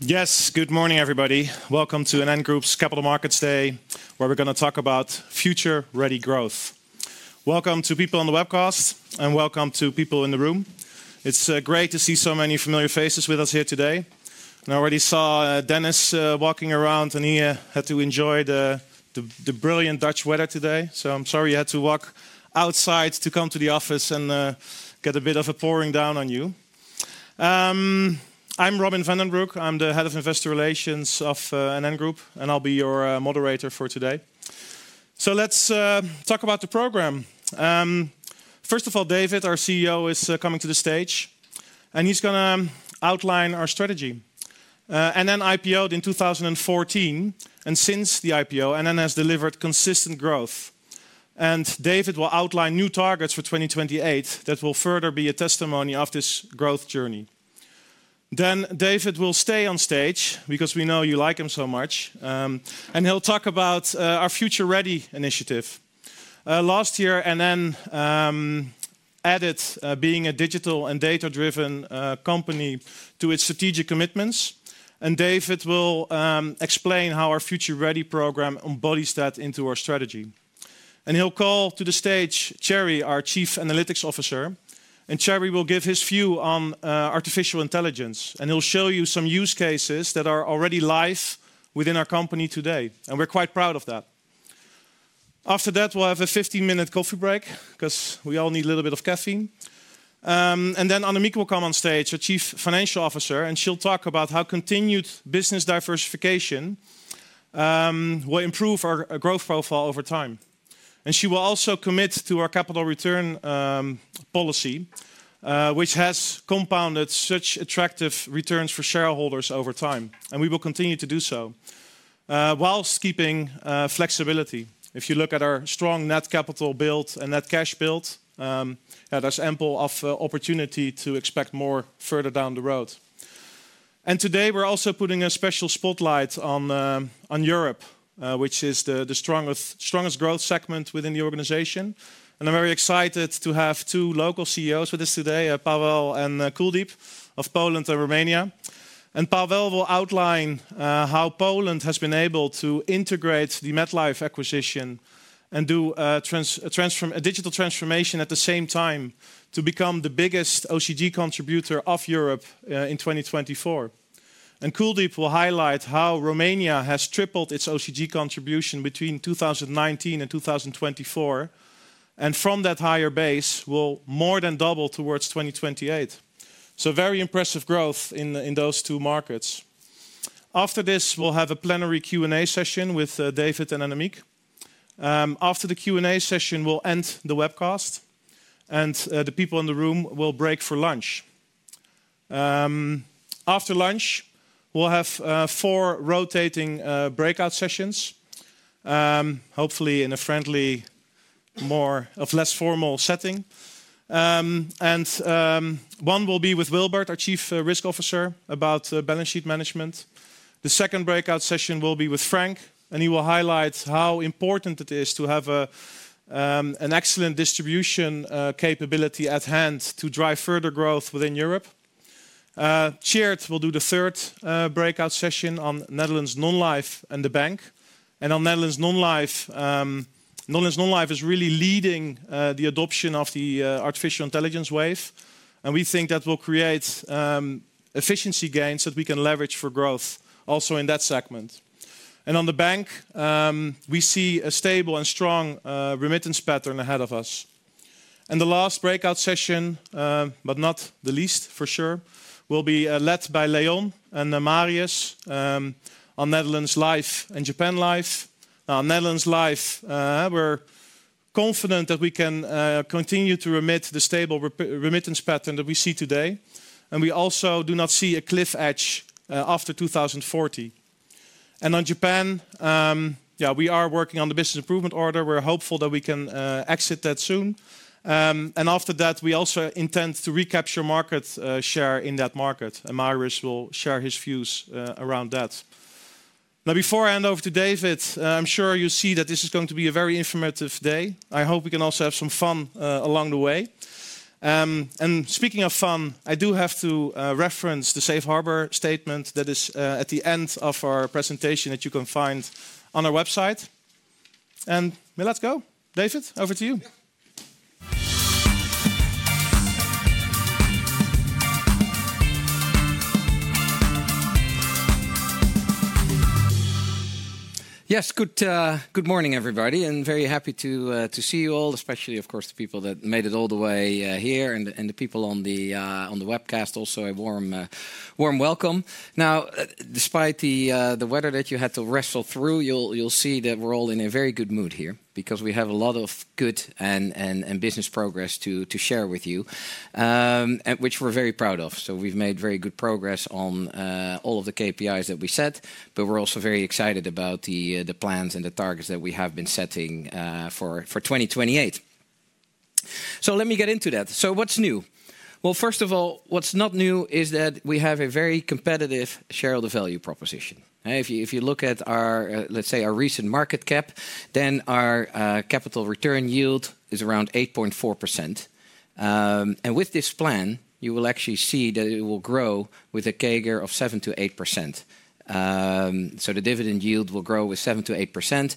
Yes. Good morning, everybody. Welcome to NN Group's Capital Markets Day, where we're going to talk about future-ready growth. Welcome to people on the webcast, and welcome to people in the room. It's great to see so many familiar faces with us here today. I already saw Dennis walking around, and he had to enjoy the brilliant Dutch weather today. I'm sorry he had to walk outside to come to the office and get a bit of a pouring down on you. I'm Robin van den Broeck. I'm the Head of Investor Relations of NN Group, and I'll be your moderator for today. Let's talk about the program. First of all, David, our CEO, is coming to the stage, and he's going to outline our strategy. NN IPO'd in 2014, and since the IPO, NN has delivered consistent growth. David will outline new targets for 2028 that will further be a testimony of this growth journey. David will stay on stage because we know you like him so much. He'll talk about our Future Ready initiative. Last year, NN added being a digital and data-driven company to its strategic commitments. David will explain how our Future Ready program embodies that into our strategy. He'll call to the stage Tjerrie, our Chief Analytics Officer. Tjerrie will give his view on artificial intelligence. He'll show you some use cases that are already live within our company today. We're quite proud of that. After that, we'll have a 15-minute coffee break because we all need a little bit of caffeine. Then Annemiek will come on stage, our Chief Financial Officer, and she'll talk about how continued business diversification will improve our growth profile over time. She will also commit to our capital return policy, which has compounded such attractive returns for shareholders over time. We will continue to do so whilst keeping flexibility. If you look at our strong net capital build and net cash build, there's ample opportunity to expect more further down the road. Today, we're also putting a special spotlight on Europe, which is the strongest growth segment within the organization. I'm very excited to have two local CEOs with us today, Paweł and Kuldeep of Poland and Romania. Paweł will outline how Poland has been able to integrate the MetLife acquisition and do a digital transformation at the same time to become the biggest OCG contributor of Europe in 2024. Kuldeep will highlight how Romania has tripled its OCG contribution between 2019 and 2024. From that higher base, it will more than double towards 2028. Very impressive growth in those two markets. After this, we'll have a plenary Q&A session with David and Annemiek. After the Q&A session, we'll end the webcast, and the people in the room will break for lunch. After lunch, we'll have four rotating breakout sessions, hopefully in a friendly, more or less formal setting. One will be with Wilbert, our Chief Risk Officer, about balance sheet management. The second breakout session will be with Frank, and he will highlight how important it is to have an excellent distribution capability at hand to drive further growth within Europe. Tjeerd will do the third breakout session on Netherlands Non-life and the bank. On Netherlands Non-life, Netherlands Non-life is really leading the adoption of the artificial intelligence wave. We think that will create efficiency gains that we can leverage for growth also in that segment. On the bank, we see a stable and strong remittance pattern ahead of us. The last breakout session, but not the least for sure, will be led by Leon and Marius on Netherlands Life and Japan Life. Now, on Netherlands Life, we are confident that we can continue to remit the stable remittance pattern that we see today. We also do not see a cliff edge after 2040. On Japan, yeah, we are working on the business improvement order. We are hopeful that we can exit that soon. After that, we also intend to recapture market share in that market. Marius will share his views around that. Now, before I hand over to David, I'm sure you see that this is going to be a very informative day. I hope we can also have some fun along the way. Speaking of fun, I do have to reference the Safe Harbor statement that is at the end of our presentation that you can find on our website. Let's go. David, over to you. Yes. Good morning, everybody. Very happy to see you all, especially, of course, the people that made it all the way here. The people on the webcast also, a warm welcome. Now, despite the weather that you had to wrestle through, you'll see that we're all in a very good mood here because we have a lot of good and business progress to share with you, which we're very proud of. We've made very good progress on all of the KPIs that we set. We're also very excited about the plans and the targets that we have been setting for 2028. Let me get into that. What's new? First of all, what's not new is that we have a very competitive share of the value proposition. If you look at our, let's say, our recent market cap, then our capital return yield is around 8.4%. With this plan, you will actually see that it will grow with a CAGR of 7%-8%. The dividend yield will grow with 7%-8%.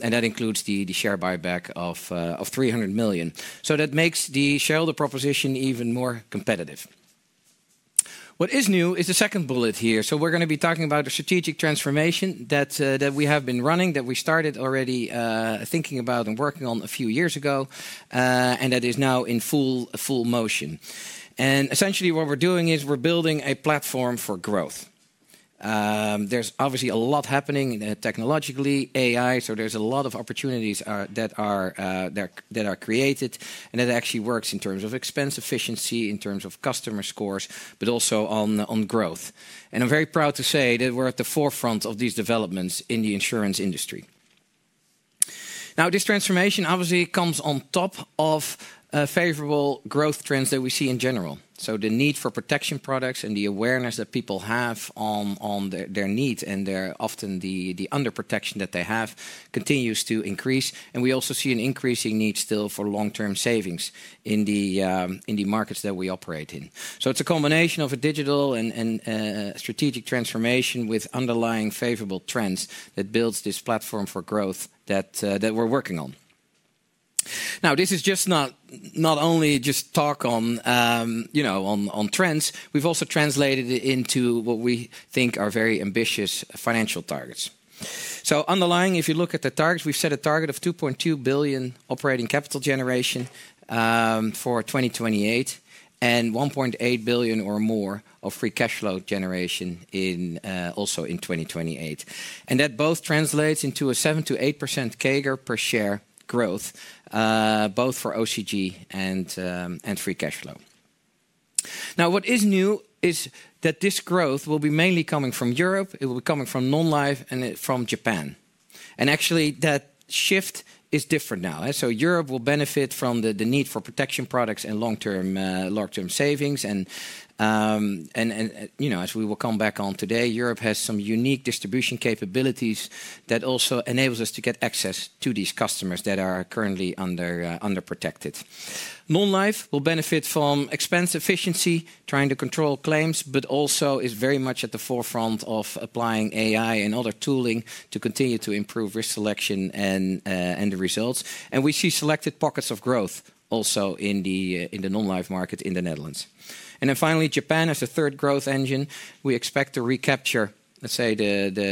That includes the share buyback of 300 million. That makes the shareholder proposition even more competitive. What is new is the second bullet here. We are going to be talking about a strategic transformation that we have been running, that we started already thinking about and working on a few years ago, and that is now in full motion. Essentially, what we are doing is we are building a platform for growth. There is obviously a lot happening technologically, AI. There are a lot of opportunities that are created. That actually works in terms of expense efficiency, in terms of customer scores, but also on growth. I'm very proud to say that we're at the forefront of these developments in the insurance industry. This transformation obviously comes on top of favorable growth trends that we see in general. The need for protection products and the awareness that people have on their needs and often the under-protection that they have continues to increase. We also see an increasing need still for long-term savings in the markets that we operate in. It's a combination of a digital and strategic transformation with underlying favorable trends that builds this platform for growth that we're working on. This is just not only just talk on trends. We've also translated it into what we think are very ambitious financial targets. If you look at the targets, we've set a target of 2.2 billion operating capital generation for 2028 and 1.8 billion or more of free cash flow generation also in 2028. That both translates into a 7%-8% CAGR per share growth, both for OCG and free cash flow. What is new is that this growth will be mainly coming from Europe. It will be coming from Non-life and from Japan. Actually, that shift is different now. Europe will benefit from the need for protection products and long-term savings. As we will come back on today, Europe has some unique distribution capabilities that also enables us to get access to these customers that are currently under-protected. Non-life will benefit from expense efficiency, trying to control claims, but also is very much at the forefront of applying AI and other tooling to continue to improve risk selection and the results. We see selected pockets of growth also in the Non-life market in the Netherlands. Finally, Japan as a third growth engine. We expect to recapture, let's say,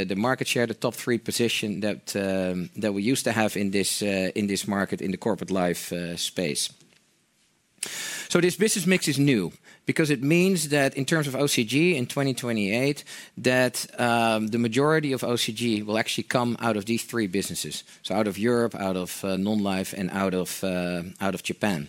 the market share, the top three position that we used to have in this market in the corporate life space. This business mix is new because it means that in terms of OCG in 2028, the majority of OCG will actually come out of these three businesses: out of Europe, out of Non-life, and out of Japan.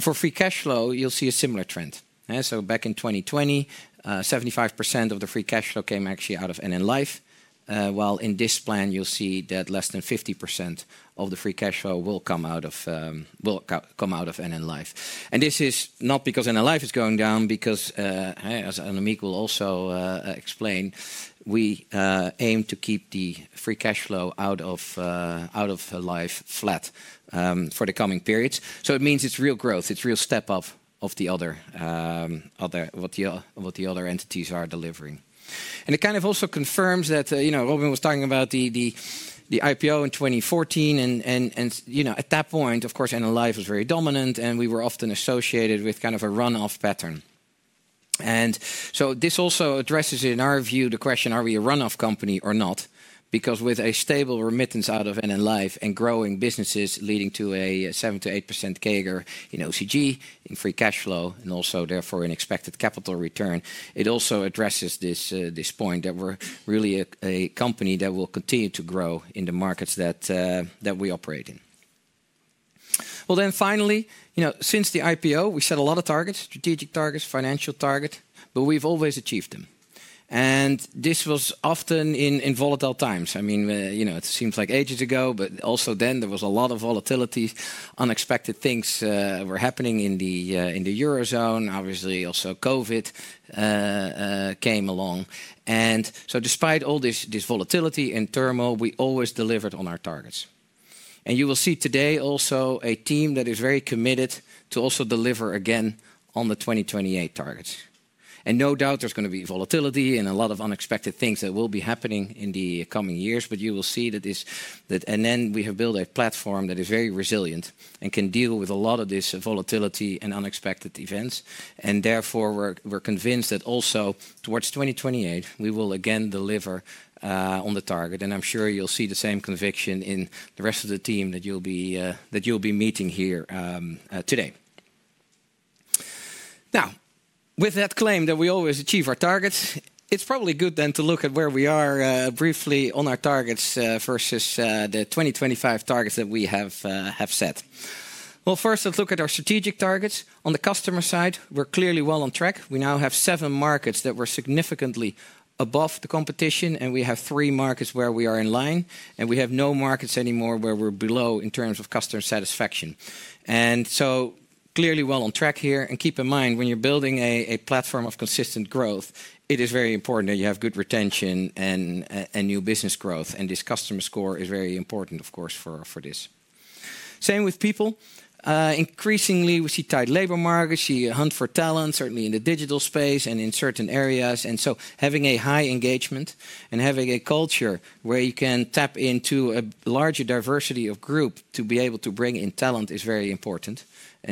For free cash flow, you'll see a similar trend. Back in 2020, 75% of the free cash flow came actually out of NN Life. While in this plan, you'll see that less than 50% of the free cash flow will come out of NN Life. This is not because NN Life is going down, because, as Annemiek will also explain, we aim to keep the free cash flow out of Life flat for the coming periods. It means it's real growth. It's a real step up of what the other entities are delivering. It kind of also confirms that Robin was talking about the IPO in 2014. At that point, of course, NN Life was very dominant, and we were often associated with kind of a runoff pattern. This also addresses, in our view, the question, are we a runoff company or not? Because with a stable remittance out of NN Life and growing businesses leading to a 7%-8% CAGR in OCG, in free cash flow, and also therefore in expected capital return, it also addresses this point that we're really a company that will continue to grow in the markets that we operate in. Finally, since the IPO, we set a lot of targets, strategic targets, financial targets, but we've always achieved them. This was often in volatile times. I mean, it seems like ages ago, but also then there was a lot of volatility. Unexpected things were happening in the eurozone. Obviously, also COVID came along. Despite all this volatility and turmoil, we always delivered on our targets. You will see today also a team that is very committed to also deliver again on the 2028 targets. No doubt there's going to be volatility and a lot of unexpected things that will be happening in the coming years. You will see that NN, we have built a platform that is very resilient and can deal with a lot of this volatility and unexpected events. Therefore, we're convinced that also towards 2028, we will again deliver on the target. I'm sure you'll see the same conviction in the rest of the team that you'll be meeting here today. With that claim that we always achieve our targets, it's probably good then to look at where we are briefly on our targets versus the 2025 targets that we have set. First, let's look at our strategic targets. On the customer side, we're clearly well on track. We now have seven markets that were significantly above the competition. We have three markets where we are in line. We have no markets anymore where we're below in terms of customer satisfaction. Clearly well on track here. Keep in mind, when you're building a platform of consistent growth, it is very important that you have good retention and new business growth. This customer score is very important, of course, for this. Same with people. Increasingly, we see tight labor markets. We hunt for talent, certainly in the digital space and in certain areas. Having a high engagement and having a culture where you can tap into a larger diversity of group to be able to bring in talent is very important.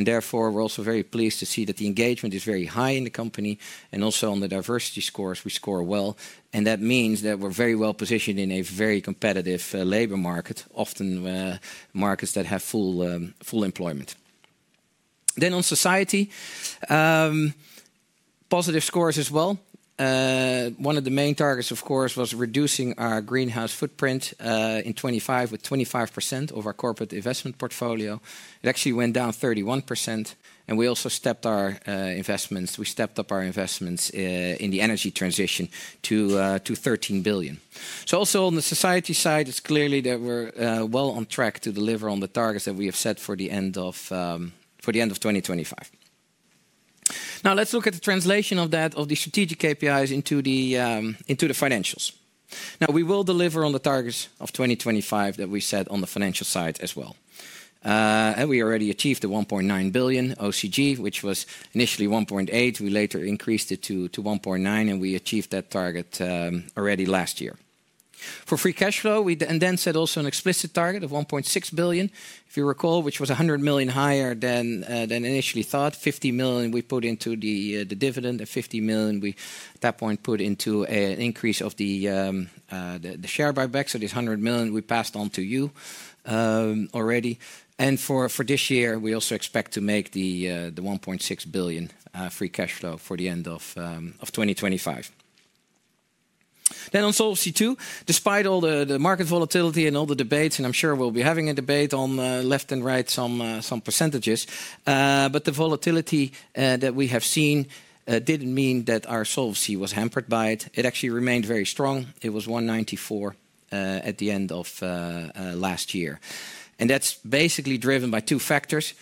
Therefore, we're also very pleased to see that the engagement is very high in the company. Also on the diversity scores, we score well. That means that we're very well positioned in a very competitive labor market, often markets that have full employment. On society, positive scores as well. One of the main targets, of course, was reducing our greenhouse footprint in 2025 with 25% of our corporate investment portfolio. It actually went down 31%. We also stepped up our investments in the energy transition to 13 billion. Also on the society side, it's clear that we're well on track to deliver on the targets that we have set for the end of 2025. Now, let's look at the translation of that, of the strategic KPIs into the financials. We will deliver on the targets of 2025 that we set on the financial side as well. We already achieved the 1.9 billion OCG, which was initially 1.8 billion. We later increased it to 1.9 billion, and we achieved that target already last year. For free cash flow, we then set also an explicit target of 1.6 billion, if you recall, which was 100 million higher than initially thought. 50 million we put into the dividend. And 50 million we, at that point, put into an increase of the share buyback. So this 100 million we passed on to you already. For this year, we also expect to make the 1.6 billion free cash flow for the end of 2025. On Solvency II, despite all the market volatility and all the debates, and I'm sure we'll be having a debate on left and right some percentages, but the volatility that we have seen didn't mean that our solvency was hampered by it. It actually remained very strong. It was 194% at the end of last year. That is basically driven by two factors,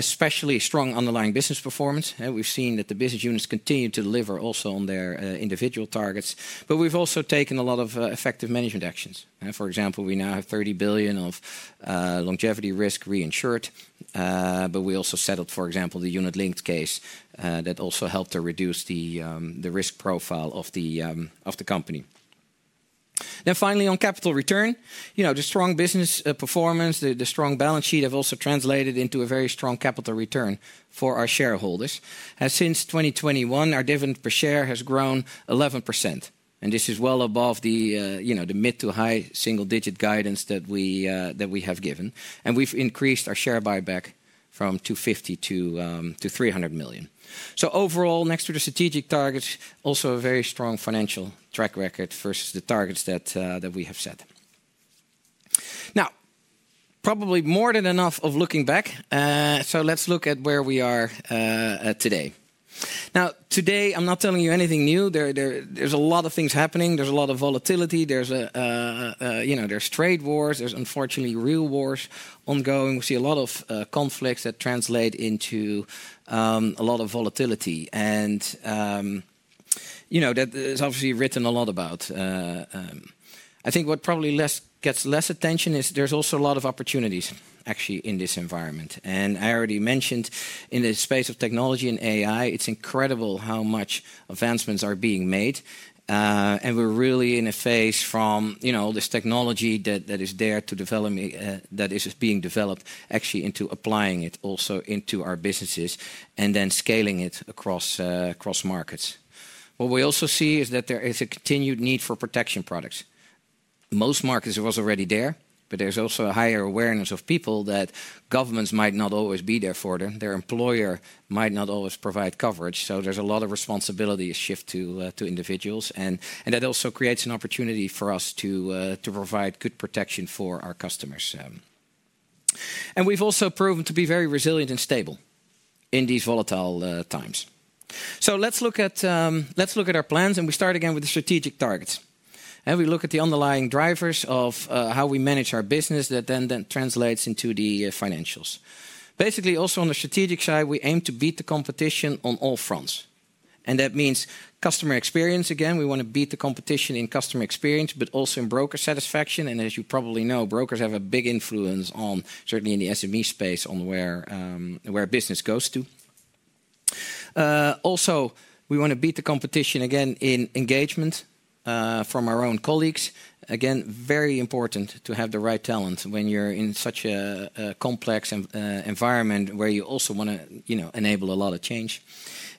especially strong underlying business performance. We have seen that the business units continue to deliver also on their individual targets. We have also taken a lot of effective management actions. For example, we now have 30 billion of longevity risk reinsured. We also settled, for example, the unit-linked case that also helped to reduce the risk profile of the company. Finally, on capital return, the strong business performance and the strong balance sheet have also translated into a very strong capital return for our shareholders. Since 2021, our dividend per share has grown 11%. This is well above the mid- to high single-digit guidance that we have given. We have increased our share buyback from 250 million to 300 million. Overall, next to the strategic targets, also a very strong financial track record versus the targets that we have set. Now, probably more than enough of looking back. Let's look at where we are today. Now, today, I'm not telling you anything new. There's a lot of things happening. There's a lot of volatility. There's trade wars. There's unfortunately real wars ongoing. We see a lot of conflicts that translate into a lot of volatility. That is obviously written a lot about. I think what probably gets less attention is there's also a lot of opportunities actually in this environment. I already mentioned in the space of technology and AI, it's incredible how much advancements are being made. We're really in a phase from all this technology that is there to develop, that is being developed actually into applying it also into our businesses and then scaling it across markets. What we also see is that there is a continued need for protection products. Most markets was already there, but there's also a higher awareness of people that governments might not always be there for them. Their employer might not always provide coverage. There is a lot of responsibility shift to individuals. That also creates an opportunity for us to provide good protection for our customers. We have also proven to be very resilient and stable in these volatile times. Let's look at our plans. We start again with the strategic targets. We look at the underlying drivers of how we manage our business that then translates into the financials. Basically, also on the strategic side, we aim to beat the competition on all fronts. That means customer experience. Again, we want to beat the competition in customer experience, but also in broker satisfaction. As you probably know, brokers have a big influence, certainly in the SME space, on where business goes to. Also, we want to beat the competition again in engagement from our own colleagues. Again, very important to have the right talent when you're in such a complex environment where you also want to enable a lot of change.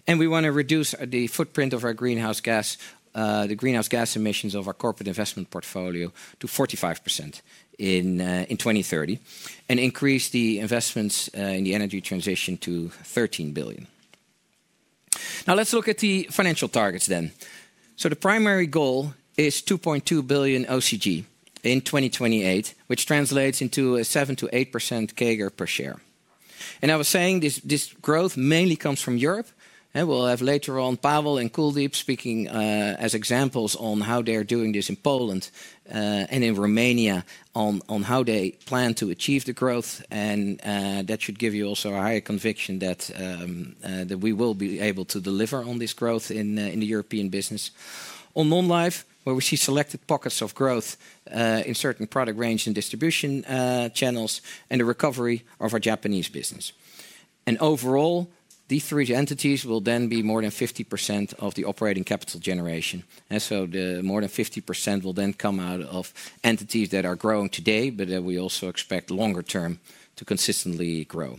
We want to reduce the footprint of our greenhouse gas, the greenhouse gas emissions of our corporate investment portfolio to 45% in 2030 and increase the investments in the energy transition to 13 billion. Now, let's look at the financial targets then. The primary goal is 2.2 billion OCG in 2028, which translates into a 7%-8% CAGR per share. I was saying this growth mainly comes from Europe. Will have later on Paweł and Kuldeep speaking as examples on how they are doing this in Poland and in Romania on how they plan to achieve the growth. That should give you also a higher conviction that we will be able to deliver on this growth in the European business. On Non-life, where we see selected pockets of growth in certain product range and distribution channels and the recovery of our Japanese business. Overall, these three entities will then be more than 50% of the operating capital generation. The more than 50% will then come out of entities that are growing today, but that we also expect longer term to consistently grow.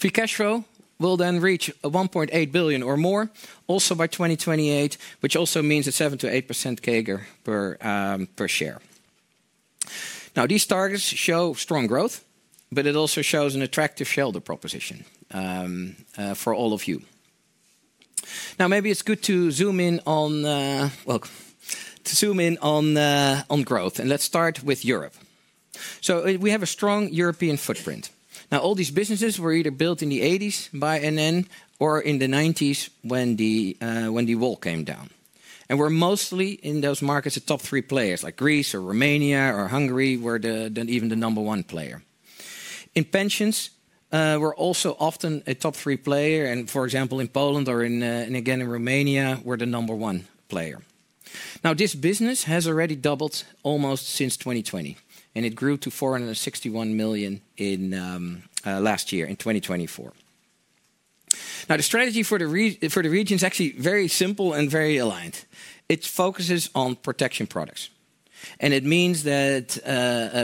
Free cash flow will then reach 1.8 billion or more also by 2028, which also means a 7%-8% CAGR per share. Now, these targets show strong growth, but it also shows an attractive shelter proposition for all of you. Maybe it's good to zoom in on, to zoom in on growth. Let's start with Europe. We have a strong European footprint. All these businesses were either built in the 1980s by NN or in the 1990s when the wall came down. We're mostly in those markets, the top three players like Greece or Romania or Hungary, we're even the number one player. In pensions, we're also often a top three player. For example, in Poland or again in Romania, we're the number one player. This business has already doubled almost since 2020. It grew to 461 million last year in 2024. The strategy for the region is actually very simple and very aligned. It focuses on protection products. It means that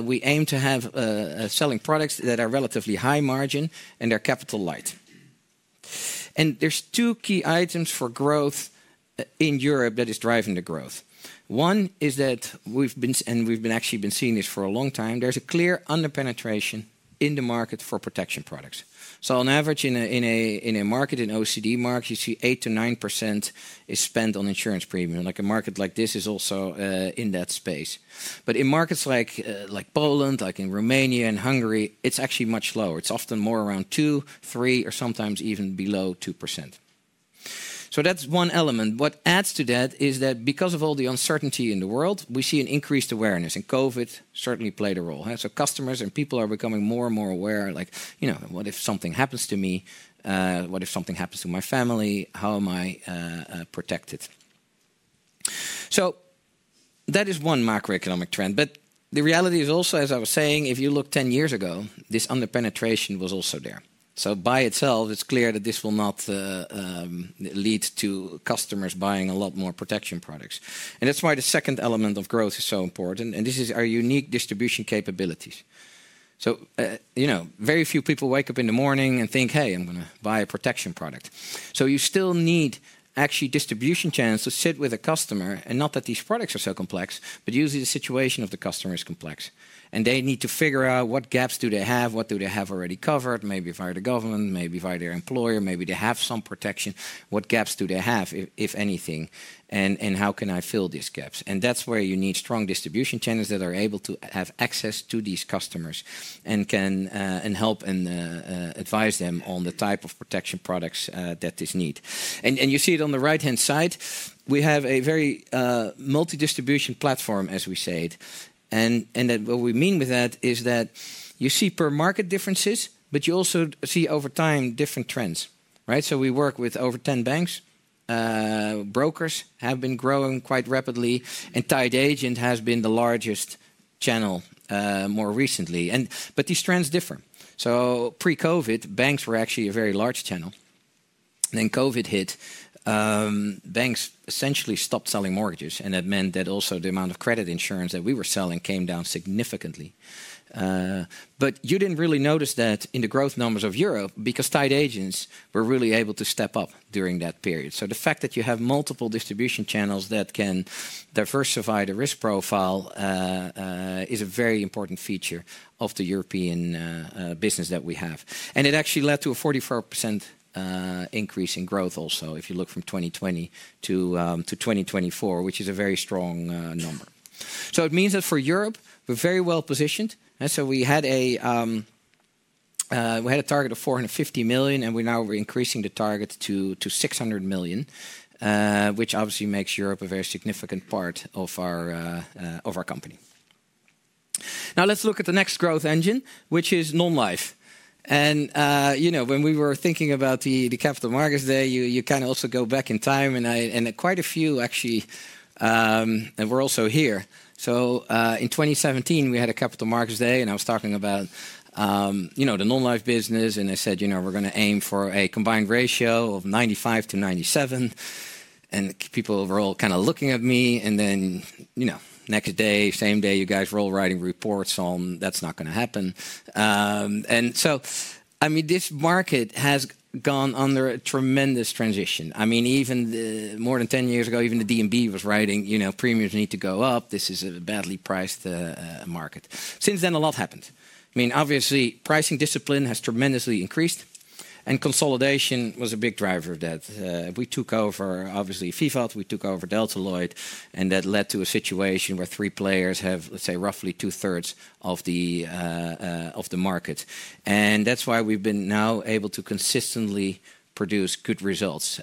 we aim to have selling products that are relatively high margin and they are capital light. There are two key items for growth in Europe that are driving the growth. One is that we've been, and we've actually been seeing this for a long time, there is a clear underpenetration in the market for protection products. On average, in a market, in an OECD market, you see 8%-9% is spent on insurance premium. A market like this is also in that space. In markets like Poland, like in Romania and Hungary, it's actually much lower. It's often more around 2%, 3%, or sometimes even below 2%. That is one element. What adds to that is that because of all the uncertainty in the world, we see an increased awareness. COVID certainly played a role. Customers and people are becoming more and more aware, like, what if something happens to me? What if something happens to my family? How am I protected? That is one macroeconomic trend. The reality is also, as I was saying, if you look 10 years ago, this underpenetration was also there. By itself, it's clear that this will not lead to customers buying a lot more protection products. That is why the second element of growth is so important. This is our unique distribution capabilities. Very few people wake up in the morning and think, hey, I'm going to buy a protection product. You still need actually distribution chance to sit with a customer, and not that these products are so complex, but usually the situation of the customer is complex. They need to figure out what gaps do they have, what do they have already covered, maybe via the government, maybe via their employer, maybe they have some protection. What gaps do they have, if anything, and how can I fill these gaps? That is where you need strong distribution channels that are able to have access to these customers and can help and advise them on the type of protection products that they need. You see it on the right-hand side. We have a very multi-distribution platform, as we say it. What we mean with that is that you see per market differences, but you also see over time different trends. We work with over 10 banks. Brokers have been growing quite rapidly. Tied agent has been the largest channel more recently. These trends differ. Pre-COVID, banks were actually a very large channel. Then COVID hit. Banks essentially stopped selling mortgages. That meant that also the amount of credit insurance that we were selling came down significantly. You did not really notice that in the growth numbers of Europe because tied agents were really able to step up during that period. The fact that you have multiple distribution channels that can diversify the risk profile is a very important feature of the European business that we have. It actually led to a 44% increase in growth also if you look from 2020 to 2024, which is a very strong number. It means that for Europe, we are very well positioned. We had a target of 450 million, and we are now increasing the target to 600 million, which obviously makes Europe a very significant part of our company. Now, let's look at the next growth engine, which is Non-life. When we were thinking about the Capital Markets Day, you can also go back in time. Quite a few actually, and we're also here. In 2017, we had a Capital Markets Day, and I was talking about the Non-life business. I said, we're going to aim for a combined ratio of 95%-97%. People were all kind of looking at me. Next day, same day, you guys were all writing reports on that's not going to happen. I mean, this market has gone under a tremendous transition. I mean, even more than 10 years ago, even the DNB was writing premiums need to go up. This is a badly priced market. Since then, a lot happened. Obviously, pricing discipline has tremendously increased. Consolidation was a big driver of that. We took over, obviously, VIVAT. We took over Delta Lloyd. That led to a situation where three players have, let's say, roughly 2/3 of the market. That is why we've been now able to consistently produce good results.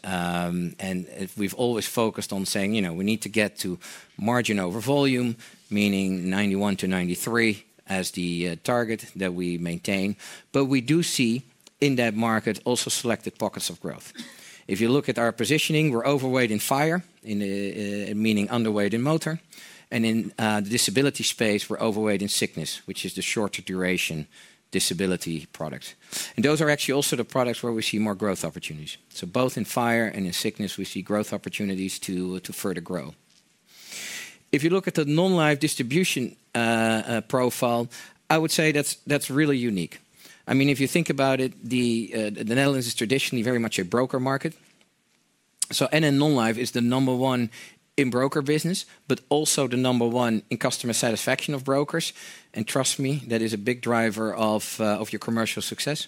We've always focused on saying we need to get to margin over volume, meaning 91%-93% as the target that we maintain. We do see in that market also selected pockets of growth. If you look at our positioning, we're overweight in fire, meaning underweight in motor. In the disability space, we're overweight in sickness, which is the shorter duration disability products. Those are actually also the products where we see more growth opportunities. Both in fire and in sickness, we see growth opportunities to further grow. If you look at the Non-life distribution profile, I would say that's really unique. I mean, if you think about it, the Netherlands is traditionally very much a broker market. NN Non-life is the number one in broker business, but also the number one in customer satisfaction of brokers. Trust me, that is a big driver of your commercial success.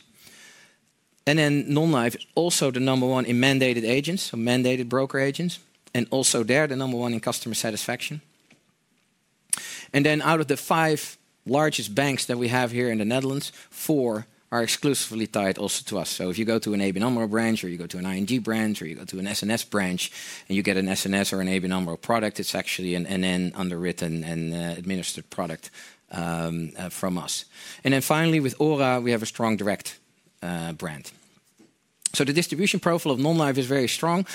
Non-life is also the number one in mandated agents, so mandated broker agents. Also there, the number one in customer satisfaction. Out of the five largest banks that we have here in the Netherlands, four are exclusively tied also to us. If you go to an ABN AMRO branch, or you go to an ING branch, or you go to an SNS branch, and you get an SNS or an ABN AMRO product, it's actually an NN underwritten and administered product from us. Finally, with OHRA, we have a strong direct brand. The distribution profile of Non-life is very strong.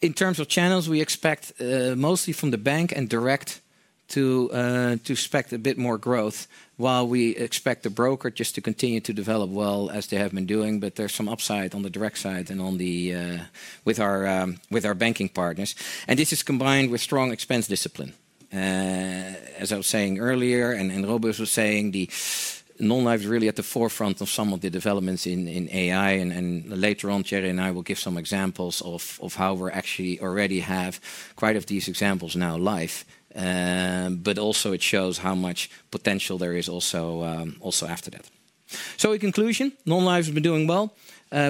In terms of channels, we expect mostly from the bank and direct to expect a bit more growth, while we expect the broker just to continue to develop well as they have been doing. There's some upside on the direct side and with our banking partners. This is combined with strong expense discipline. As I was saying earlier, and Rob was saying, Non-life is really at the forefront of some of the developments in AI. Later on, Tjerrie and I will give some examples of how we actually already have quite a few examples now live. It also shows how much potential there is after that. In conclusion, Non-life has been doing well.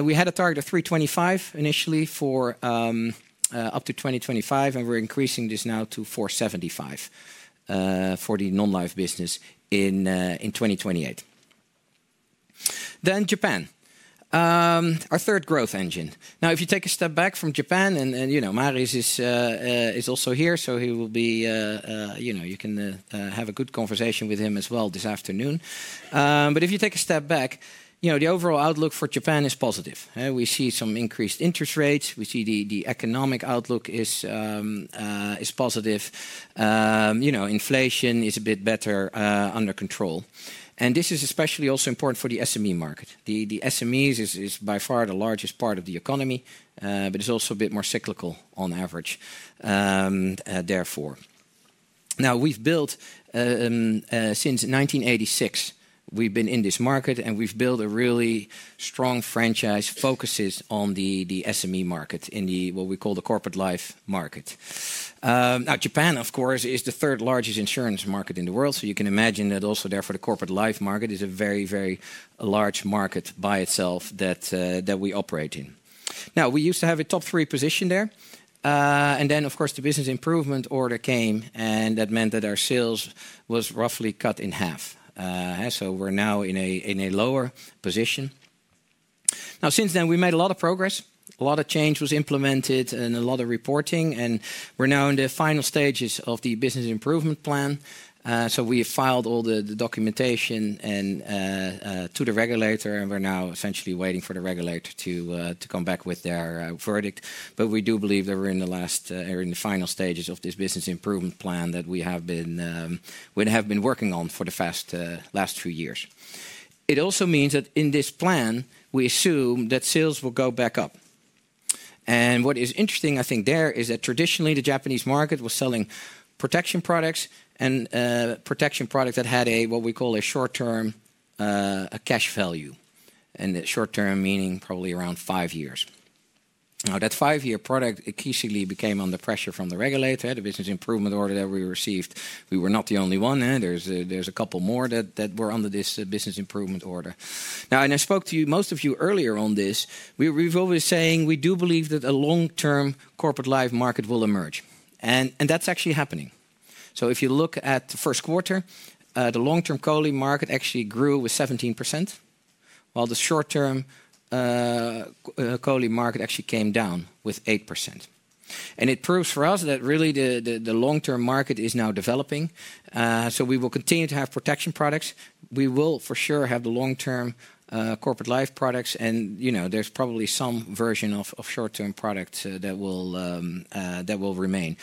We had a target of 325 million initially for up to 2025, and we're increasing this now to 475 million for the Non-life business in 2028. Japan, our third growth engine. If you take a step back from Japan, and Marius is also here, so you can have a good conversation with him as well this afternoon. If you take a step back, the overall outlook for Japan is positive. We see some increased interest rates. We see the economic outlook is positive. Inflation is a bit better under control. This is especially also important for the SME market. The SMEs is by far the largest part of the economy, but it's also a bit more cyclical on average, therefore. Now, we've built since 1986, we've been in this market, and we've built a really strong franchise focus on the SME market in what we call the corporate life market. Now, Japan, of course, is the third largest insurance market in the world. You can imagine that also therefore the corporate life market is a very, very large market by itself that we operate in. We used to have a top three position there. The business improvement order came, and that meant that our sales was roughly cut in half. We're now in a lower position. Since then, we made a lot of progress. A lot of change was implemented and a lot of reporting. We are now in the final stages of the business improvement plan. We have filed all the documentation to the regulator, and we are now essentially waiting for the regulator to come back with their verdict. We do believe that we are in the final stages of this business improvement plan that we have been working on for the last few years. It also means that in this plan, we assume that sales will go back up. What is interesting, I think, there is that traditionally the Japanese market was selling protection products and protection products that had what we call a short-term cash value. Short-term meaning probably around five years. Now, that five-year product acquiescently came under pressure from the regulator, the business improvement order that we received. We were not the only one. There are a couple more that were under this business improvement order. Now, and I spoke to most of you earlier on this. We've always been saying we do believe that a long-term corporate life market will emerge. That is actually happening. If you look at the first quarter, the long-term COLI market actually grew with 17%, while the short-term COLI market actually came down with 8%. It proves for us that really the long-term market is now developing. We will continue to have protection products. We will for sure have the long-term corporate life products. There is probably some version of short-term products that will remain.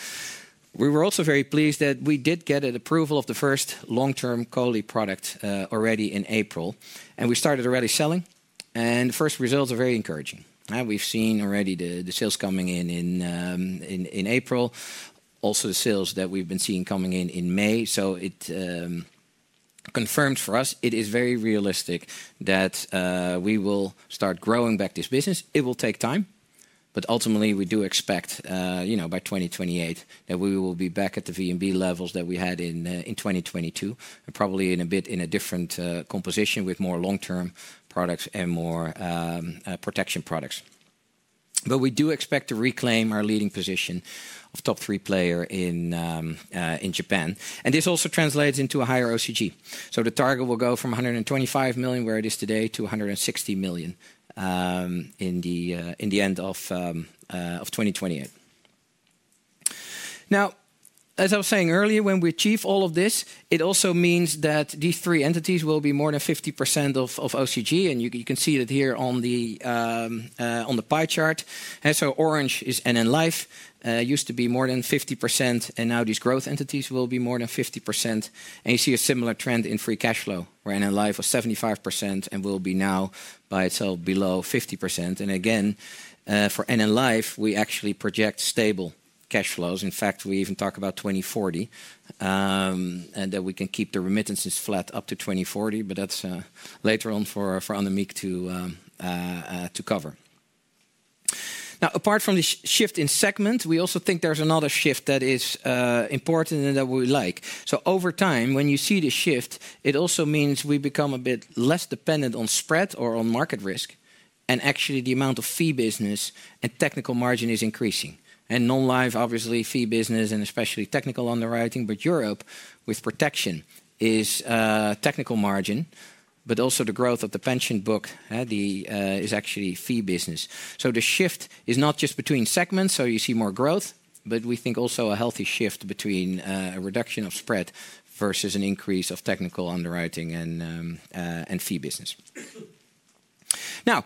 We were also very pleased that we did get an approval of the first long-term COLI product already in April. We started already selling. The first results are very encouraging. We've seen already the sales coming in in April, also the sales that we've been seeing coming in in May. It confirms for us it is very realistic that we will start growing back this business. It will take time. Ultimately, we do expect by 2028 that we will be back at the VNB levels that we had in 2022, and probably in a bit in a different composition with more long-term products and more protection products. We do expect to reclaim our leading position of top three player in Japan. This also translates into a higher OCG. The target will go from 125 million where it is today to 160 million in the end of 2028. As I was saying earlier, when we achieve all of this, it also means that these three entities will be more than 50% of OCG. You can see that here on the pie chart. Orange is NN Life. It used to be more than 50%, and now these growth entities will be more than 50%. You see a similar trend in free cash flow, where NN Life was 75% and will be now by itself below 50%. Again, for NN Life, we actually project stable cash flows. In fact, we even talk about 2040 and that we can keep the remittances flat up to 2040, but that is later on for Annemiek to cover. Now, apart from this shift in segment, we also think there is another shift that is important and that we like. Over time, when you see the shift, it also means we become a bit less dependent on spread or on market risk. Actually, the amount of fee business and technical margin is increasing. Non-life, obviously, fee business and especially technical underwriting, but Europe with protection is technical margin, but also the growth of the pension book is actually fee business. The shift is not just between segments, so you see more growth, but we think also a healthy shift between a reduction of spread versus an increase of technical underwriting and fee business. Now,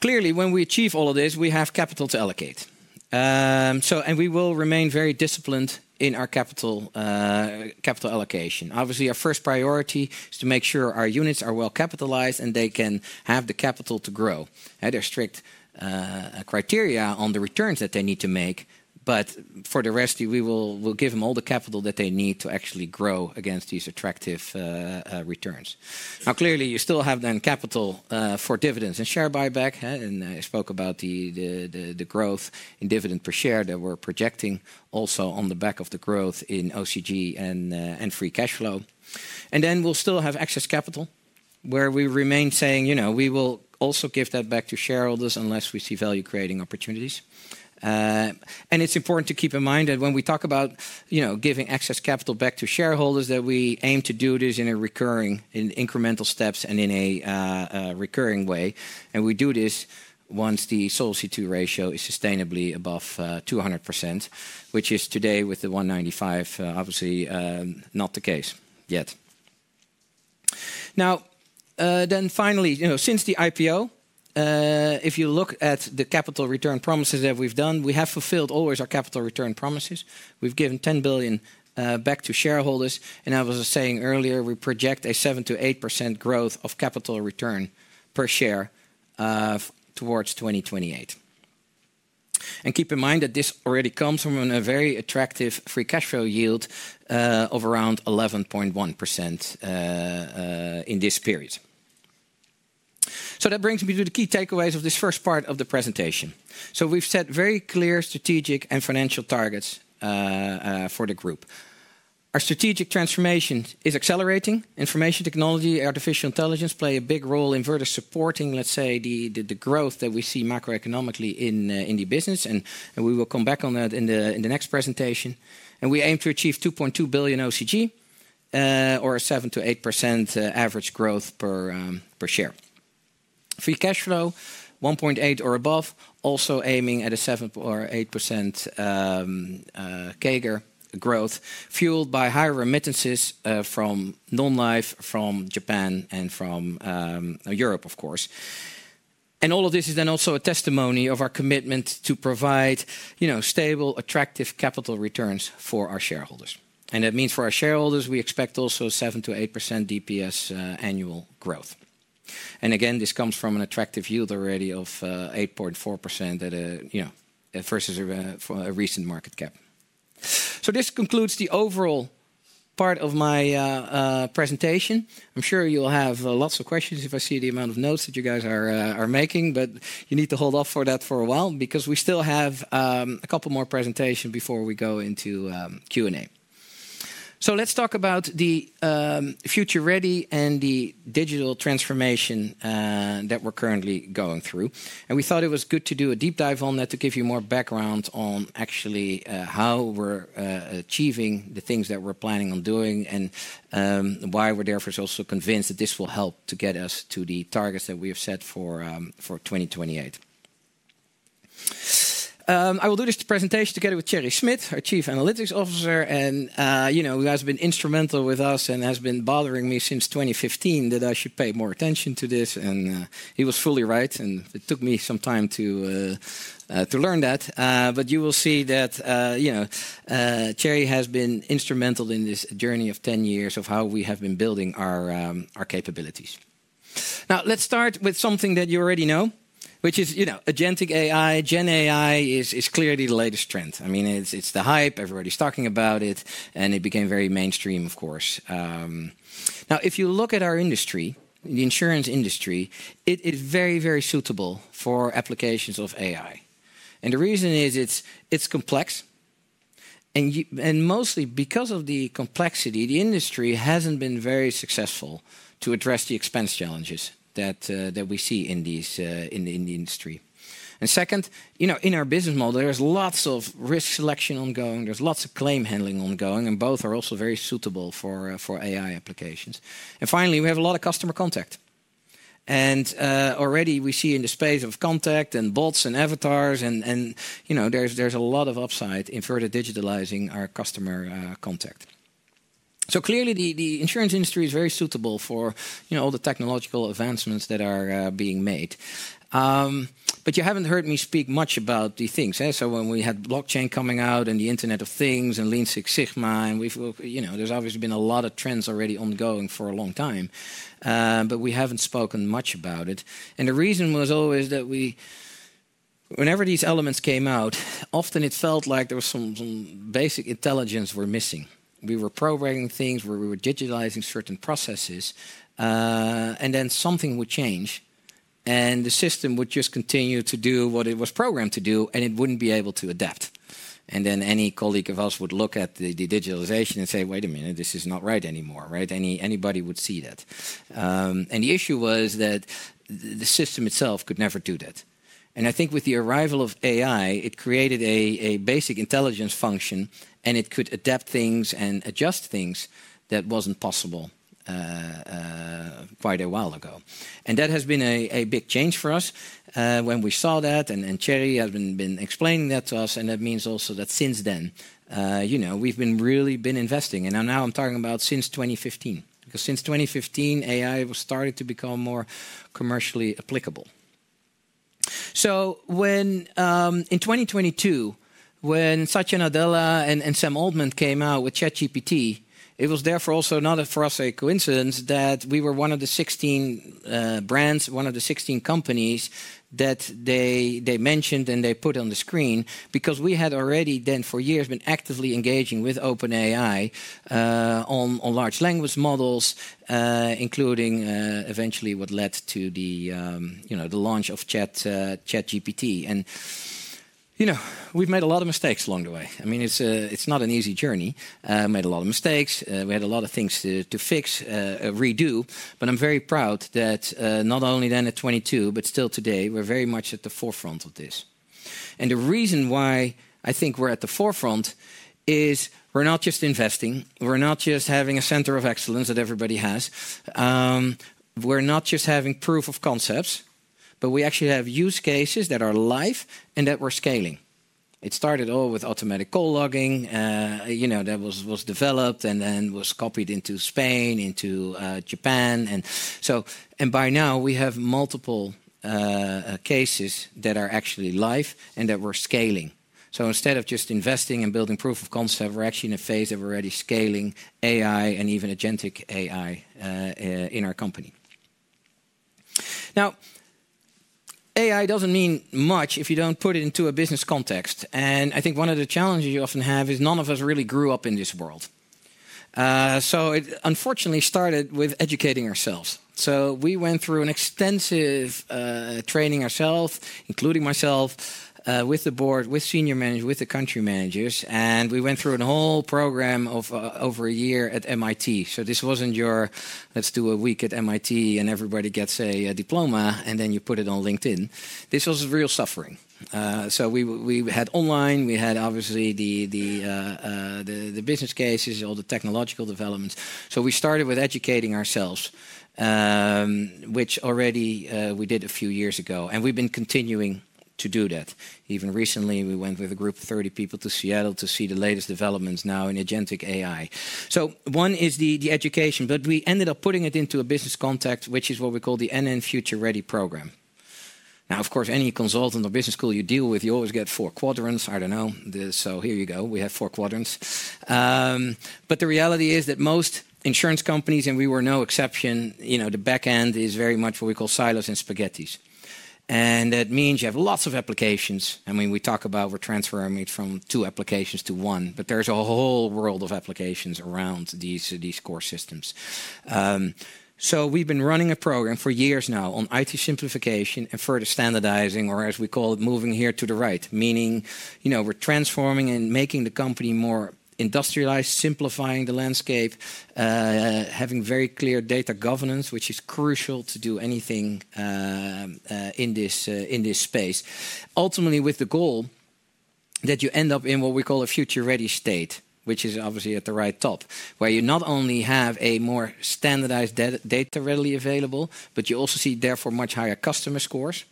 clearly, when we achieve all of this, we have capital to allocate. We will remain very disciplined in our capital allocation. Obviously, our first priority is to make sure our units are well capitalized and they can have the capital to grow. There are strict criteria on the returns that they need to make. For the rest, we will give them all the capital that they need to actually grow against these attractive returns. Now, clearly, you still have then capital for dividends and share buyback. I spoke about the growth in dividend per share that we're projecting also on the back of the growth in OCG and free cash flow. We will still have excess capital, where we remain saying we will also give that back to shareholders unless we see value creating opportunities. It's important to keep in mind that when we talk about giving excess capital back to shareholders, we aim to do this in incremental steps and in a recurring way. We do this once the Solvency II ratio is sustainably above 200%, which is today with the 195%, obviously not the case yet. Now, finally, since the IPO, if you look at the capital return promises that we've done, we have fulfilled always our capital return promises. We've given 10 billion back to shareholders. I was saying earlier, we project a 7%-8% growth of capital return per share towards 2028. Keep in mind that this already comes from a very attractive free cash flow yield of around 11.1% in this period. That brings me to the key takeaways of this first part of the presentation. We have set very clear strategic and financial targets for the group. Our strategic transformation is accelerating. Information technology, artificial intelligence play a big role in further supporting, let's say, the growth that we see macroeconomically in the business. We will come back on that in the next presentation. We aim to achieve 2.2 billion OCG, or 7%-8% average growth per share. Free cash flow, 1.8 billion or above, also aiming at a 7%-8% CAGR growth, fueled by higher remittances from Non-life, from Japan, and from Europe, of course. All of this is then also a testimony of our commitment to provide stable, attractive capital returns for our shareholders. That means for our shareholders, we expect also 7%-8% DPS annual growth. Again, this comes from an attractive yield already of 8.4% versus a recent market cap. This concludes the overall part of my presentation. I'm sure you'll have lots of questions if I see the amount of notes that you guys are making, but you need to hold off for that for a while because we still have a couple more presentations before we go into Q&A. Let's talk about the Future Ready and the digital transformation that we're currently going through. We thought it was good to do a deep dive on that to give you more background on actually how we're achieving the things that we're planning on doing and why we're therefore also convinced that this will help to get us to the targets that we have set for 2028. I will do this presentation together with Tjerrie Smit, our Chief Analytics Officer, and who has been instrumental with us and has been bothering me since 2015 that I should pay more attention to this. He was fully right, and it took me some time to learn that. You will see that Jerry has been instrumental in this journey of 10 years of how we have been building our capabilities. Now, let's start with something that you already know, which is agentic AI. Gen AI is clearly the latest trend. I mean, it's the hype. Everybody's talking about it, and it became very mainstream, of course. Now, if you look at our industry, the insurance industry, it is very, very suitable for applications of AI. The reason is it's complex. Mostly because of the complexity, the industry hasn't been very successful to address the expense challenges that we see in the industry. Second, in our business model, there's lots of risk selection ongoing. There's lots of claim handling ongoing, and both are also very suitable for AI applications. Finally, we have a lot of customer contact. Already we see in the space of contact and bots and avatars, and there's a lot of upside in further digitalizing our customer contact. Clearly, the insurance industry is very suitable for all the technological advancements that are being made. You haven't heard me speak much about the things. When we had blockchain coming out and the Internet of Things and Lean Six Sigma, there's obviously been a lot of trends already ongoing for a long time, but we haven't spoken much about it. The reason was always that whenever these elements came out, often it felt like there was some basic intelligence we're missing. We were programming things where we were digitalizing certain processes, and then something would change, and the system would just continue to do what it was programmed to do, and it wouldn't be able to adapt. Then any colleague of us would look at the digitalization and say, "Wait a minute, this is not right anymore." Anybody would see that. The issue was that the system itself could never do that. I think with the arrival of AI, it created a basic intelligence function, and it could adapt things and adjust things that was not possible quite a while ago. That has been a big change for us when we saw that, and Tjerrie has been explaining that to us. That means also that since then, we've really been investing. Now I'm talking about since 2015, because since 2015, AI started to become more commercially applicable. In 2022, when Satya Nadella and Sam Altman came out with ChatGPT, it was therefore also not for us a coincidence that we were one of the 16 brands, one of the 16 companies that they mentioned and they put on the screen, because we had already then for years been actively engaging with OpenAI on large language models, including eventually what led to the launch of ChatGPT. We've made a lot of mistakes along the way. I mean, it's not an easy journey. We made a lot of mistakes. We had a lot of things to fix, redo. I'm very proud that not only then at 2022, but still today, we're very much at the forefront of this. The reason why I think we're at the forefront is we're not just investing. We're not just having a center of excellence that everybody has. We're not just having proof of concepts, but we actually have use cases that are live and that we're scaling. It started all with automatic call logging that was developed and then was copied into Spain, into Japan. By now, we have multiple cases that are actually live and that we're scaling. Instead of just investing and building proof of concept, we're actually in a phase of already scaling AI and even agentic AI in our company. Now, AI doesn't mean much if you don't put it into a business context. I think one of the challenges you often have is none of us really grew up in this world. It unfortunately started with educating ourselves. We went through an extensive training ourselves, including myself, with the board, with senior managers, with the country managers. We went through a whole program of over a year at MIT. This wasn't your, let's do a week at MIT and everybody gets a diploma, and then you put it on LinkedIn. This was real suffering. We had online, we had obviously the business cases, all the technological developments. We started with educating ourselves, which already we did a few years ago. We have been continuing to do that. Even recently, we went with a group of 30 people to Seattle to see the latest developments now in agentic AI. One is the education, but we ended up putting it into a business context, which is what we call the NN Future Ready program. Of course, any consultant or business school you deal with, you always get four quadrants. I do not know. Here you go. We have four quadrants. The reality is that most insurance companies, and we were no exception, the backend is very much what we call silos and spaghettis. That means you have lots of applications. I mean, we talk about we are transferring it from two applications to one, but there is a whole world of applications around these core systems. We have been running a program for years now on IT simplification and further standardizing, or as we call it, moving here to the right, meaning we are transforming and making the company more industrialized, simplifying the landscape, having very clear data governance, which is crucial to do anything in this space. Ultimately, with the goal that you end up in what we call a future ready state, which is obviously at the right top, where you not only have a more standardized data readily available, but you also see therefore much higher customer scores.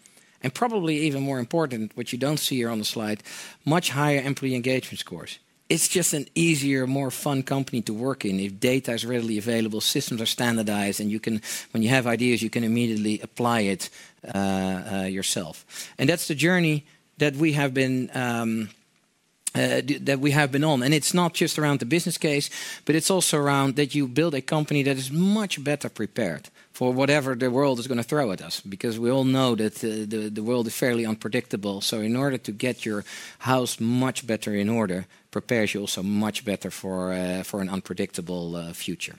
Probably even more important, what you do not see here on the slide, much higher employee engagement scores. It is just an easier, more fun company to work in if data is readily available, systems are standardized, and when you have ideas, you can immediately apply it yourself. That is the journey that we have been on. It is not just around the business case, but it is also around that you build a company that is much better prepared for whatever the world is going to throw at us, because we all know that the world is fairly unpredictable. In order to get your house much better in order, prepare you also much better for an unpredictable future.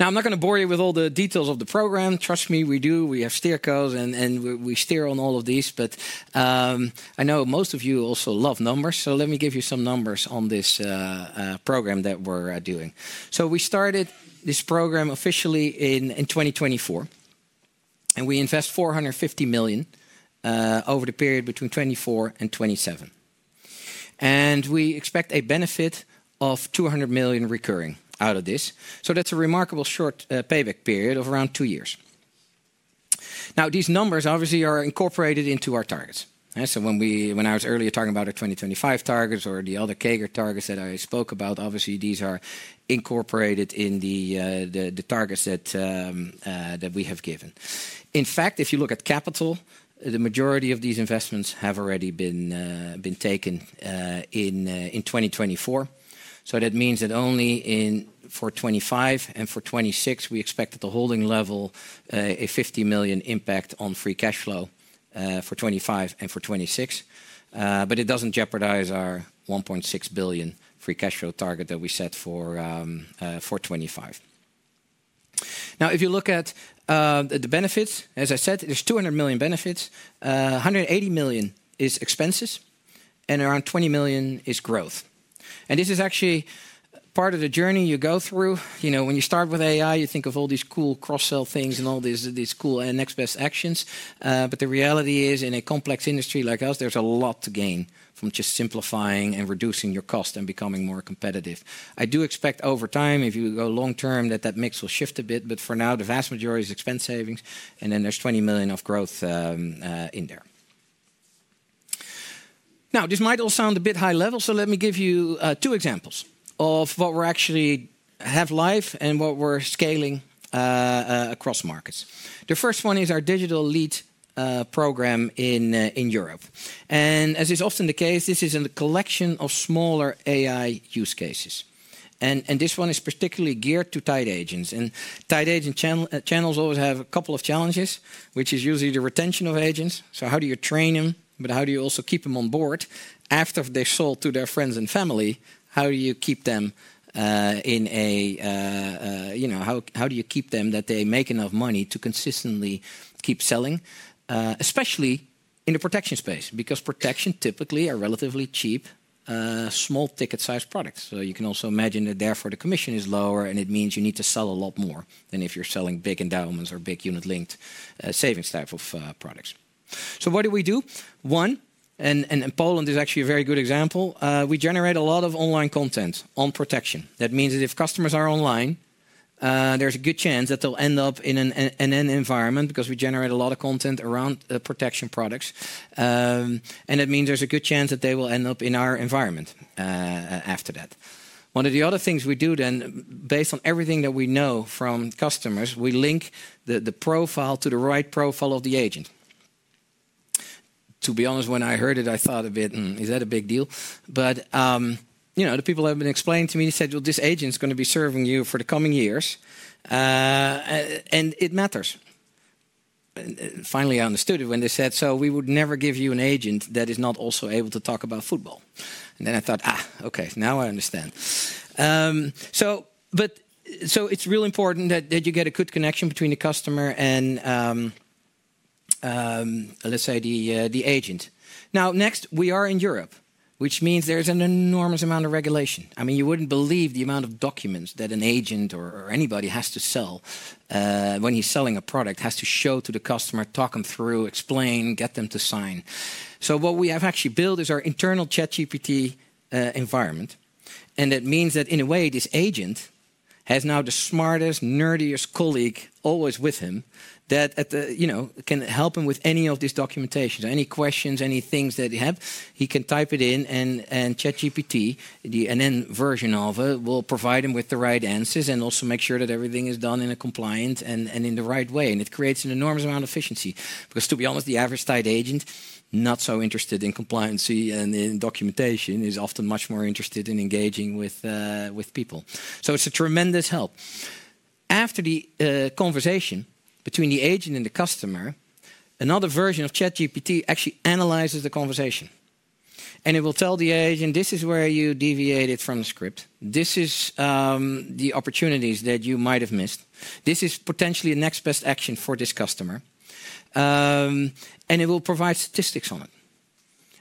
Now, I am not going to bore you with all the details of the program. Trust me, we do. We have steer codes, and we steer on all of these. I know most of you also love numbers. Let me give you some numbers on this program that we are doing. We started this program officially in 2024, and we invest 450 million over the period between 2024 and 2027. We expect a benefit of 200 million recurring out of this. That's a remarkable short payback period of around two years. Now, these numbers obviously are incorporated into our targets. When I was earlier talking about our 2025 targets or the other CAGR targets that I spoke about, obviously these are incorporated in the targets that we have given. In fact, if you look at capital, the majority of these investments have already been taken in 2024. That means that only for 2025 and for 2026, we expect at the holding level a 50 million impact on free cash flow for 2025 and for 2026. It does not jeopardize our 1.6 billion free cash flow target that we set for 2025. If you look at the benefits, as I said, there is 200 million in benefits. 180 million is expenses, and around 20 million is growth. This is actually part of the journey you go through. When you start with AI, you think of all these cool cross-sell things and all these cool next best actions. The reality is, in a complex industry like ours, there's a lot to gain from just simplifying and reducing your cost and becoming more competitive. I do expect over time, if you go long term, that that mix will shift a bit. For now, the vast majority is expense savings, and then there's 20 million of growth in there. This might all sound a bit high level, so let me give you two examples of what we actually have live and what we're scaling across markets. The first one is our digital lead program in Europe. As is often the case, this is a collection of smaller AI use cases. This one is particularly geared to tied agents. Tied agent channels always have a couple of challenges, which is usually the retention of agents. How do you train them, but how do you also keep them on board after they've sold to their friends and family? How do you keep them in a, how do you keep them that they make enough money to consistently keep selling, especially in the protection space? Protection typically are relatively cheap, small ticket size products. You can also imagine that therefore the commission is lower, and it means you need to sell a lot more than if you're selling big endowments or big unit-linked savings type of products. What do we do? One, and Poland is actually a very good example. We generate a lot of online content on protection. That means that if customers are online, there's a good chance that they'll end up in an NN environment because we generate a lot of content around protection products. That means there's a good chance that they will end up in our environment after that. One of the other things we do then, based on everything that we know from customers, we link the profile to the right profile of the agent. To be honest, when I heard it, I thought a bit, is that a big deal? The people have been explaining to me, they said, well, this agent is going to be serving you for the coming years, and it matters. Finally, I understood it when they said, so we would never give you an agent that is not also able to talk about football. Then I thought, okay, now I understand. It is really important that you get a good connection between the customer and, let's say, the agent. Next, we are in Europe, which means there is an enormous amount of regulation. I mean, you would not believe the amount of documents that an agent or anybody has to sell when he is selling a product, has to show to the customer, talk them through, explain, get them to sign. What we have actually built is our internal ChatGPT environment. That means that, in a way, this agent has now the smartest, nerdiest colleague always with him that can help him with any of this documentation, any questions, any things that he has. He can type it in, and ChatGPT, the NN version of it, will provide him with the right answers and also make sure that everything is done in a compliant and in the right way. It creates an enormous amount of efficiency. To be honest, the average tied agent, not so interested in compliancy and in documentation, is often much more interested in engaging with people. It is a tremendous help. After the conversation between the agent and the customer, another version of ChatGPT actually analyzes the conversation. It will tell the agent, this is where you deviated from the script. These are the opportunities that you might have missed. This is potentially a next best action for this customer. It will provide statistics on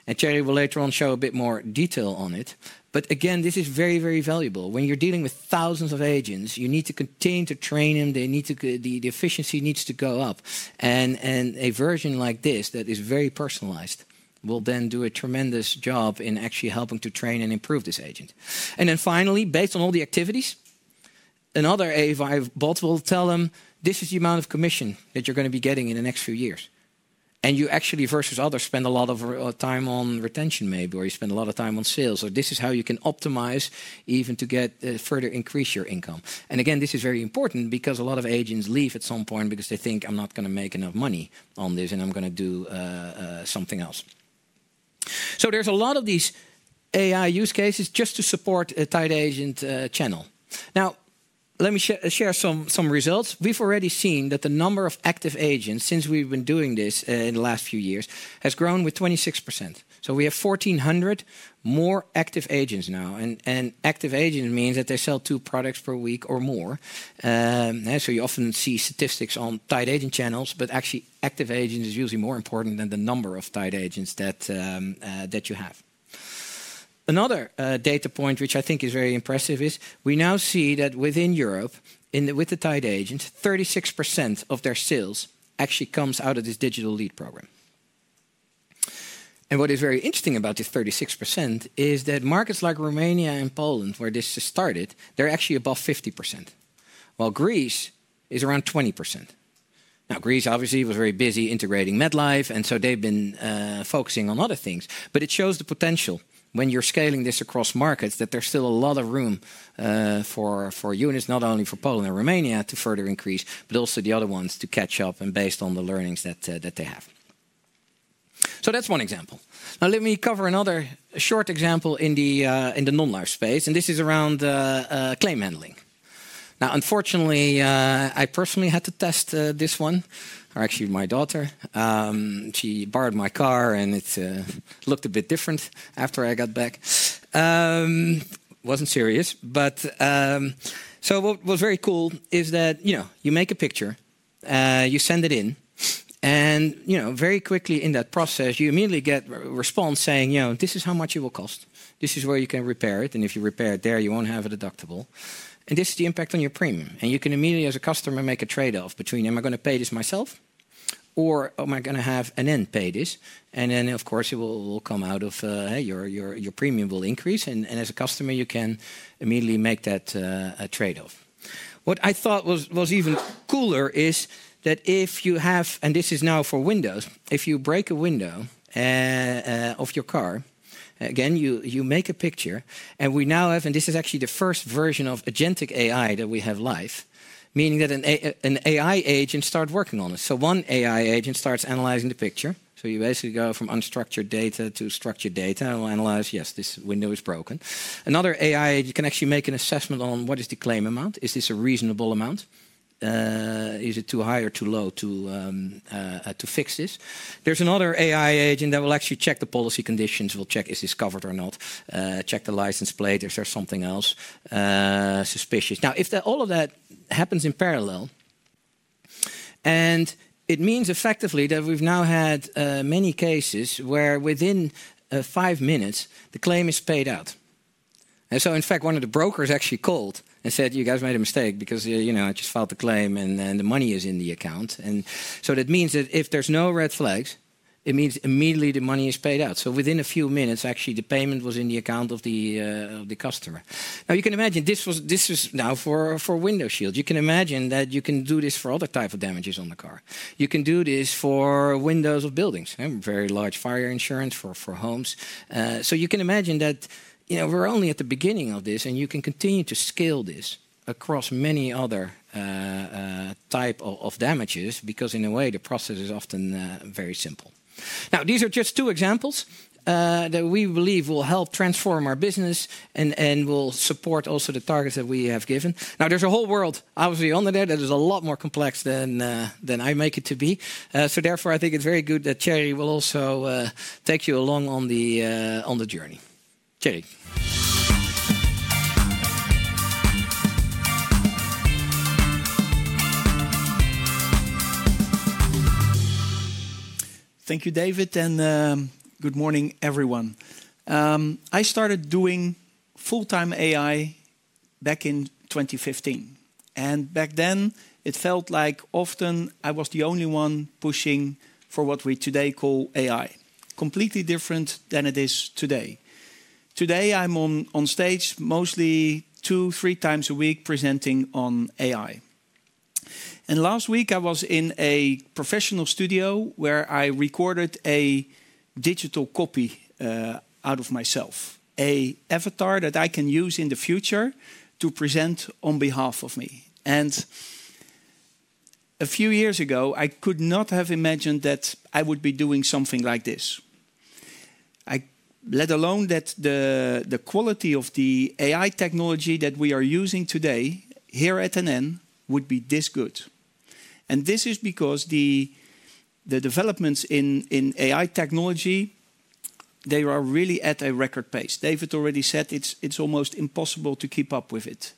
it. Jerry will later on show a bit more detail on it. This is very, very valuable. When you are dealing with thousands of agents, you need to continue to train them. The efficiency needs to go up. A version like this that is very personalized will then do a tremendous job in actually helping to train and improve this agent. Finally, based on all the activities, another AI bot will tell them, this is the amount of commission that you're going to be getting in the next few years. You actually, versus others, spend a lot of time on retention maybe, or you spend a lot of time on sales, or this is how you can optimize even to further increase your income. This is very important because a lot of agents leave at some point because they think, I'm not going to make enough money on this, and I'm going to do something else. There are a lot of these AI use cases just to support a tight agent channel. Now, let me share some results. We've already seen that the number of active agents, since we've been doing this in the last few years, has grown with 26%. We have 1,400 more active agents now. Active agents means that they sell two products per week or more. You often see statistics on tight agent channels, but actually active agents are usually more important than the number of tight agents that you have. Another data point, which I think is very impressive, is we now see that within Europe, with the tied agents, 36% of their sales actually comes out of this digital lead program. What is very interesting about this 36% is that markets like Romania and Poland, where this started, they're actually above 50%, while Greece is around 20%. Greece obviously was very busy integrating MedLife, and so they've been focusing on other things. It shows the potential when you're scaling this across markets that there's still a lot of room for units, not only for Poland and Romania to further increase, but also the other ones to catch up and based on the learnings that they have. That's one example. Now, let me cover another short example in the Non-life space, and this is around claim handling. Unfortunately, I personally had to test this one, or actually my daughter. She borrowed my car, and it looked a bit different after I got back. Wasn't serious, but what was very cool is that you make a picture, you send it in, and very quickly in that process, you immediately get a response saying, this is how much it will cost. This is where you can repair it, and if you repair it there, you won't have a deductible. This is the impact on your premium. You can immediately, as a customer, make a trade-off between am I going to pay this myself, or am I going to have NN pay this? Of course, it will come out of your premium, your premium will increase, and as a customer, you can immediately make that trade-off. What I thought was even cooler is that if you have, and this is now for windows, if you break a window of your car, again, you make a picture, and we now have, and this is actually the first version of agentic AI that we have live, meaning that an AI agent starts working on it. One AI agent starts analyzing the picture. You basically go from unstructured data to structured data and will analyze, yes, this window is broken. Another AI agent can actually make an assessment on what is the claim amount. Is this a reasonable amount? Is it too high or too low to fix this? There's another AI agent that will actually check the policy conditions, will check is this covered or not, check the license plate, if there's something else suspicious. Now, if all of that happens in parallel, it means effectively that we've now had many cases where within five minutes, the claim is paid out. In fact, one of the brokers actually called and said, you guys made a mistake because I just filed the claim and the money is in the account. That means that if there's no red flags, it means immediately the money is paid out. Within a few minutes, actually, the payment was in the account of the customer. Now, you can imagine this is now for window shield. You can imagine that you can do this for other types of damages on the car. You can do this for windows of buildings, very large fire insurance for homes. You can imagine that we're only at the beginning of this, and you can continue to scale this across many other types of damages because, in a way, the process is often very simple. These are just two examples that we believe will help transform our business and will support also the targets that we have given. Now, there's a whole world, obviously, under there that is a lot more complex than I make it to be. Therefore, I think it's very good that Jerry will also take you along on the journey. Terrie. Thank you, David, and good morning, everyone. I started doing full-time AI back in 2015. Back then, it felt like often I was the only one pushing for what we today call AI, completely different than it is today. Today, I'm on stage mostly two, three times a week presenting on AI. Last week, I was in a professional studio where I recorded a digital copy out of myself, an avatar that I can use in the future to present on behalf of me. A few years ago, I could not have imagined that I would be doing something like this, let alone that the quality of the AI technology that we are using today here at NN would be this good. This is because the developments in AI technology, they are really at a record pace. David already said it's almost impossible to keep up with it.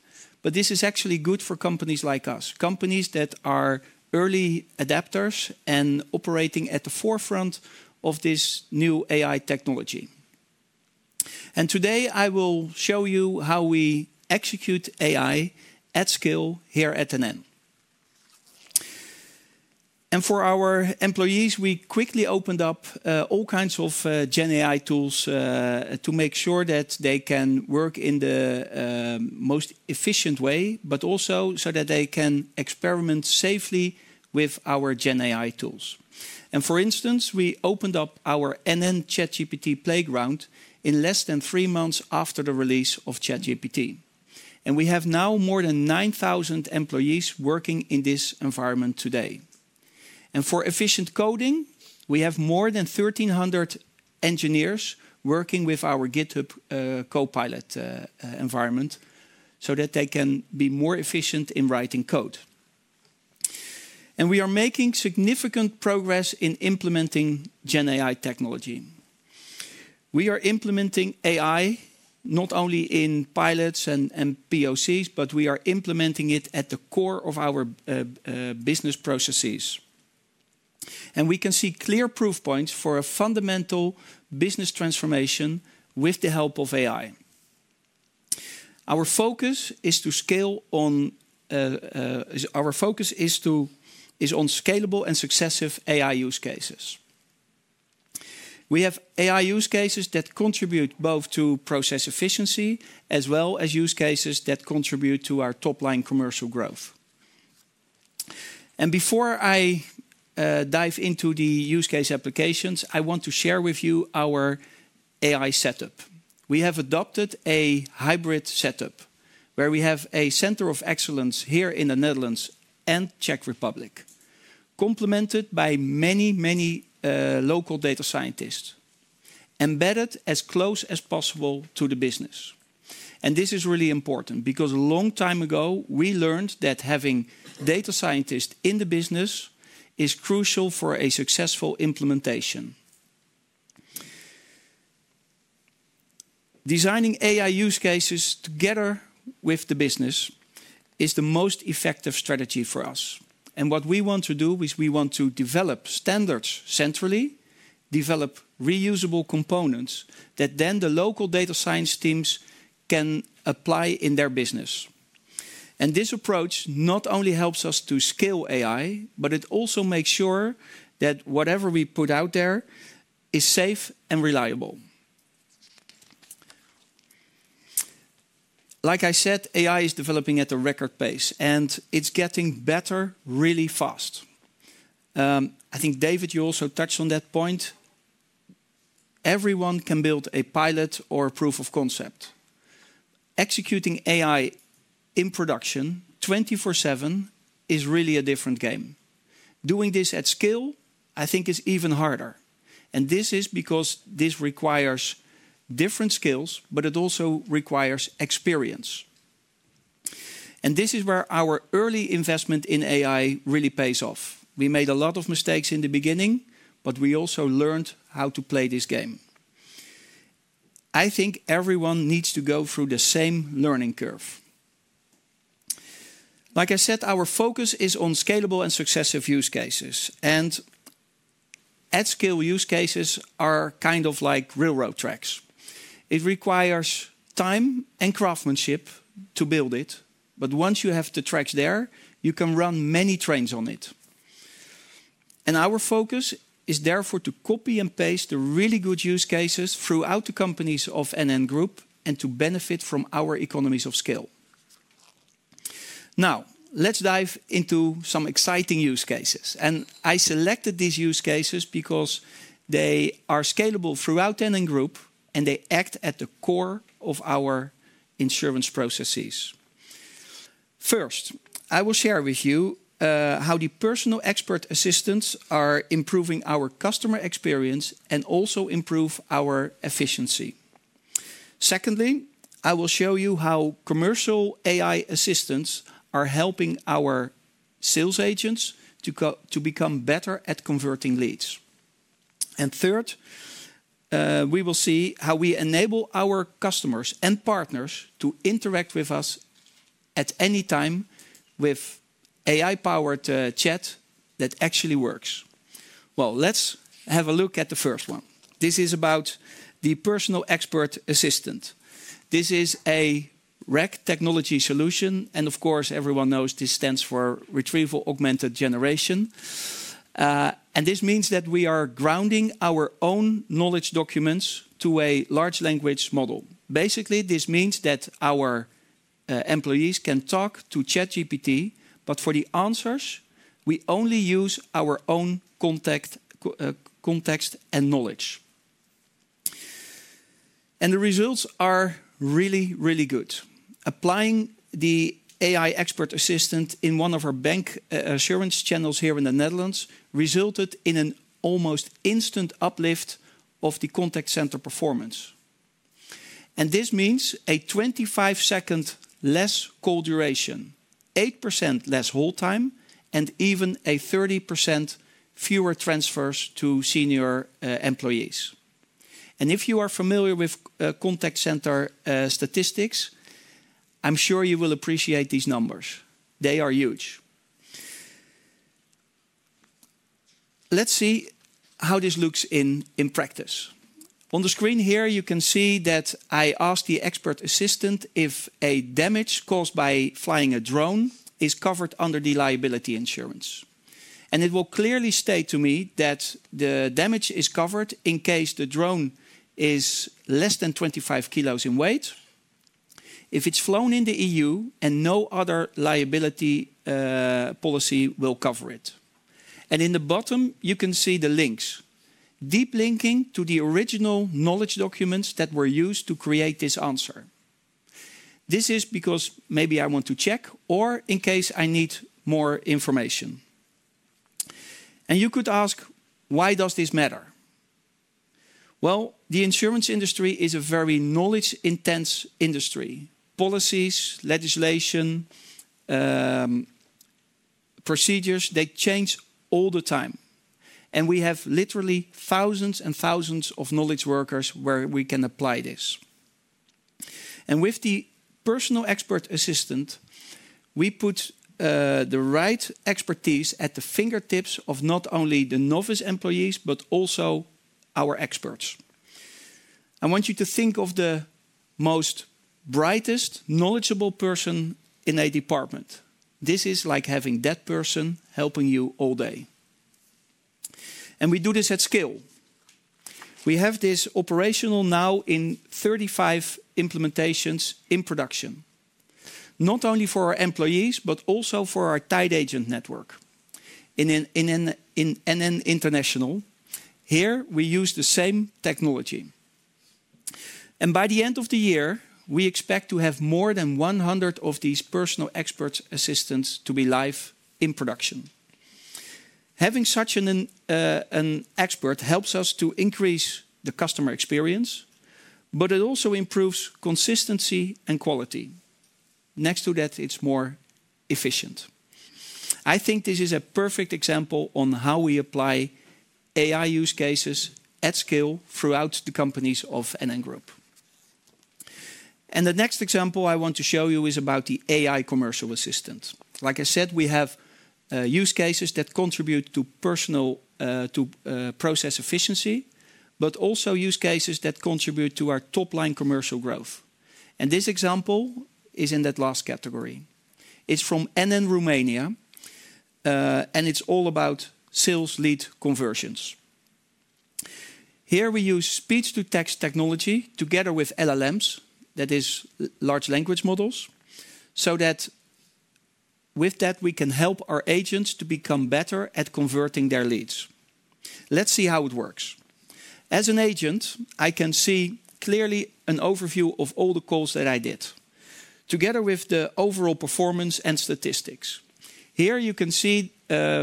This is actually good for companies like us, companies that are early adapters and operating at the forefront of this new AI technology. Today, I will show you how we execute AI at scale here at NN. For our employees, we quickly opened up all kinds of GenAI tools to make sure that they can work in the most efficient way, but also so that they can experiment safely with our GenAI tools. For instance, we opened up our NN ChatGPT playground in less than three months after the release of ChatGPT. We have now more than 9,000 employees working in this environment today. For efficient coding, we have more than 1,300 engineers working with our GitHub Copilot environment so that they can be more efficient in writing code. We are making significant progress in implementing GenAI technology. We are implementing AI not only in pilots and POCs, but we are implementing it at the core of our business processes. We can see clear proof points for a fundamental business transformation with the help of AI. Our focus is to scale on scalable and successive AI use cases. We have AI use cases that contribute both to process efficiency as well as use cases that contribute to our top-line commercial growth. Before I dive into the use case applications, I want to share with you our AI setup. We have adopted a hybrid setup where we have a center of excellence here in the Netherlands and Czech Republic, complemented by many, many local data scientists, embedded as close as possible to the business. This is really important because a long time ago, we learned that having data scientists in the business is crucial for a successful implementation. Designing AI use cases together with the business is the most effective strategy for us. What we want to do is we want to develop standards centrally, develop reusable components that then the local data science teams can apply in their business. This approach not only helps us to scale AI, but it also makes sure that whatever we put out there is safe and reliable. Like I said, AI is developing at a record pace, and it's getting better really fast. I think, David, you also touched on that point. Everyone can build a pilot or a proof of concept. Executing AI in production 24/7 is really a different game. Doing this at scale, I think, is even harder. This is because this requires different skills, but it also requires experience. This is where our early investment in AI really pays off. We made a lot of mistakes in the beginning, but we also learned how to play this game. I think everyone needs to go through the same learning curve. Like I said, our focus is on scalable and successive use cases. At scale, use cases are kind of like railroad tracks. It requires time and craftsmanship to build it. Once you have the tracks there, you can run many trains on it. Our focus is therefore to copy and paste the really good use cases throughout the companies of NN Group and to benefit from our economies of scale. Now, let's dive into some exciting use cases. I selected these use cases because they are scalable throughout NN Group, and they act at the core of our insurance processes. First, I will share with you how the personal expert assistants are improving our customer experience and also improve our efficiency. Secondly, I will show you how commercial AI assistants are helping our sales agents to become better at converting leads. Third, we will see how we enable our customers and partners to interact with us at any time with AI-powered chat that actually works. Let's have a look at the first one. This is about the personal expert assistant. This is a RAG technology solution. Of course, everyone knows this stands for Retrieval Augmented Generation. This means that we are grounding our own knowledge documents to a large language model. Basically, this means that our employees can talk to ChatGPT, but for the answers, we only use our own context and knowledge. The results are really, really good. Applying the AI expert assistant in one of our bancassurance channels here in the Netherlands resulted in an almost instant uplift of the contact center performance. This means a 25-second less call duration, 8% less hold time, and even a 30% fewer transfers to senior employees. If you are familiar with contact center statistics, I am sure you will appreciate these numbers. They are huge. Let's see how this looks in practice. On the screen here, you can see that I asked the expert assistant if a damage caused by flying a drone is covered under the liability insurance. It will clearly state to me that the damage is covered in case the drone is less than 25 kilos in weight, if it is flown in the EU, and no other liability policy will cover it. At the bottom, you can see the links, deep linking to the original knowledge documents that were used to create this answer. This is because maybe I want to check or in case I need more information. You could ask, why does this matter? The insurance industry is a very knowledge-intense industry. Policies, legislation, procedures, they change all the time. We have literally thousands and thousands of knowledge workers where we can apply this. With the personal expert assistant, we put the right expertise at the fingertips of not only the novice employees, but also our experts. I want you to think of the most brightest, knowledgeable person in a department. This is like having that person helping you all day. We do this at scale. We have this operational now in 35 implementations in production, not only for our employees, but also for our tight agent network. In NN International, here, we use the same technology. By the end of the year, we expect to have more than 100 of these personal expert assistants to be live in production. Having such an expert helps us to increase the customer experience, but it also improves consistency and quality. Next to that, it's more efficient. I think this is a perfect example on how we apply AI use cases at scale throughout the companies of NN Group. The next example I want to show you is about the AI commercial assistant. Like I said, we have use cases that contribute to process efficiency, but also use cases that contribute to our top-line commercial growth. This example is in that last category. It is from NN Romania, and it is all about sales lead conversions. Here, we use speech-to-text technology together with LLMs, that is, large language models, so that with that, we can help our agents to become better at converting their leads. Let's see how it works. As an agent, I can see clearly an overview of all the calls that I did, together with the overall performance and statistics. Here, you can see,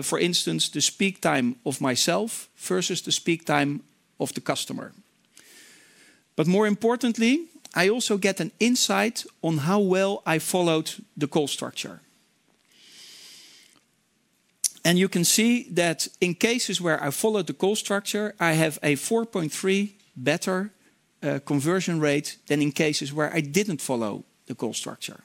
for instance, the speak time of myself versus the speak time of the customer. More importantly, I also get an insight on how well I followed the call structure. You can see that in cases where I followed the call structure, I have a 4.3 better conversion rate than in cases where I did not follow the call structure.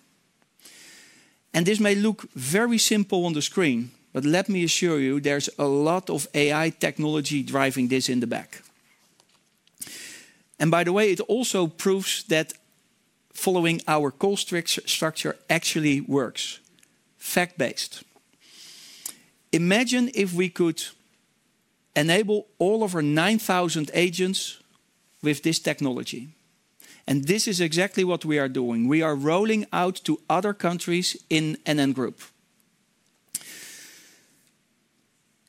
This may look very simple on the screen, but let me assure you, there is a lot of AI technology driving this in the back. By the way, it also proves that following our call structure actually works, fact-based. Imagine if we could enable all of our 9,000 agents with this technology. This is exactly what we are doing. We are rolling out to other countries in NN Group.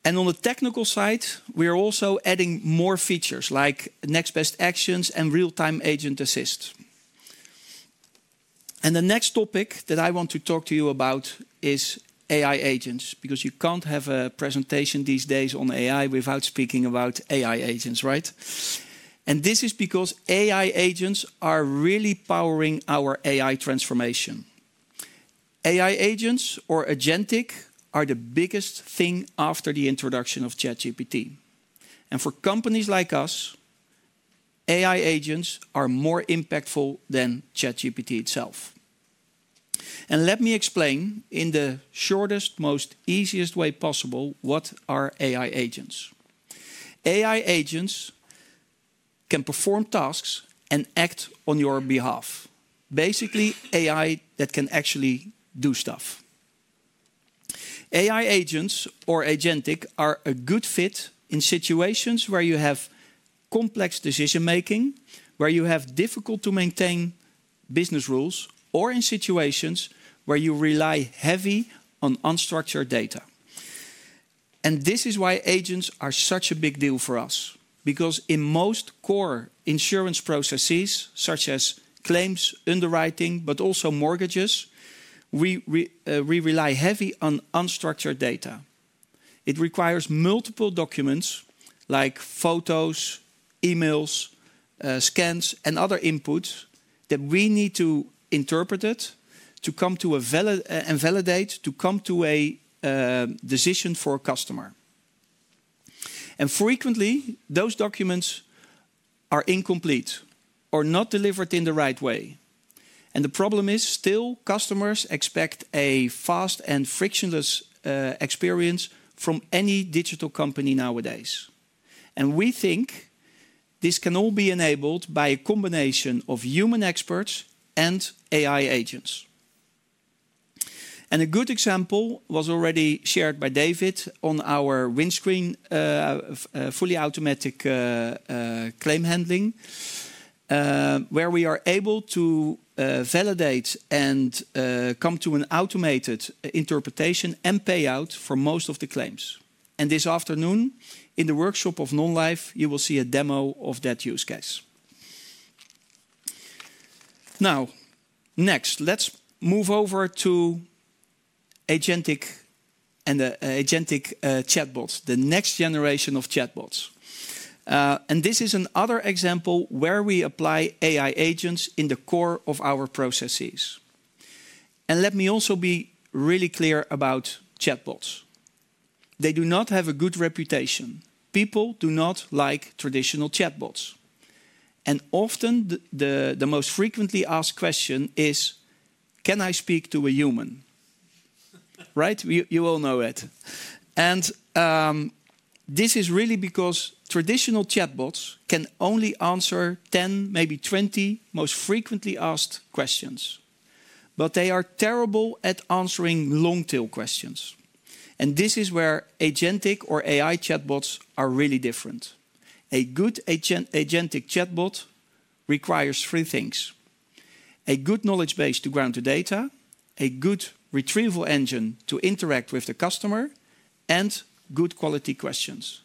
On the technical side, we are also adding more features like next best actions and real-time agent assists. The next topic that I want to talk to you about is AI agents, because you can't have a presentation these days on AI without speaking about AI agents, right? This is because AI agents are really powering our AI transformation. AI agents or agentic are the biggest thing after the introduction of ChatGPT. For companies like us, AI agents are more impactful than ChatGPT itself. Let me explain in the shortest, most easiest way possible what are AI agents. AI agents can perform tasks and act on your behalf. Basically, AI that can actually do stuff. AI agents or agentic are a good fit in situations where you have complex decision-making, where you have difficult-to-maintain business rules, or in situations where you rely heavy on unstructured data. This is why agents are such a big deal for us, because in most core insurance processes, such as claims, underwriting, but also mortgages, we rely heavily on unstructured data. It requires multiple documents like photos, emails, scans, and other inputs that we need to interpret and validate to come to a decision for a customer. Frequently, those documents are incomplete or not delivered in the right way. The problem is still customers expect a fast and frictionless experience from any digital company nowadays. We think this can all be enabled by a combination of human experts and AI agents. A good example was already shared by David on our windscreen fully automatic claim handling, where we are able to validate and come to an automated interpretation and payout for most of the claims. This afternoon, in the workshop of Non-life, you will see a demo of that use case. Next, let's move over to agentic and agentic chatbots, the next generation of chatbots. This is another example where we apply AI agents in the core of our processes. Let me also be really clear about chatbots. They do not have a good reputation. People do not like traditional chatbots. Often, the most frequently asked question is, can I speak to a human? Right? You all know it. This is really because traditional chatbots can only answer 10, maybe 20 most frequently asked questions. They are terrible at answering long-tail questions. This is where agentic or AI chatbots are really different. A good agentic chatbot requires three things: a good knowledge base to ground the data, a good retrieval engine to interact with the customer, and good quality questions.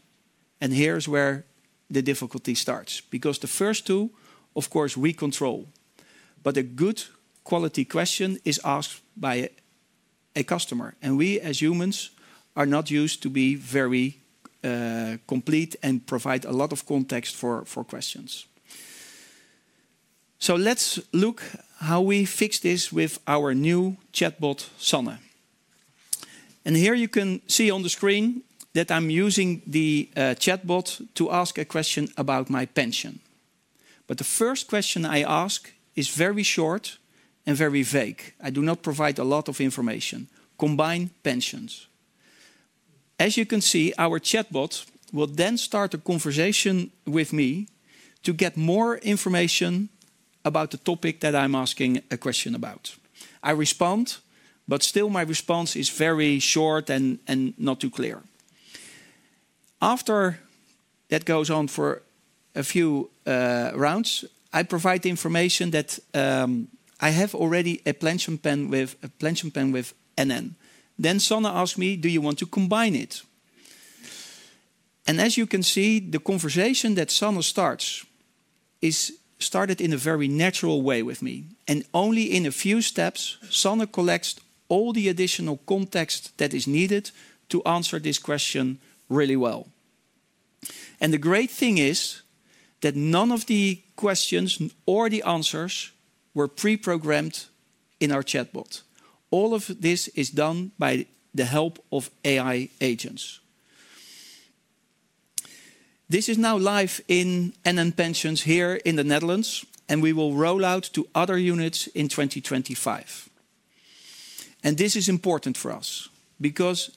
Here's where the difficulty starts, because the first two, of course, we control. A good quality question is asked by a customer. We, as humans, are not used to being very complete and providing a lot of context for questions. Let's look at how we fix this with our new chatbot, Sonnet. Here you can see on the screen that I'm using the chatbot to ask a question about my pension. The first question I ask is very short and very vague. I do not provide a lot of information. Combine pensions. As you can see, our chatbot will then start a conversation with me to get more information about the topic that I'm asking a question about. I respond, but still my response is very short and not too clear. After that goes on for a few rounds, I provide information that I have already a pension plan with NN. Sonnet then asks me, do you want to combine it? As you can see, the conversation that Sonnet starts is started in a very natural way with me. In only a few steps, Sonnet collects all the additional context that is needed to answer this question really well. The great thing is that none of the questions or the answers were pre-programmed in our chatbot. All of this is done by the help of AI agents. This is now live in NN Pensions here in the Netherlands, and we will roll out to other units in 2025. This is important for us because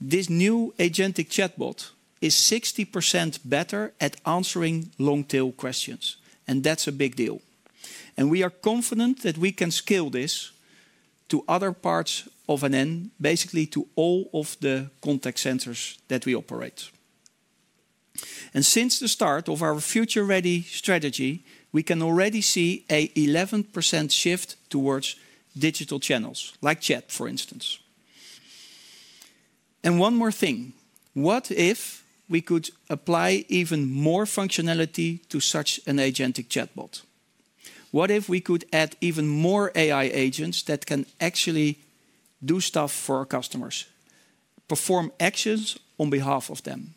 this new agentic chatbot is 60% better at answering long-tail questions. That is a big deal. We are confident that we can scale this to other parts of NN, basically to all of the contact centers that we operate. Since the start of our future-ready strategy, we can already see an 11% shift towards digital channels, like chat, for instance. One more thing. What if we could apply even more functionality to such an agentic chatbot? What if we could add even more AI agents that can actually do stuff for our customers, perform actions on behalf of them,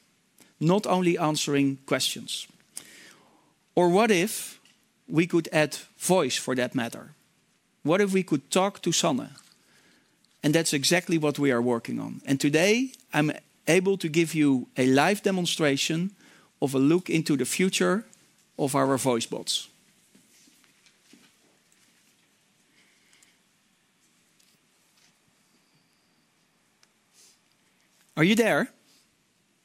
not only answering questions? What if we could add voice for that matter? What if we could talk to Sonnet? That is exactly what we are working on. Today, I am able to give you a live demonstration of a look into the future of our voice bots. Are you there?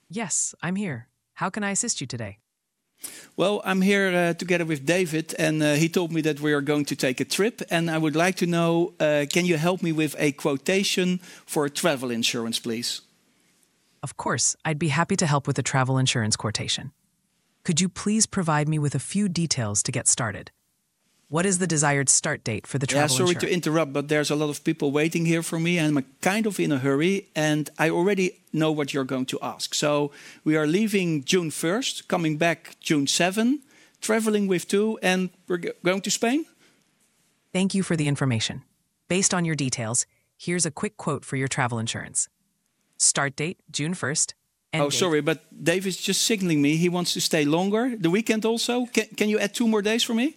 Yes, I am here. How can I assist you today? I am here together with David, and he told me that we are going to take a trip. I would like to know, can you help me with a quotation for travel insurance, please? Of course. I would be happy to help with a travel insurance quotation. Could you please provide me with a few details to get started? What is the desired start date for the travel insurance? Sorry to interrupt, but there are a lot of people waiting here for me, and I am kind of in a hurry, and I already know what you are going to ask. We are leaving June 1st, coming back June 7th, traveling with two, and we're going to Spain. Thank you for the information. Based on your details, here is a quick quote for your travel insurance. Start date, June 1st, and... Oh, sorry, but David is just signaling me. He wants to stay longer, the weekend also. Can you add two more days for me?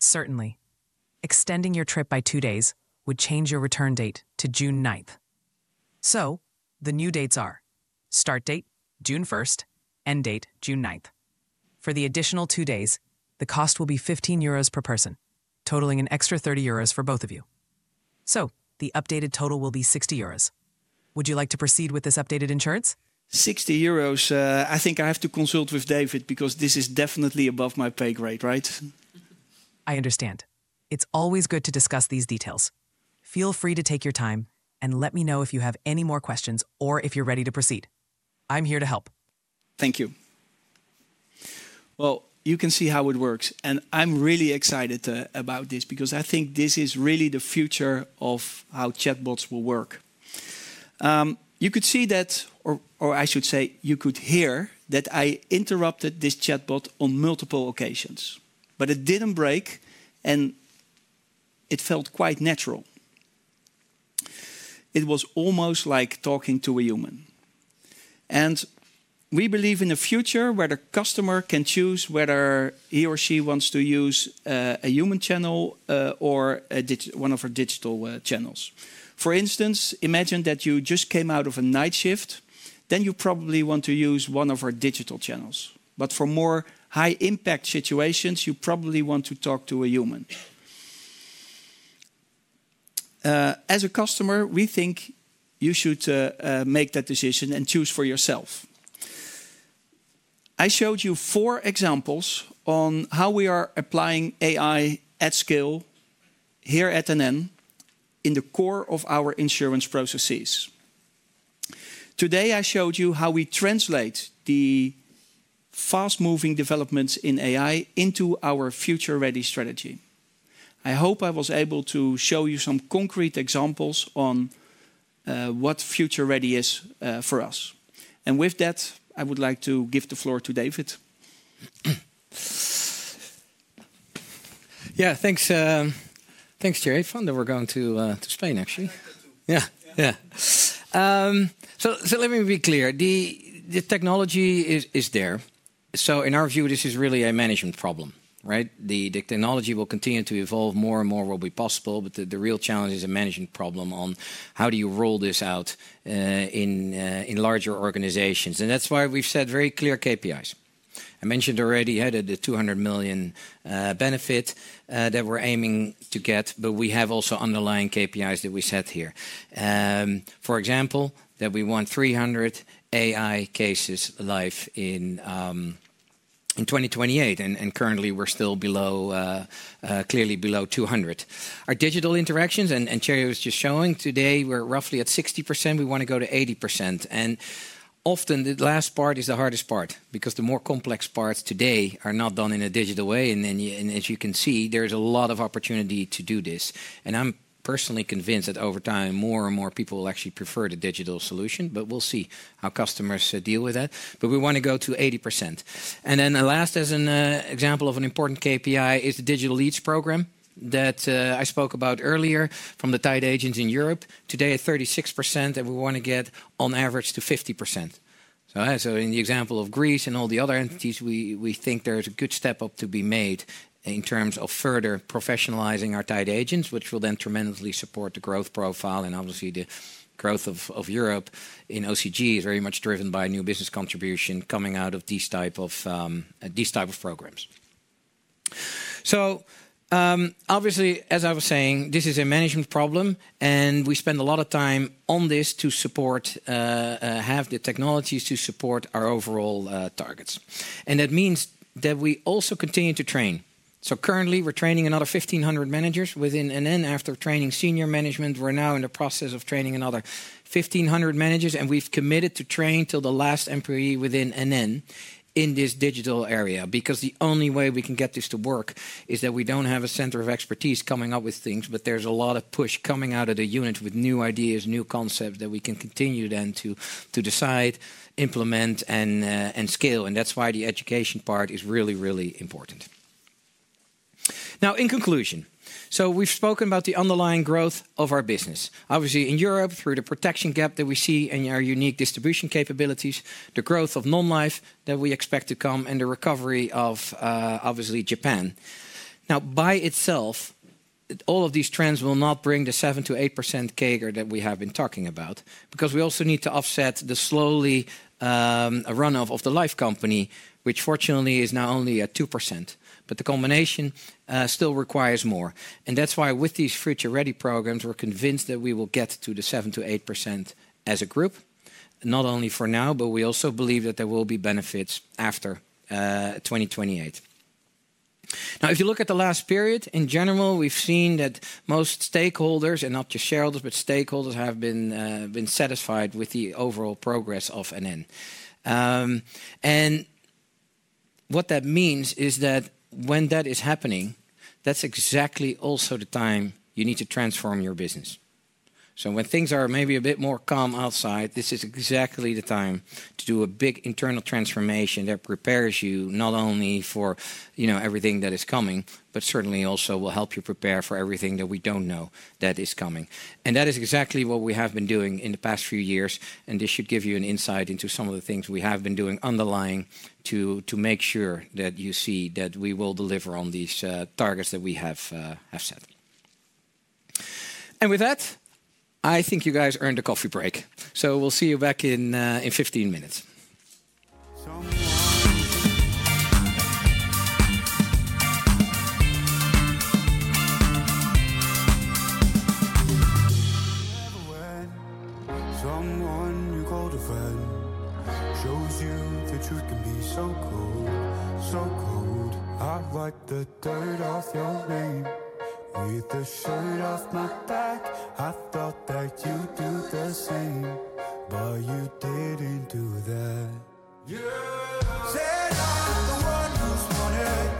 Certainly. Extending your trip by two days would change your return date to June 9th. The new dates are: start date, June 1st, end date, June 9th. For the additional two days, the cost will be 15 euros per person, totaling an extra 30 euros for both of you. The updated total will be 60 euros. Would you like to proceed with this updated insurance? 60 euros. I think I have to consult with David because this is definitely above my pay grade, right? I understand. It's always good to discuss these details. Feel free to take your time and let me know if you have any more questions or if you're ready to proceed. I'm here to help. Thank you. You can see how it works. I'm really excited about this because I think this is really the future of how chatbots will work. You could see that, or I should say, you could hear that I interrupted this chatbot on multiple occasions, but it did not break, and it felt quite natural. It was almost like talking to a human. We believe in a future where the customer can choose whether he or she wants to use a human channel or one of our digital channels. For instance, imagine that you just came out of a night shift, then you probably want to use one of our digital channels. For more high-impact situations, you probably want to talk to a human. As a customer, we think you should make that decision and choose for yourself. I showed you four examples on how we are applying AI at scale here at NN in the core of our insurance processes. Today, I showed you how we translate the fast-moving developments in AI into our future-ready strategy. I hope I was able to show you some concrete examples on what future-ready is for us. With that, I would like to give the floor to David. Yeah, thanks, Tjerrie. Fun that we're going to Spain, actually. Yeah, yeah. Let me be clear. The technology is there. In our view, this is really a management problem, right? The technology will continue to evolve, more and more will be possible, but the real challenge is a management problem on how do you roll this out in larger organizations. That is why we have set very clear KPIs. I mentioned already the 200 million benefit that we are aiming to get, but we have also underlying KPIs that we set here. For example, that we want 300 AI cases live in 2028, and currently we are still clearly below 200. Our digital interactions, and Tjerrie was just showing today, we are roughly at 60%. We want to go to 80%. Often the last part is the hardest part because the more complex parts today are not done in a digital way. As you can see, there is a lot of opportunity to do this. I am personally convinced that over time, more and more people will actually prefer the digital solution, but we will see how customers deal with that. We want to go to 80%. The last, as an example of an important KPI, is the digital leads program that I spoke about earlier from the tied agents in Europe. Today, at 36%, and we want to get on average to 50%. In the example of Greece and all the other entities, we think there is a good step up to be made in terms of further professionalizing our tied agents, which will then tremendously support the growth profile. Obviously, the growth of Europe in OCG is very much driven by new business contribution coming out of these types of programs. Obviously, as I was saying, this is a management problem, and we spend a lot of time on this to support, have the technologies to support our overall targets. That means that we also continue to train. Currently, we're training another 1,500 managers within NN. After training senior management, we're now in the process of training another 1,500 managers, and we've committed to train till the last employee within NN in this digital area because the only way we can get this to work is that we don't have a center of expertise coming up with things, but there's a lot of push coming out of the unit with new ideas, new concepts that we can continue then to decide, implement, and scale. That's why the education part is really, really important. In conclusion, we've spoken about the underlying growth of our business. Obviously, in Europe, through the protection gap that we see in our unique distribution capabilities, the growth of Non-life that we expect to come, and the recovery of obviously Japan. Now, by itself, all of these trends will not bring the 7%-8% CAGR that we have been talking about because we also need to offset the slowly run-off of the life company, which fortunately is now only at 2%, but the combination still requires more. That is why with these Future Ready programs, we're convinced that we will get to the 7%-8% as a group, not only for now, but we also believe that there will be benefits after 2028. Now, if you look at the last period, in general, we've seen that most stakeholders, and not just shareholders, but stakeholders have been satisfied with the overall progress of NN. What that means is that when that is happening, that's exactly also the time you need to transform your business. When things are maybe a bit more calm outside, this is exactly the time to do a big internal transformation that prepares you not only for everything that is coming, but certainly also will help you prepare for everything that we do not know that is coming. That is exactly what we have been doing in the past few years, and this should give you an insight into some of the things we have been doing underlying to make sure that you see that we will deliver on these targets that we have set. With that, I think you guys earned a coffee break. We will see you back in 15 minutes. I like the dirt off your name with the shirt off my back. I thought that you'd do the same, but you didn't do that. Said I'm the one who's wanted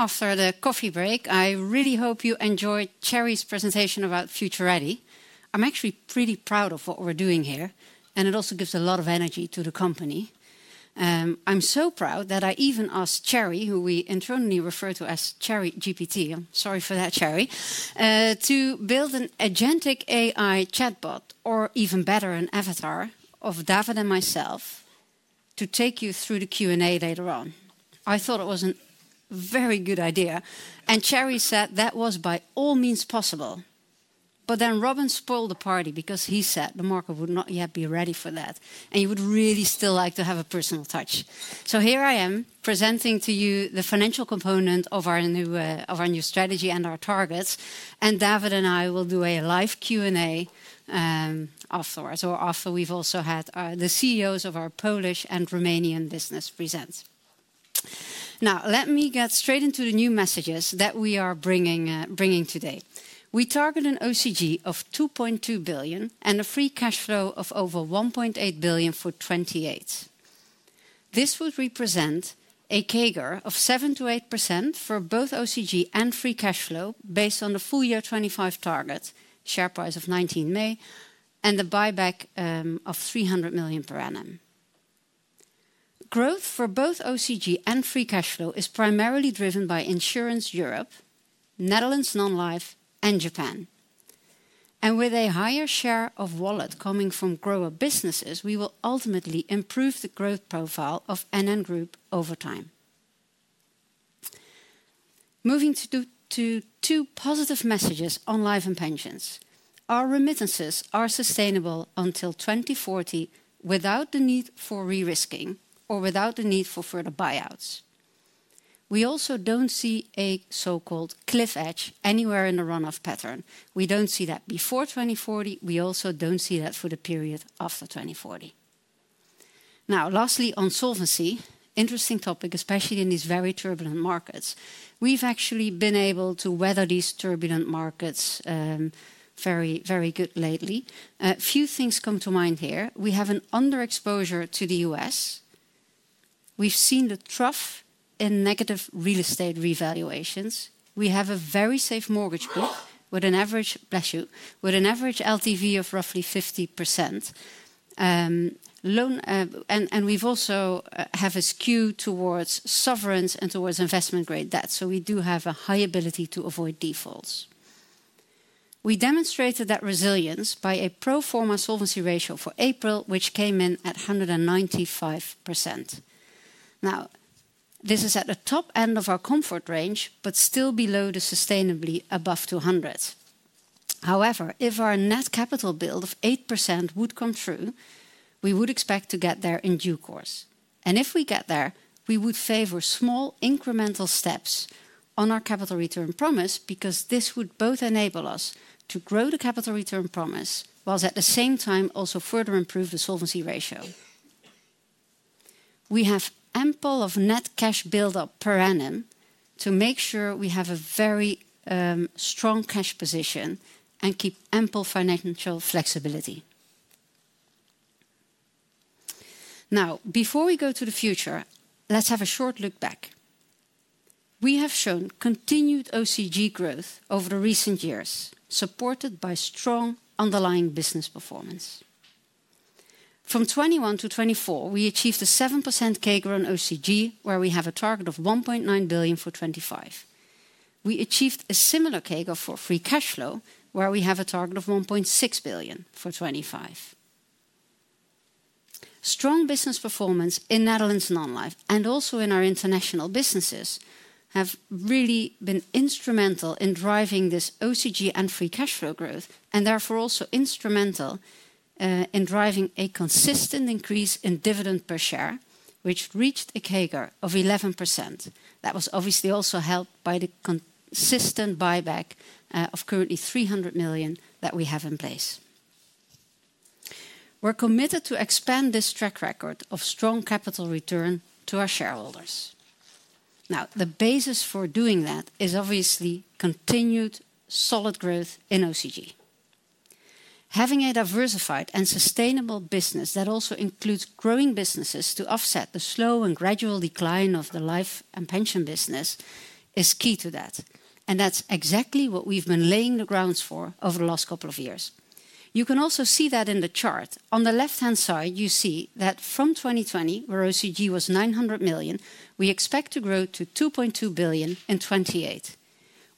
As he's done, meet me on the floor tonight. Show me how to move like the water in between the dancing lights. Be mine, be mine. As he's done. Welcome back all. After the coffee break, I really hope you enjoyed Tjerrie's presentation about Future Ready. I'm actually pretty proud of what we're doing here, and it also gives a lot of energy to the company. I'm so proud that I even asked Tjerrie, who we internally refer to as Tjerrie GPT, I'm sorry for that, Tjerrie, to build an agentic AI chatbot, or even better, an avatar of David and myself, to take you through the Q&A later on. I thought it was a very good idea, and Tjerrie said that was by all means possible. But then Robin spoiled the party because he said the market would not yet be ready for that, and he would really still like to have a personal touch. So here I am presenting to you the financial component of our new strategy and our targets, and David and I will do a live Q&A afterwards, or after we have also had the CEOs of our Polish and Romanian business present. Now, let me get straight into the new messages that we are bringing today. We target an OCG of 2.2 billion and a free cash flow of over 1.8 billion for 2028. This would represent a CAGR of 7%-8% for both OCG and free cash flow based on the full year 2025 target, share price of 19 May, and the buyback of 300 million per annum. Growth for both OCG and free cash flow is primarily driven by Insurance Europe, Netherlands Non-life, and Japan. With a higher share of wallet coming from grower businesses, we will ultimately improve the growth profile of NN Group over time. Moving to two positive messages on life and pensions. Our remittances are sustainable until 2040 without the need for re-risking or without the need for further buyouts. We also do not see a so-called cliff edge anywhere in the runoff pattern. We do not see that before 2040. We also do not see that for the period after 2040. Now, lastly, on solvency, interesting topic, especially in these very turbulent markets. We have actually been able to weather these turbulent markets very, very good lately. A few things come to mind here. We have an under-exposure to the U.S. We have seen the trough in negative real estate revaluations. We have a very safe mortgage book with an average, bless you, with an average LTV of roughly 50%. We also have a skew towards sovereigns and towards investment-grade debt, so we do have a high ability to avoid defaults. We demonstrated that resilience by a pro forma solvency ratio for April, which came in at 195%. This is at the top end of our comfort range, but still below the sustainably above 200%. However, if our net capital build of 8% would come through, we would expect to get there in due course. If we get there, we would favor small incremental steps on our capital return promise because this would both enable us to grow the capital return promise whilst at the same time also further improve the solvency ratio. We have ample net cash buildup per annum to make sure we have a very strong cash position and keep ample financial flexibility. Now, before we go to the future, let's have a short look back. We have shown continued OCG growth over the recent years, supported by strong underlying business performance. From 2021 to 2024, we achieved a 7% CAGR on OCG, where we have a target of 1.9 billion for 2025. We achieved a similar CAGR for free cash flow, where we have a target of 1.6 billion for 2025. Strong business performance in Netherlands Non-life and also in our international businesses have really been instrumental in driving this OCG and free cash flow growth, and therefore also instrumental in driving a consistent increase in dividend per share, which reached a CAGR of 11%. That was obviously also helped by the consistent buyback of currently 300 million that we have in place. We're committed to expand this track record of strong capital return to our shareholders. Now, the basis for doing that is obviously continued solid growth in OCG. Having a diversified and sustainable business that also includes growing businesses to offset the slow and gradual decline of the life and pension business is key to that. That's exactly what we've been laying the grounds for over the last couple of years. You can also see that in the chart. On the left-hand side, you see that from 2020, where OCG was 900 million, we expect to grow to 2.2 billion in 2028.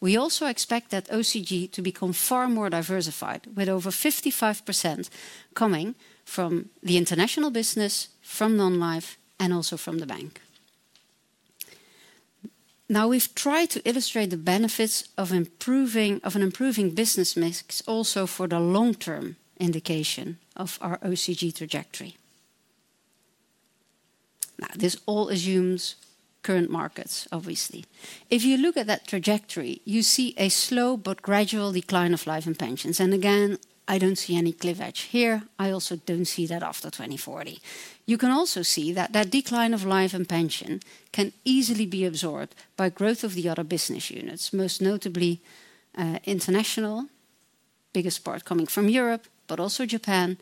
We also expect that OCG to become far more diversified, with over 55% coming from the international business, from Non-life, and also from the bank. Now, we've tried to illustrate the benefits of an improving business mix also for the long-term indication of our OCG trajectory. This all assumes current markets, obviously. If you look at that trajectory, you see a slow but gradual decline of life and pensions. I don't see any cleavage here. I also don't see that after 2040. You can also see that that decline of life and pension can easily be absorbed by growth of the other business units, most notably international, biggest part coming from Europe, but also Japan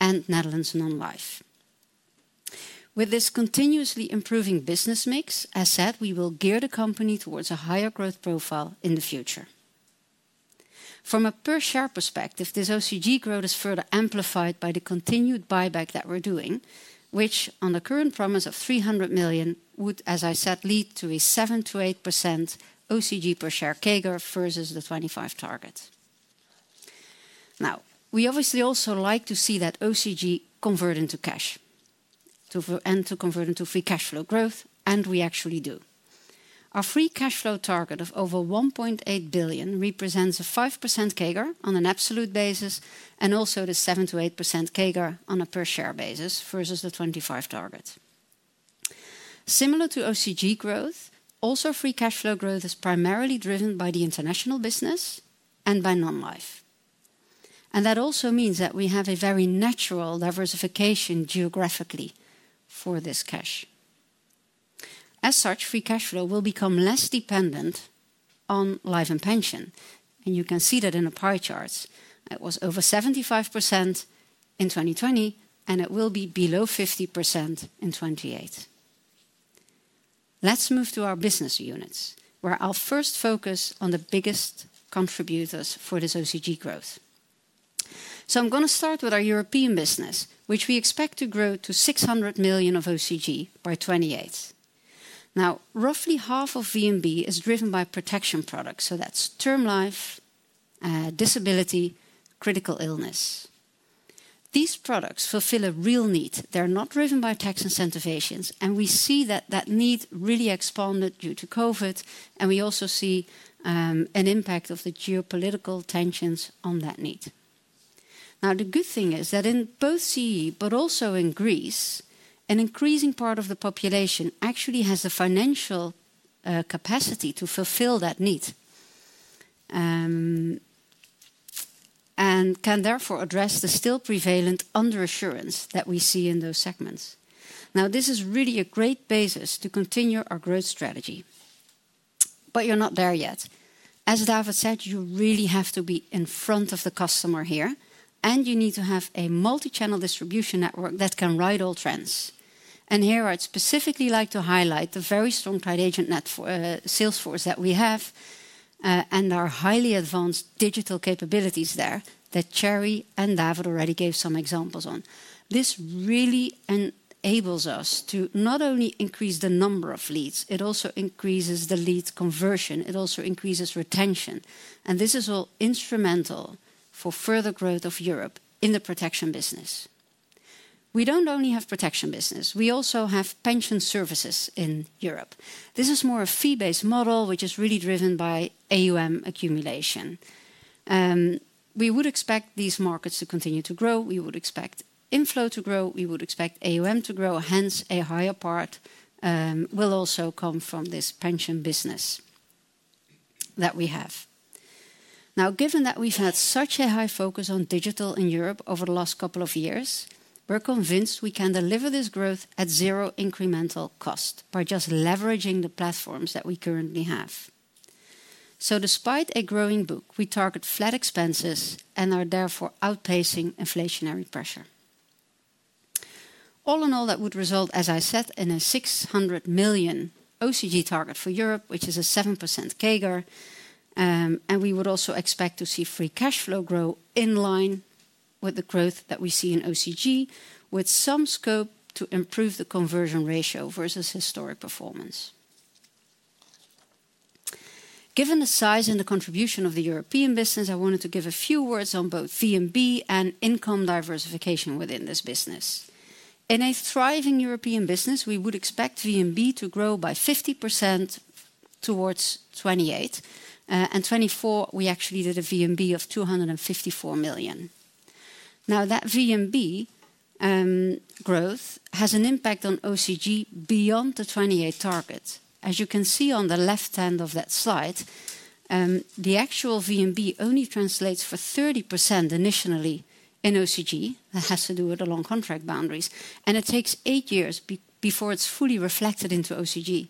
and Netherlands Non-life. With this continuously improving business mix, as said, we will gear the company towards a higher growth profile in the future. From a per-share perspective, this OCG growth is further amplified by the continued buyback that we're doing, which on the current promise of 300 million would, as I said, lead to a 7%-8% OCG per share CAGR versus the 2025 target. Now, we obviously also like to see that OCG convert into cash and to convert into free cash flow growth, and we actually do. Our free cash flow target of over 1.8 billion represents a 5% CAGR on an absolute basis and also the 7%-8% CAGR on a per-share basis versus the 2025 target. Similar to OCG growth, also free cash flow growth is primarily driven by the international business and by Non-life. That also means that we have a very natural diversification geographically for this cash. As such, free cash flow will become less dependent on life and pension. You can see that in the pie charts. It was over 75% in 2020, and it will be below 50% in 2028. Let's move to our business units, where I'll first focus on the biggest contributors for this OCG growth. I'm going to start with our European business, which we expect to grow to 600 million of OCG by 2028. Now, roughly half of VNB is driven by protection products. That's term life, disability, critical illness. These products fulfill a real need. They're not driven by tax incentivations, and we see that that need really expanded due to COVID, and we also see an impact of the geopolitical tensions on that need. Now, the good thing is that in both CE, but also in Greece, an increasing part of the population actually has the financial capacity to fulfill that need and can therefore address the still prevalent underassurance that we see in those segments. Now, this is really a great basis to continue our growth strategy, but you're not there yet. As David said, you really have to be in front of the customer here, and you need to have a multi-channel distribution network that can ride all trends. Here I'd specifically like to highlight the very strong client agent network, Salesforce, that we have and our highly advanced digital capabilities there that Tjerrie and David already gave some examples on. This really enables us to not only increase the number of leads, it also increases the lead conversion. It also increases retention. This is all instrumental for further growth of Europe in the protection business. We do not only have protection business. We also have pension services in Europe. This is more a fee-based model, which is really driven by AUM accumulation. We would expect these markets to continue to grow. We would expect inflow to grow. We would expect AUM to grow. Hence, a higher part will also come from this pension business that we have. Now, given that we have had such a high focus on digital in Europe over the last couple of years, we are convinced we can deliver this growth at zero incremental cost by just leveraging the platforms that we currently have. Despite a growing book, we target flat expenses and are therefore outpacing inflationary pressure. All in all, that would result, as I said, in a 600 million OCG target for Europe, which is a 7% CAGR. We would also expect to see free cash flow grow in line with the growth that we see in OCG, with some scope to improve the conversion ratio versus historic performance. Given the size and the contribution of the European business, I wanted to give a few words on both VNB and income diversification within this business. In a thriving European business, we would expect VNB to grow by 50% towards 2028. In 2024, we actually did a VNB of 254 million. Now, that VNB growth has an impact on OCG beyond the 2028 target. As you can see on the left hand of that slide, the actual VNB only translates for 30% initially in OCG. That has to do with the long contract boundaries, and it takes eight years before it's fully reflected into OCG.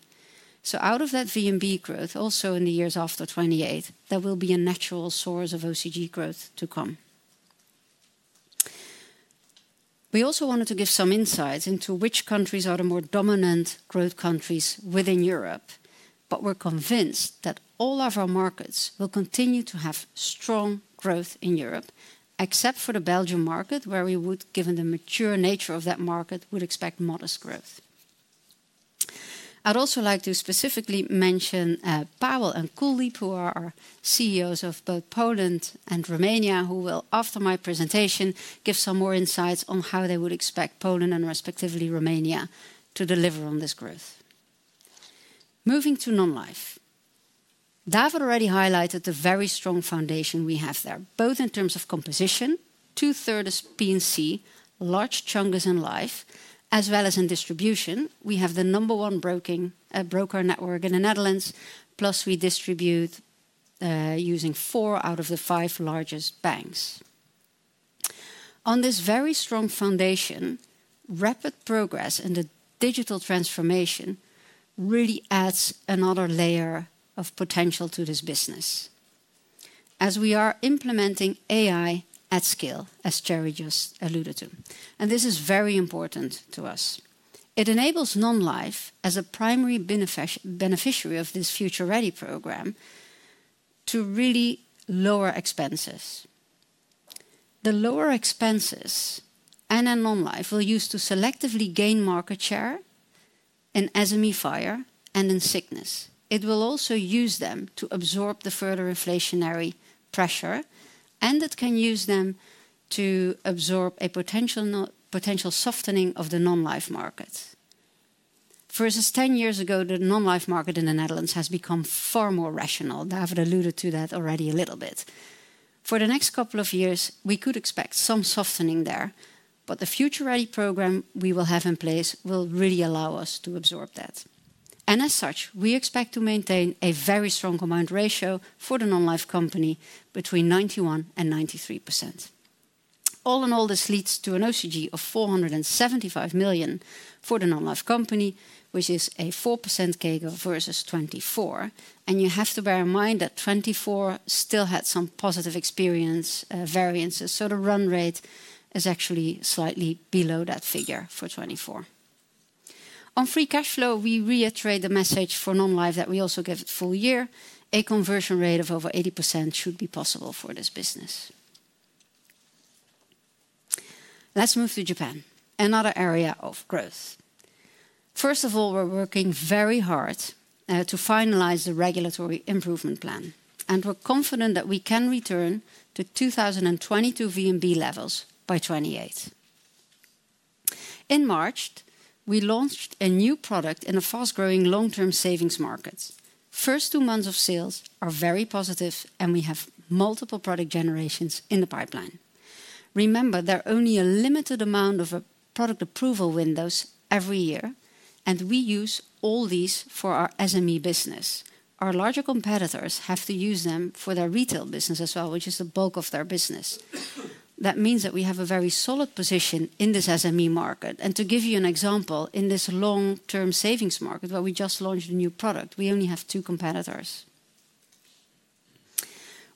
Out of that VNB growth, also in the years after 2028, there will be a natural source of OCG growth to come. We also wanted to give some insights into which countries are the more dominant growth countries within Europe, but we're convinced that all of our markets will continue to have strong growth in Europe, except for the Belgian market, where we would, given the mature nature of that market, expect modest growth. I'd also like to specifically mention Paweł and Kuldeep, who are CEOs of both Poland and Romania, who will, after my presentation, give some more insights on how they would expect Poland and respectively Romania to deliver on this growth. Moving to Non-life. David already highlighted the very strong foundation we have there, both in terms of composition, 2/3 P&C, large chunkers in life, as well as in distribution. We have the number one broker network in the Netherlands, plus we distribute using four out of the five largest banks. On this very strong foundation, rapid progress in the digital transformation really adds another layer of potential to this business as we are implementing AI at scale, as Tjerrie just alluded to. This is very important to us. It enables Non-life, as a primary beneficiary of this Future Ready program, to really lower expenses. The lower expenses NN Non-life will use to selectively gain market share in SME fire and in sickness. It will also use them to absorb the further inflationary pressure, and it can use them to absorb a potential softening of the Non-life market. Versus 10 years ago, the Non-life market in the Netherlands has become far more rational. David alluded to that already a little bit. For the next couple of years, we could expect some softening there, but the Future Ready program we will have in place will really allow us to absorb that. As such, we expect to maintain a very strong combined ratio for the Non-life company between 91%-93%. All in all, this leads to an OCG of 475 million for the Non-life company, which is a 4% CAGR versus 2024. You have to bear in mind that 2024 still had some positive experience variances, so the run rate is actually slightly below that figure for 2024. On free cash flow, we reiterate the message for Non-life that we also give it full year. A conversion rate of over 80% should be possible for this business. Let's move to Japan, another area of growth. First of all, we're working very hard to finalize the regulatory improvement plan, and we're confident that we can return to 2022 VNB levels by 2028. In March, we launched a new product in a fast-growing long-term savings market. First two months of sales are very positive, and we have multiple product generations in the pipeline. Remember, there are only a limited amount of product approval windows every year, and we use all these for our SME business. Our larger competitors have to use them for their retail business as well, which is the bulk of their business. That means that we have a very solid position in this SME market. To give you an example, in this long-term savings market, where we just launched a new product, we only have two competitors.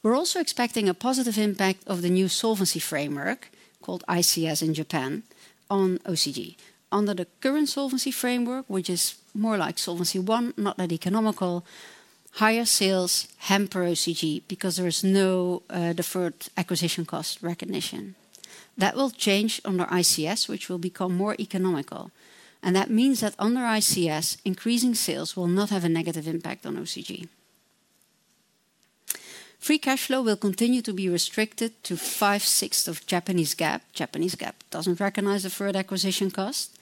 We're also expecting a positive impact of the new solvency framework called ICS in Japan on OCG. Under the current solvency framework, which is more like Solvency I, not that economical, higher sales hamper OCG because there is no deferred acquisition cost recognition. That will change under ICS, which will become more economical. That means that under ICS, increasing sales will not have a negative impact on OCG. Free cash flow will continue to be restricted to five-sixths of Japanese GAAP. Japanese GAAP does not recognize deferred acquisition cost,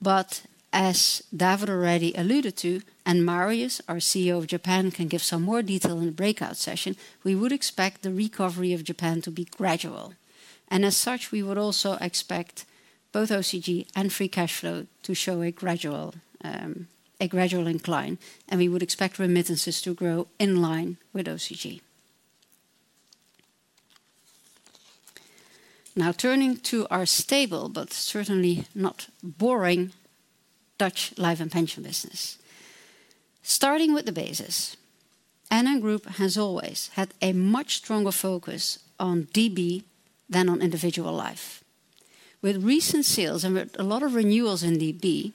but as David already alluded to, and Marius, our CEO of Japan, can give some more detail in the breakout session, we would expect the recovery of Japan to be gradual. As such, we would also expect both OCG and free cash flow to show a gradual incline, and we would expect remittances to grow in line with OCG. Now, turning to our stable but certainly not boring Dutch life and pension business. Starting with the basis, NN Group has always had a much stronger focus on DB than on individual life. With recent sales and with a lot of renewals in DB,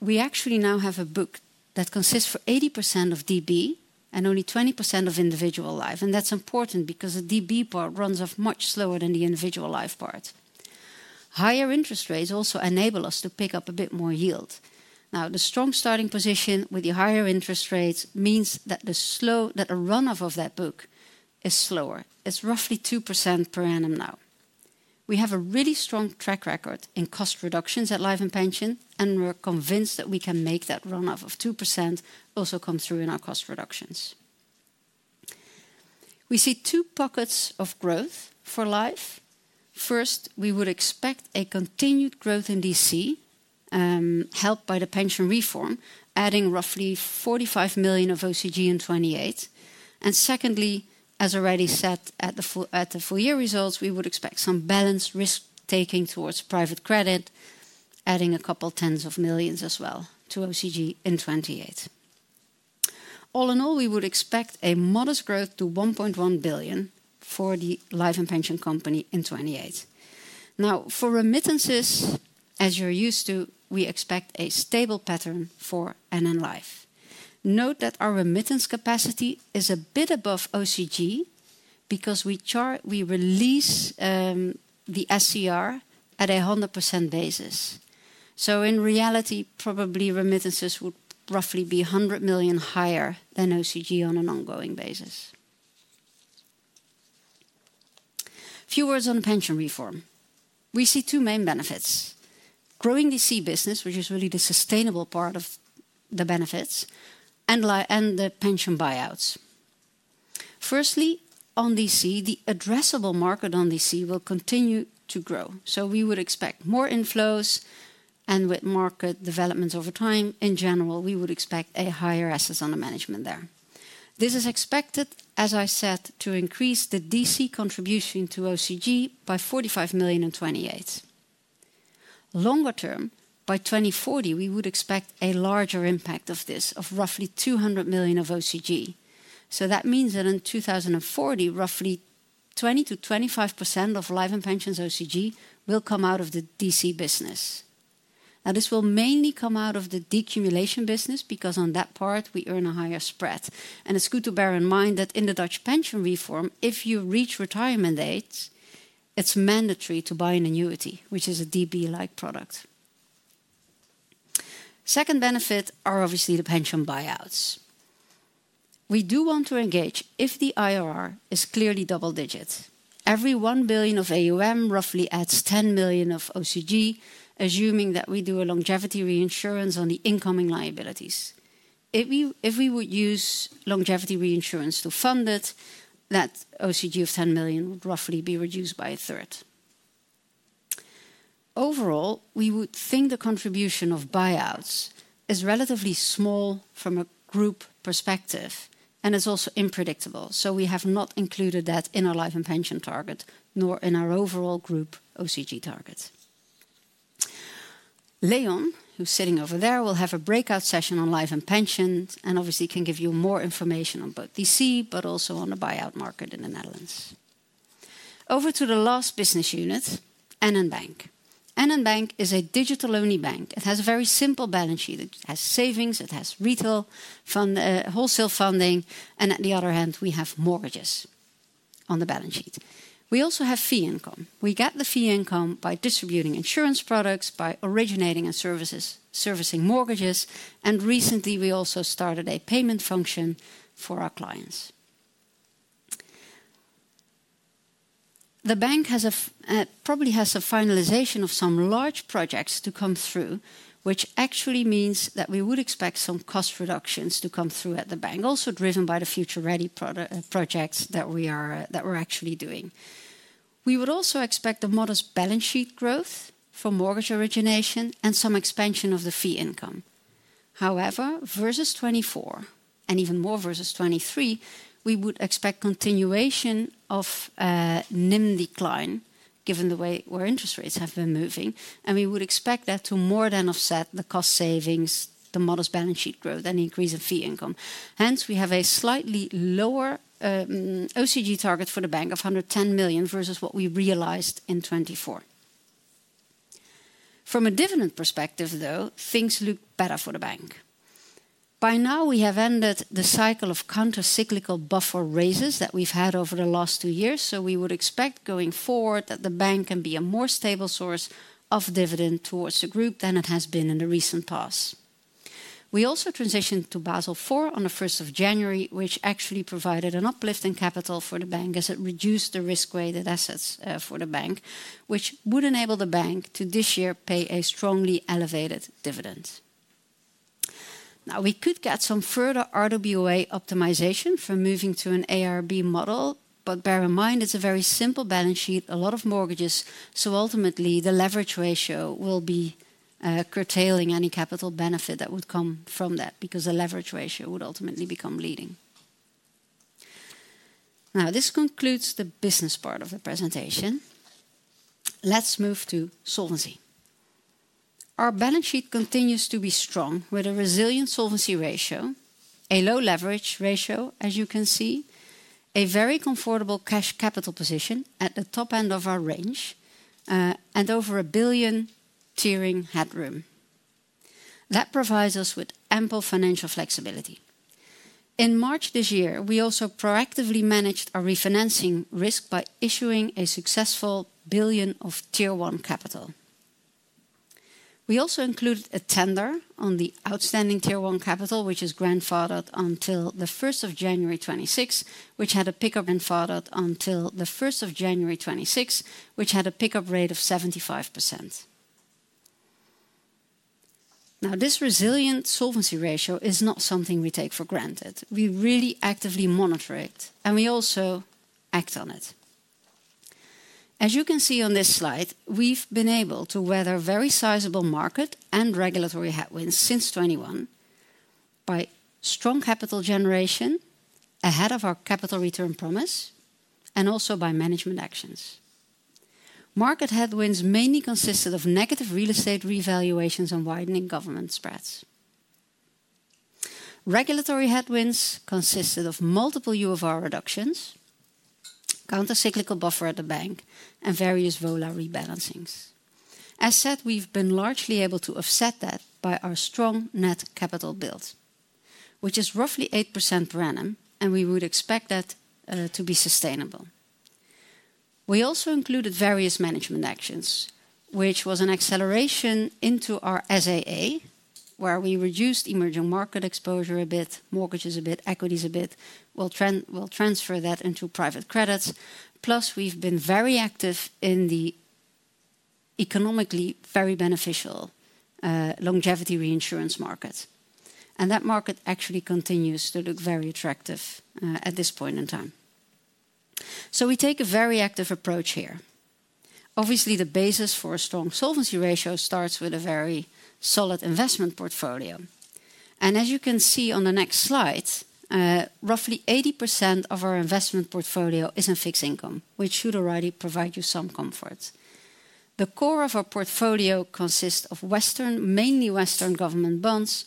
we actually now have a book that consists for 80% of DB and only 20% of individual life. That's important because the DB part runs off much slower than the individual life part. Higher interest rates also enable us to pick up a bit more yield. Now, the strong starting position with the higher interest rates means that the runoff of that book is slower. It's roughly 2% per annum now. We have a really strong track record in cost reductions at life and pension, and we're convinced that we can make that runoff of 2% also come through in our cost reductions. We see two pockets of growth for life. First, we would expect a continued growth in DC, helped by the pension reform, adding roughly 45 million of OCG in 2028. Secondly, as already said at the full year results, we would expect some balanced risk-taking towards private credit, adding a couple tens of millions as well to OCG in 2028. All in all, we would expect a modest growth to 1.1 billion for the life and pension company in 2028. Now, for remittances, as you're used to, we expect a stable pattern for NN Life. Note that our remittance capacity is a bit above OCG because we release the SCR at a 100% basis. In reality, probably remittances would roughly be 100 million higher than OCG on an ongoing basis. Few words on pension reform. We see two main benefits: growing the DC business, which is really the sustainable part of the benefits, and the pension buyouts. Firstly, on DC, the addressable market on DC will continue to grow. We would expect more inflows, and with market developments over time, in general, we would expect a higher assets under management there. This is expected, as I said, to increase the DC contribution to OCG by 45 million in 2028. Longer term, by 2040, we would expect a larger impact of this, of roughly 200 million of OCG. That means that in 2040, roughly 20%-25% of life and pensions OCG will come out of the DC business. This will mainly come out of the decumulation business because on that part, we earn a higher spread. It is good to bear in mind that in the Dutch pension reform, if you reach retirement age, it is mandatory to buy an annuity, which is a DB-like product. Second benefit are obviously the pension buyouts. We do want to engage if the IRR is clearly double-digit. Every 1 billion of AUM roughly adds 10 million of OCG, assuming that we do a longevity reinsurance on the incoming liabilities. If we would use longevity reinsurance to fund it, that OCG of 10 million would roughly be reduced by 1/3. Overall, we would think the contribution of buyouts is relatively small from a group perspective, and it is also unpredictable. We have not included that in our life and pension target, nor in our overall group OCG target. Leon, who's sitting over there, will have a breakout session on life and pension, and obviously can give you more information on both DC, but also on the buyout market in the Netherlands. Over to the last business unit, NN Bank. NN Bank is a digital-only bank. It has a very simple balance sheet. It has savings, it has retail wholesale funding, and at the other hand, we have mortgages on the balance sheet. We also have fee income. We get the fee income by distributing insurance products, by originating and servicing mortgages, and recently we also started a payment function for our clients. The bank probably has a finalization of some large projects to come through, which actually means that we would expect some cost reductions to come through at the bank, also driven by the Future Ready projects that we are actually doing. We would also expect a modest balance sheet growth for mortgage origination and some expansion of the fee income. However, versus 2024, and even more versus 2023, we would expect continuation of NIM decline given the way where interest rates have been moving, and we would expect that to more than offset the cost savings, the modest balance sheet growth, and the increase of fee income. Hence, we have a slightly lower OCG target for the bank of 110 million versus what we realized in 2024. From a dividend perspective, though, things look better for the bank. By now, we have ended the cycle of countercyclical buffer raises that we've had over the last two years, so we would expect going forward that the bank can be a more stable source of dividend towards the group than it has been in the recent past. We also transitioned to Basel IV on the 1st of January, which actually provided an uplift in capital for the bank as it reduced the risk-weighted assets for the bank, which would enable the bank to this year pay a strongly elevated dividend. Now, we could get some further RWA optimization from moving to an ARB model, but bear in mind it is a very simple balance sheet, a lot of mortgages, so ultimately the leverage ratio will be curtailing any capital benefit that would come from that because the leverage ratio would ultimately become leading. This concludes the business part of the presentation. Let's move to solvency. Our balance sheet continues to be strong with a resilient solvency ratio, a low leverage ratio, as you can see, a very comfortable cash capital position at the top end of our range, and over 1 billion tiering headroom. That provides us with ample financial flexibility. In March this year, we also proactively managed our refinancing risk by issuing a successful 1 billion of tier one capital. We also included a tender on the outstanding tier one capital, which is grandfathered until the 1st of January 2026, which had a pickup. Grandfathered until the 1st of January 2026, which had a pickup rate of 75%. Now, this resilient solvency ratio is not something we take for granted. We really actively monitor it, and we also act on it. As you can see on this slide, we've been able to weather very sizable market and regulatory headwinds since 2021 by strong capital generation ahead of our capital return promise and also by management actions. Market headwinds mainly consisted of negative real estate revaluations and widening government spreads. Regulatory headwinds consisted of multiple U of R reductions, countercyclical buffer at the bank, and various [VOLA] rebalancings. As said, we've been largely able to offset that by our strong net capital build, which is roughly 8% per annum, and we would expect that to be sustainable. We also included various management actions, which was an acceleration into our SAA, where we reduced emerging market exposure a bit, mortgages a bit, equities a bit. We'll transfer that into private credits. Plus, we've been very active in the economically very beneficial longevity reinsurance market. That market actually continues to look very attractive at this point in time. We take a very active approach here. Obviously, the basis for a strong solvency ratio starts with a very solid investment portfolio. As you can see on the next slide, roughly 80% of our investment portfolio is in fixed income, which should already provide you some comfort. The core of our portfolio consists of mainly Western government bonds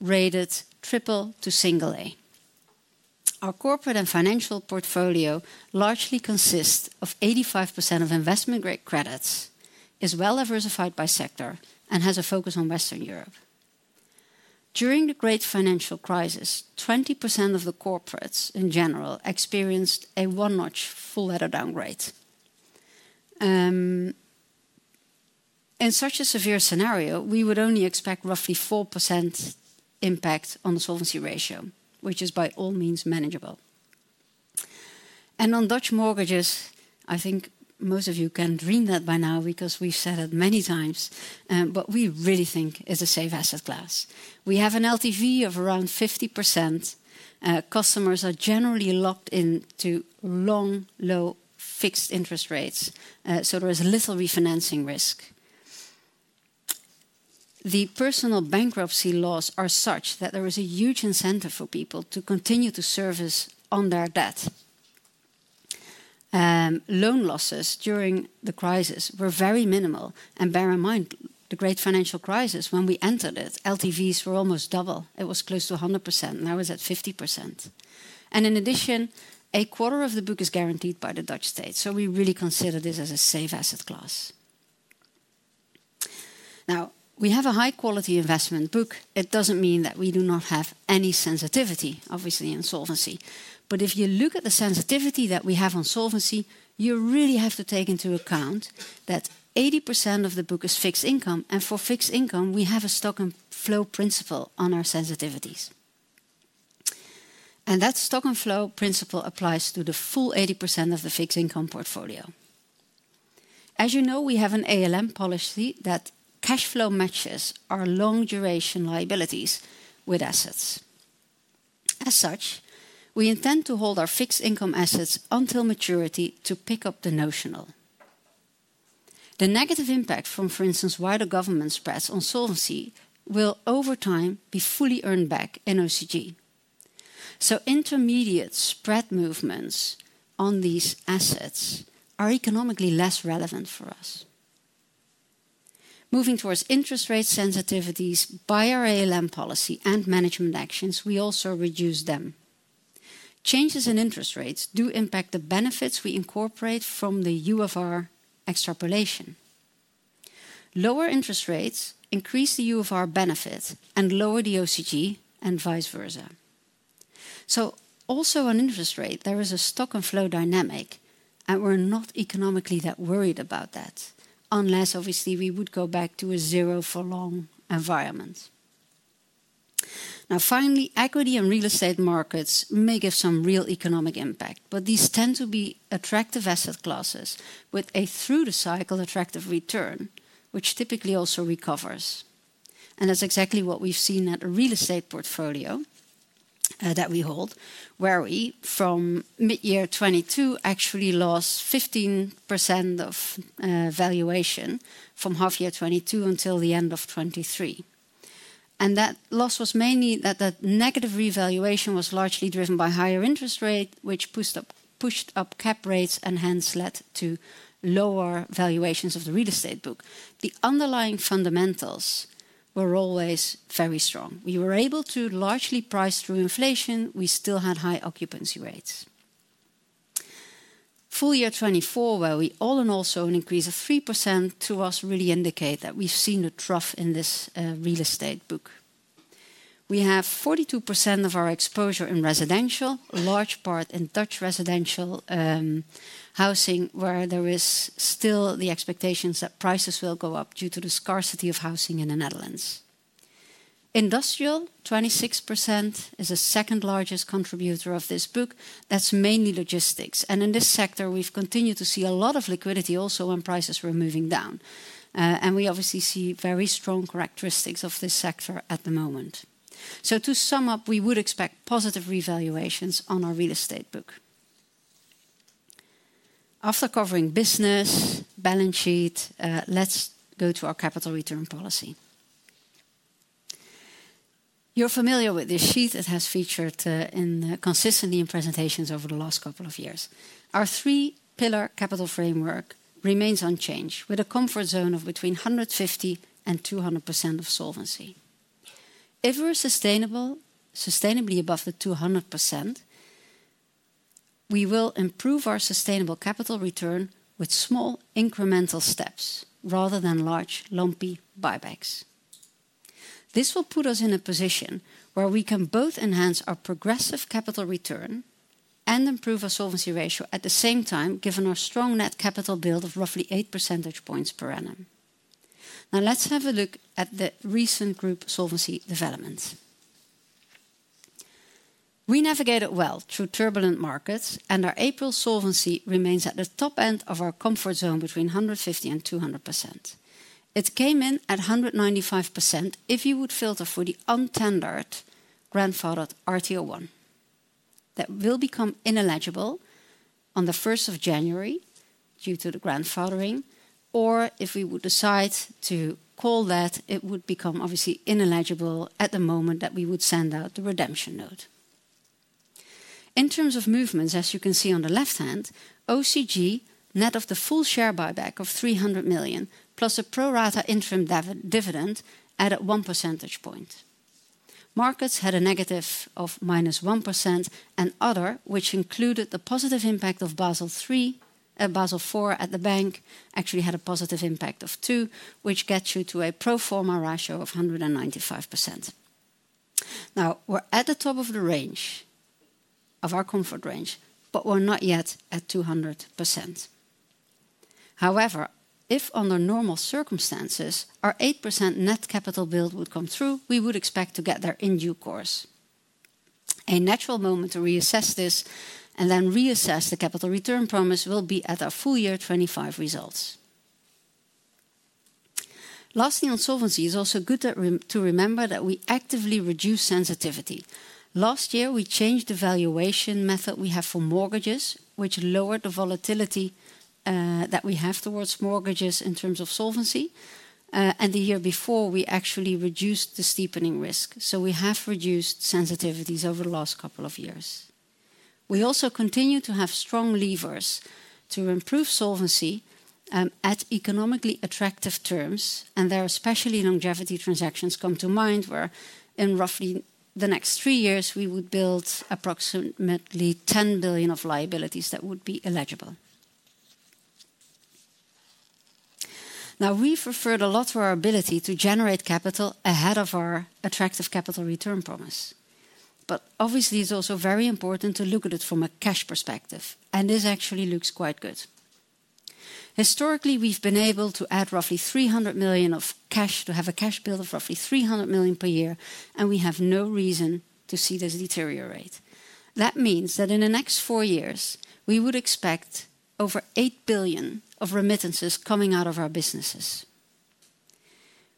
rated triple to single A. Our corporate and financial portfolio largely consists of 85% of investment-grade credits, is well diversified by sector, and has a focus on Western Europe. During the great financial crisis, 20% of the corporates in general experienced a one-notch full-header downgrade. In such a severe scenario, we would only expect roughly 4% impact on the solvency ratio, which is by all means manageable. On Dutch mortgages, I think most of you can dream that by now because we've said it many times, but we really think it's a safe asset class. We have an LTV of around 50%. Customers are generally locked into long, low fixed interest rates, so there is little refinancing risk. The personal bankruptcy laws are such that there is a huge incentive for people to continue to service on their debt. Loan losses during the crisis were very minimal. Bear in mind, the great financial crisis, when we entered it, LTVs were almost double. It was close to 100%, and I was at 50%. In addition, a quarter of the book is guaranteed by the Dutch state, so we really consider this as a safe asset class. Now, we have a high-quality investment book. It does not mean that we do not have any sensitivity, obviously, in solvency. If you look at the sensitivity that we have on solvency, you really have to take into account that 80% of the book is fixed income, and for fixed income, we have a stock and flow principle on our sensitivities. That stock and flow principle applies to the full 80% of the fixed income portfolio. As you know, we have an ALM policy that cash flow matches our long-duration liabilities with assets. As such, we intend to hold our fixed income assets until maturity to pick up the notional. The negative impact from, for instance, wider government spreads on solvency will over time be fully earned back in OCG. Intermediate spread movements on these assets are economically less relevant for us. Moving towards interest rate sensitivities, by our ALM policy and management actions, we also reduce them. Changes in interest rates do impact the benefits we incorporate from the U of R extrapolation. Lower interest rates increase the U of R benefit and lower the OCG and vice versa. Also on interest rate, there is a stock and flow dynamic, and we're not economically that worried about that, unless obviously we would go back to a zero-for-long environment. Finally, equity and real estate markets may give some real economic impact, but these tend to be attractive asset classes with a through-the-cycle attractive return, which typically also recovers. That's exactly what we've seen at a real estate portfolio that we hold, where we from mid-year 2022 actually lost 15% of valuation from half-year 2022 until the end of 2023. That loss was mainly that negative revaluation was largely driven by higher interest rate, which pushed up cap rates and hence led to lower valuations of the real estate book. The underlying fundamentals were always very strong. We were able to largely price through inflation. We still had high occupancy rates. Full year 2024, where we all in all saw an increase of 3%, to us really indicate that we've seen a trough in this real estate book. We have 42% of our exposure in residential, a large part in Dutch residential housing, where there is still the expectations that prices will go up due to the scarcity of housing in the Netherlands. Industrial, 26%, is the second largest contributor of this book. That's mainly logistics. In this sector, we've continued to see a lot of liquidity also when prices were moving down. We obviously see very strong characteristics of this sector at the moment. To sum up, we would expect positive revaluations on our real estate book. After covering business, balance sheet, let's go to our capital return policy. You're familiar with this sheet. It has featured consistently in presentations over the last couple of years. Our three-pillar capital framework remains unchanged with a comfort zone of between 150%-200% of solvency. If we're sustainably above the 200%, we will improve our sustainable capital return with small incremental steps rather than large lumpy buybacks. This will put us in a position where we can both enhance our progressive capital return and improve our solvency ratio at the same time, given our strong net capital build of roughly 8 percentage points per annum. Now let's have a look at the recent group solvency development. We navigated well through turbulent markets, and our April solvency remains at the top end of our comfort zone between 150% and 200%. It came in at 195%. If you would filter for the untendered grandfathered RTO1, that will become ineligible on the 1st of January due to the grandfathering, or if we would decide to call that, it would become obviously ineligible at the moment that we would send out the redemption note. In terms of movements, as you can see on the left hand, OCG net of the full share buyback of 300 million plus a pro-rata interim dividend added 1 percentage point. Markets had a negative of -1%, and other, which included the positive impact of Basel III, Basel IV at the bank actually had a positive impact of 2, which gets you to a pro forma ratio of 195%. Now we're at the top of the range of our comfort range, but we're not yet at 200%. However, if under normal circumstances our 8% net capital build would come through, we would expect to get there in due course. A natural moment to reassess this and then reassess the capital return promise will be at our full year 2025 results. Lastly, on solvency it is also good to remember that we actively reduce sensitivity. Last year, we changed the valuation method we have for mortgages, which lowered the volatility that we have towards mortgages in terms of solvency. The year before, we actually reduced the steepening risk. We have reduced sensitivities over the last couple of years. We also continue to have strong levers to improve solvency at economically attractive terms. There are especially longevity transactions that come to mind where in roughly the next three years, we would build approximately 10 billion of liabilities that would be eligible. We have referred a lot to our ability to generate capital ahead of our attractive capital return promise. Obviously, it is also very important to look at it from a cash perspective. This actually looks quite good. Historically, we have been able to add roughly 300 million of cash to have a cash build of roughly 300 million per year. We have no reason to see this deteriorate. That means that in the next four years, we would expect over 8 billion of remittances coming out of our businesses.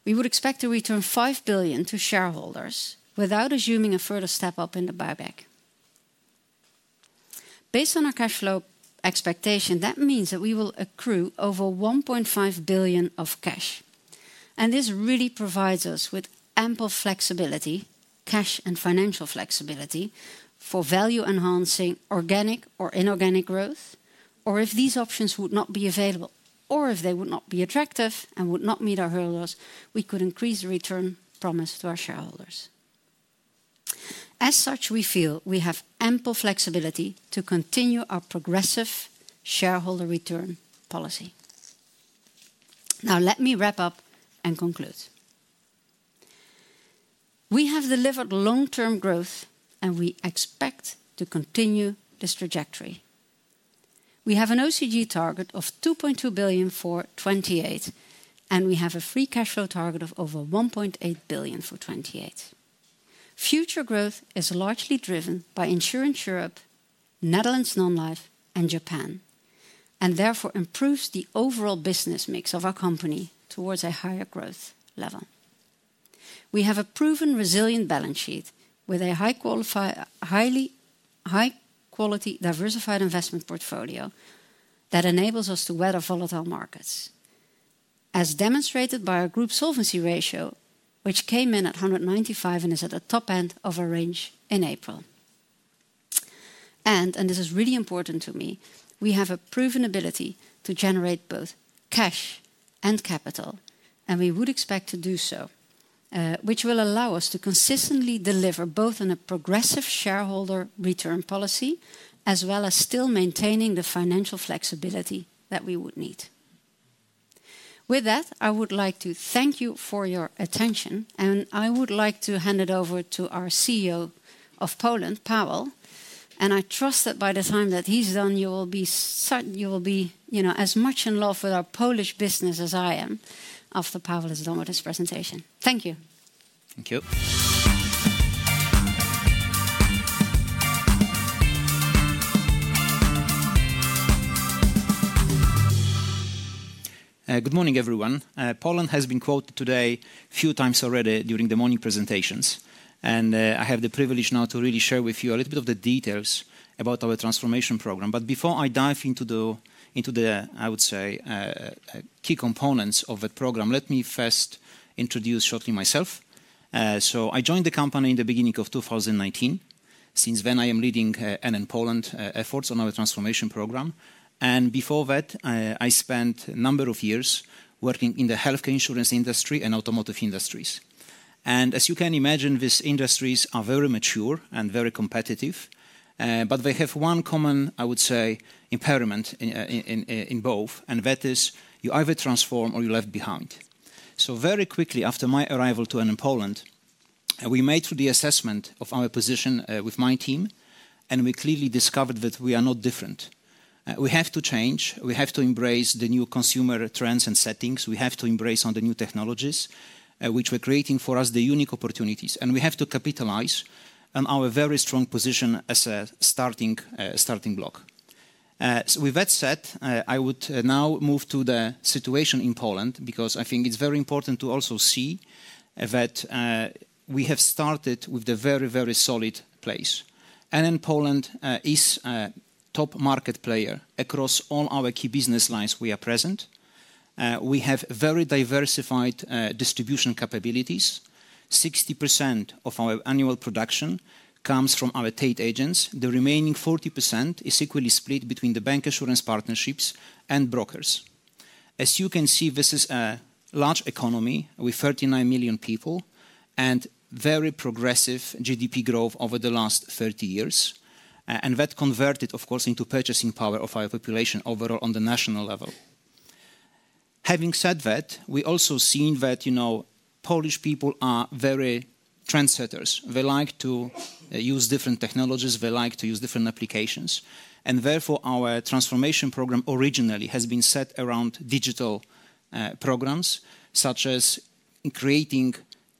We would expect to return 5 billion to shareholders without assuming a further step up in the buyback. Based on our cash flow expectation, that means that we will accrue over 1.5 billion of cash. This really provides us with ample flexibility, cash and financial flexibility for value enhancing, organic or inorganic growth, or if these options would not be available, or if they would not be attractive and would not meet our hurdles, we could increase the return promise to our shareholders. As such, we feel we have ample flexibility to continue our progressive shareholder return policy. Now let me wrap up and conclude. We have delivered long-term growth, and we expect to continue this trajectory. We have an OCG target of 2.2 billion for 2028, and we have a free cash flow target of over 1.8 billion for 2028. Future growth is largely driven by Insurance Europe, Netherlands Non-life, and Japan, and therefore improves the overall business mix of our company towards a higher growth level. We have a proven resilient balance sheet with a high-quality, diversified investment portfolio that enables us to weather volatile markets, as demonstrated by our group solvency ratio, which came in at 195% and is at the top end of our range in April. This is really important to me. We have a proven ability to generate both cash and capital, and we would expect to do so, which will allow us to consistently deliver both on a progressive shareholder return policy as well as still maintaining the financial flexibility that we would need. With that, I would like to thank you for your attention, and I would like to hand it over to our CEO of Poland, Paweł. I trust that by the time that he's done, you will be certain you will be as much in love with our Polish business as I am after Paweł has done with his presentation. Thank you. Thank you. Good morning, everyone. Poland has been quoted today a few times already during the morning presentations. I have the privilege now to really share with you a little bit of the details about our transformation program. Before I dive into the, I would say, key components of that program, let me first introduce shortly myself. I joined the company in the beginning of 2019. Since then, I am leading NN Poland efforts on our transformation program. Before that, I spent a number of years working in the healthcare insurance industry and automotive industries. As you can imagine, these industries are very mature and very competitive. They have one common, I would say, impairment in both, and that is you either transform or you leave behind. Very quickly after my arrival to NN Poland, we made the assessment of our position with my team, and we clearly discovered that we are not different. We have to change. We have to embrace the new consumer trends and settings. We have to embrace the new technologies, which were creating for us the unique opportunities. We have to capitalize on our very strong position as a starting block. With that said, I would now move to the situation in Poland because I think it is very important to also see that we have started with a very, very solid place. NN Poland is a top market player across all our key business lines we are present. We have very diversified distribution capabilities. 60% of our annual production comes from our tied agents. The remaining 40% is equally split between the bancassurance partnerships and brokers. As you can see, this is a large economy with 39 million people and very progressive GDP growth over the last 30 years. That converted, of course, into purchasing power of our population overall on the national level. Having said that, we also see that Polish people are very trendsetters. They like to use different technologies. They like to use different applications. Therefore, our transformation program originally has been set around digital programs such as creating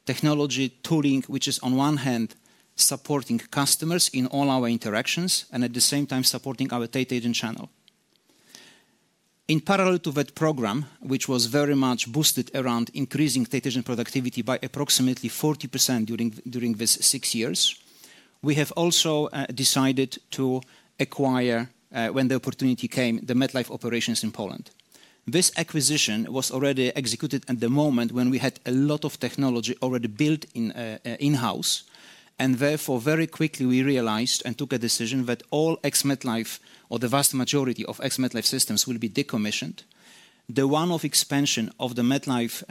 technology tooling, which is on one hand supporting customers in all our interactions and at the same time supporting our tied agent channel. In parallel to that program, which was very much boosted around increasing tied agent productivity by approximately 40% during these six years, we have also decided to acquire, when the opportunity came, the MetLife operations in Poland. This acquisition was already executed at the moment when we had a lot of technology already built in-house. Therefore, very quickly, we realized and took a decision that all ex-MetLife or the vast majority of ex-MetLife systems will be decommissioned. The one-off expansion of the MetLife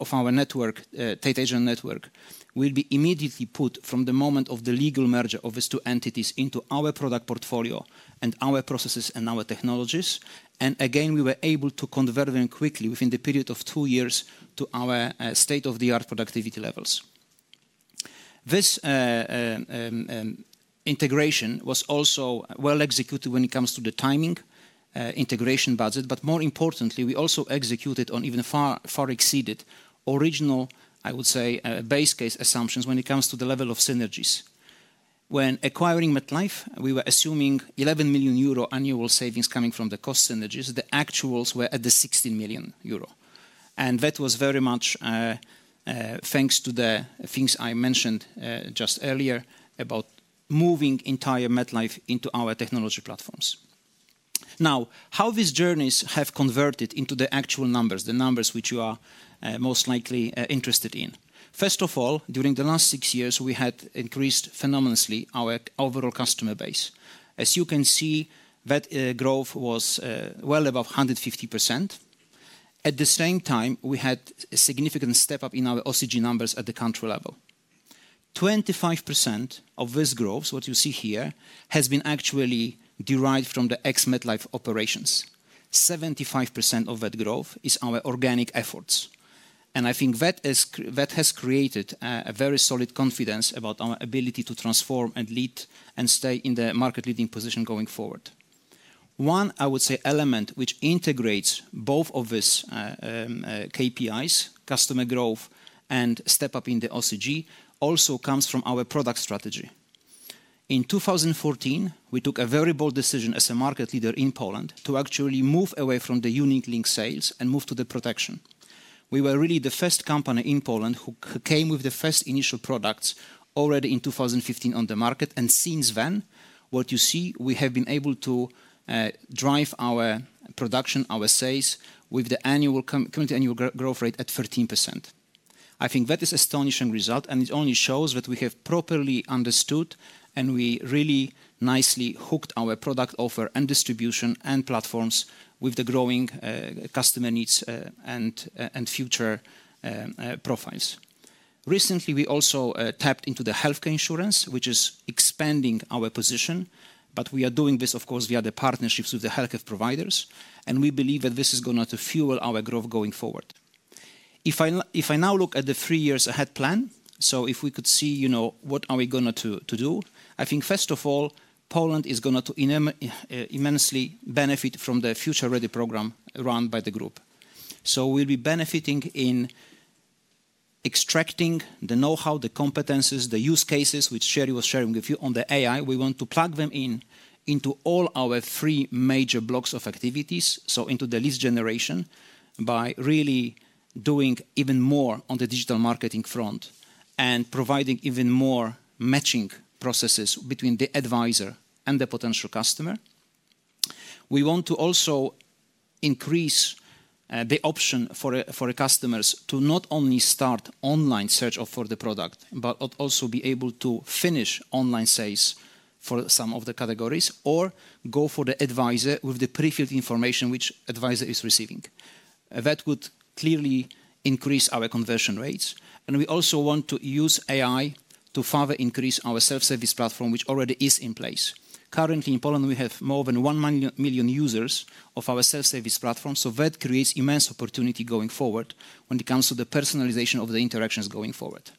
of our network, tied agent network, will be immediately put from the moment of the legal merger of these two entities into our product portfolio and our processes and our technologies. Again, we were able to convert them quickly within the period of two years to our state-of-the-art productivity levels. This integration was also well executed when it comes to the timing integration budget. More importantly, we also executed on, even far exceeded, original, I would say, base case assumptions when it comes to the level of synergies. When acquiring MetLife, we were assuming 11 million euro annual savings coming from the cost synergies. The actuals were at the 16 million euro. That was very much thanks to the things I mentioned just earlier about moving entire MetLife into our technology platforms. Now, how these journeys have converted into the actual numbers, the numbers which you are most likely interested in. First of all, during the last six years, we had increased phenomenally our overall customer base. As you can see, that growth was well above 150%. At the same time, we had a significant step up in our OCG numbers at the country level. 25% of this growth, what you see here, has been actually derived from the ex-MetLife operations. 75% of that growth is our organic efforts. I think that has created a very solid confidence about our ability to transform and lead and stay in the market-leading position going forward. One, I would say, element which integrates both of these KPIs, customer growth and step up in the OCG, also comes from our product strategy. In 2014, we took a very bold decision as a market leader in Poland to actually move away from the unit-linked sales and move to the protection. We were really the first company in Poland who came with the first initial products already in 2015 on the market. Since then, what you see, we have been able to drive our production, our sales with the annual growth rate at 13%. I think that is an astonishing result. It only shows that we have properly understood and we really nicely hooked our product offer and distribution and platforms with the growing customer needs and future profiles. Recently, we also tapped into the healthcare insurance, which is expanding our position. We are doing this, of course, via the partnerships with the healthcare providers. We believe that this is going to fuel our growth going forward. If I now look at the three years ahead plan, if we could see what are we going to do, I think first of all, Poland is going to immensely benefit from the Future Ready program run by the group. We will be benefiting in extracting the know-how, the competencies, the use cases which Tjerrie was sharing with you on the AI. We want to plug them into all our three major blocks of activities, so into the lead generation by really doing even more on the digital marketing front and providing even more matching processes between the advisor and the potential customer. We want to also increase the option for customers to not only start online search for the product, but also be able to finish online sales for some of the categories or go for the advisor with the pre-filled information which advisor is receiving. That would clearly increase our conversion rates. We also want to use AI to further increase our self-service platform, which already is in place. Currently, in Poland, we have more than 1 million users of our self-service platform. That creates immense opportunity going forward when it comes to the personalization of the interactions going forward.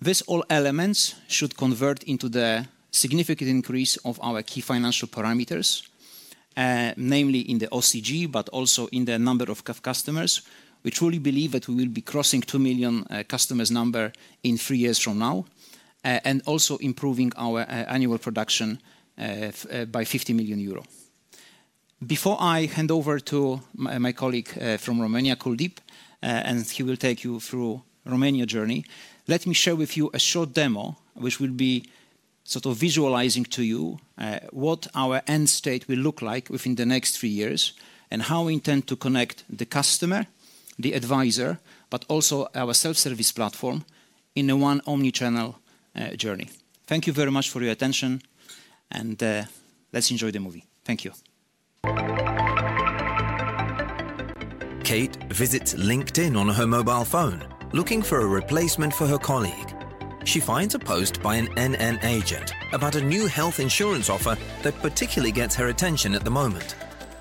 These all elements should convert into the significant increase of our key financial parameters, namely in the OCG, but also in the number of customers. We truly believe that we will be crossing 2 million customers number in three years from now and also improving our annual production by 50 million euro. Before I hand over to my colleague from Romania, Kuldeep, and he will take you through Romania journey, let me share with you a short demo which will be sort of visualizing to you what our end state will look like within the next three years and how we intend to connect the customer, the advisor, but also our self-service platform in a one-only channel journey. Thank you very much for your attention. Let's enjoy the movie. Thank you. Kate visits LinkedIn on her mobile phone looking for a replacement for her colleague. She finds a post by an NN agent about a new health insurance offer that particularly gets her attention at the moment.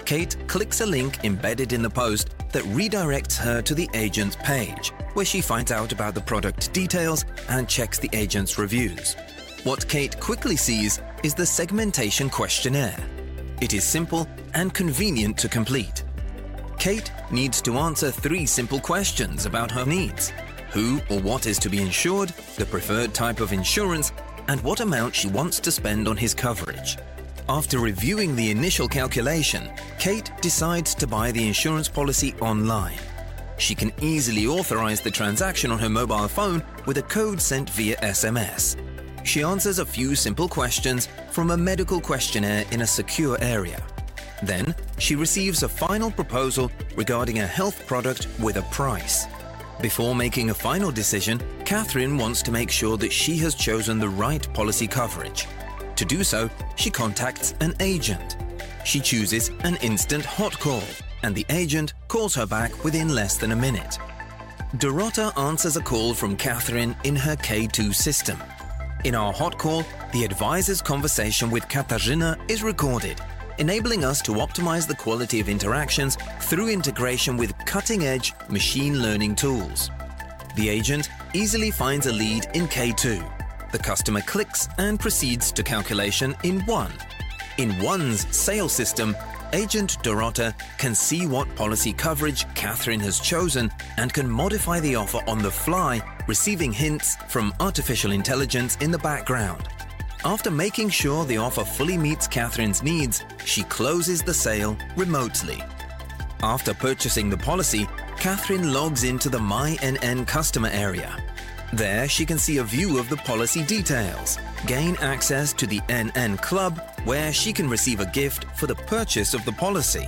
Kate clicks a link embedded in the post that redirects her to the agent's page, where she finds out about the product details and checks the agent's reviews. What Kate quickly sees is the segmentation questionnaire. It is simple and convenient to complete. Kate needs to answer three simple questions about her needs: who or what is to be insured, the preferred type of insurance, and what amount she wants to spend on this coverage. After reviewing the initial calculation, Kate decides to buy the insurance policy online. She can easily authorize the transaction on her mobile phone with a code sent via SMS. She answers a few simple questions from a medical questionnaire in a secure area. She receives a final proposal regarding a health product with a price. Before making a final decision, Catherine wants to make sure that she has chosen the right policy coverage. To do so, she contacts an agent. She chooses an instant hot call, and the agent calls her back within less than a minute. Dorota answers a call from Catherine in her K2 system. In our hot call, the advisor's conversation with Katarzyna is recorded, enabling us to optimize the quality of interactions through integration with cutting-edge machine learning tools. The agent easily finds a lead in K2. The customer clicks and proceeds to calculation in ONE. In ONE's sales system, agent Dorota can see what policy coverage Catherine has chosen and can modify the offer on the fly, receiving hints from artificial intelligence in the background. After making sure the offer fully meets Catherine's needs, she closes the sale remotely. After purchasing the policy, Catherine logs into the My NN customer area. There she can see a view of the policy details, gain access to the NN Club, where she can receive a gift for the purchase of the policy.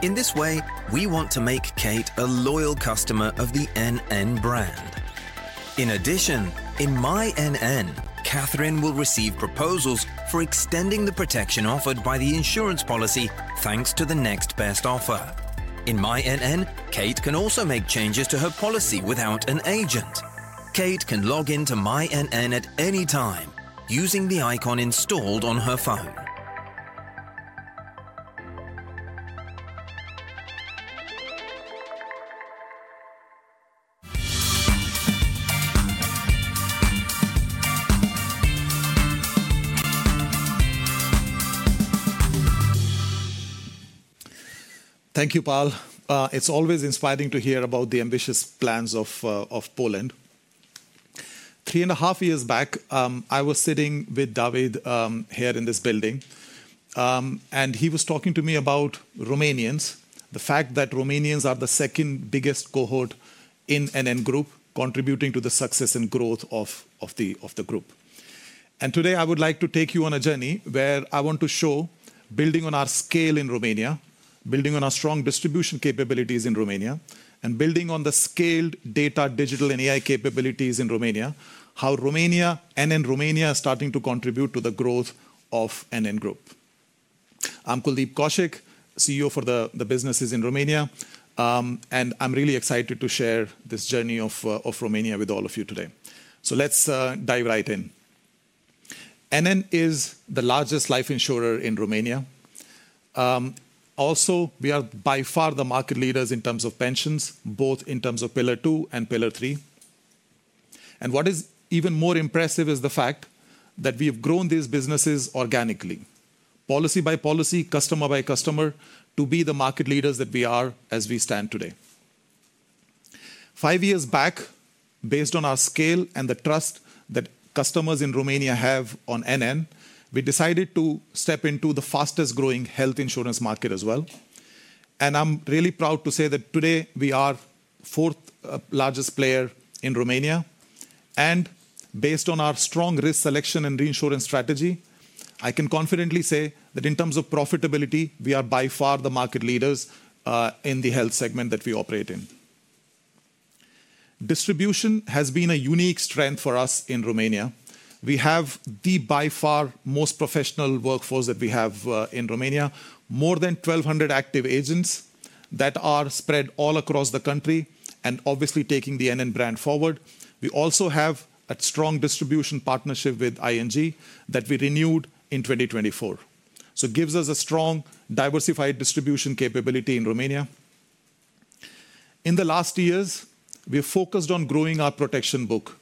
In this way, we want to make Kate a loyal customer of the NN brand. In addition, in My NN, Catherine will receive proposals for extending the protection offered by the insurance policy thanks to the next best offer. In My NN, Kate can also make changes to her policy without an agent. Kate can log into My NN at any time using the icon installed on her phone. Thank you, Paweł. It's always inspiring to hear about the ambitious plans of Poland. Three and a half years back, I was sitting with David here in this building, and he was talking to me about Romanians, the fact that Romanians are the second biggest cohort in NN Group contributing to the success and growth of the group. Today, I would like to take you on a journey where I want to show, building on our scale in Romania, building on our strong distribution capabilities in Romania, and building on the scaled data, digital, and AI capabilities in Romania, how Romania, NN Romania is starting to contribute to the growth of NN Group. I'm Kuldeep Kaushik, CEO for the businesses in Romania, and I'm really excited to share this journey of Romania with all of you today. Let's dive right in. NN is the largest life insurer in Romania. Also, we are by far the market leaders in terms of pensions, both in terms of Pillar 2 and Pillar 3. What is even more impressive is the fact that we have grown these businesses organically, policy by policy, customer by customer, to be the market leaders that we are as we stand today. Five years back, based on our scale and the trust that customers in Romania have on NN, we decided to step into the fastest-growing health insurance market as well. I am really proud to say that today we are the fourth largest player in Romania. Based on our strong risk selection and reinsurance strategy, I can confidently say that in terms of profitability, we are by far the market leaders in the health segment that we operate in. Distribution has been a unique strength for us in Romania. We have the by far most professional workforce that we have in Romania, more than 1,200 active agents that are spread all across the country and obviously taking the NN brand forward. We also have a strong distribution partnership with ING that we renewed in 2024. It gives us a strong diversified distribution capability in Romania. In the last years, we have focused on growing our protection book.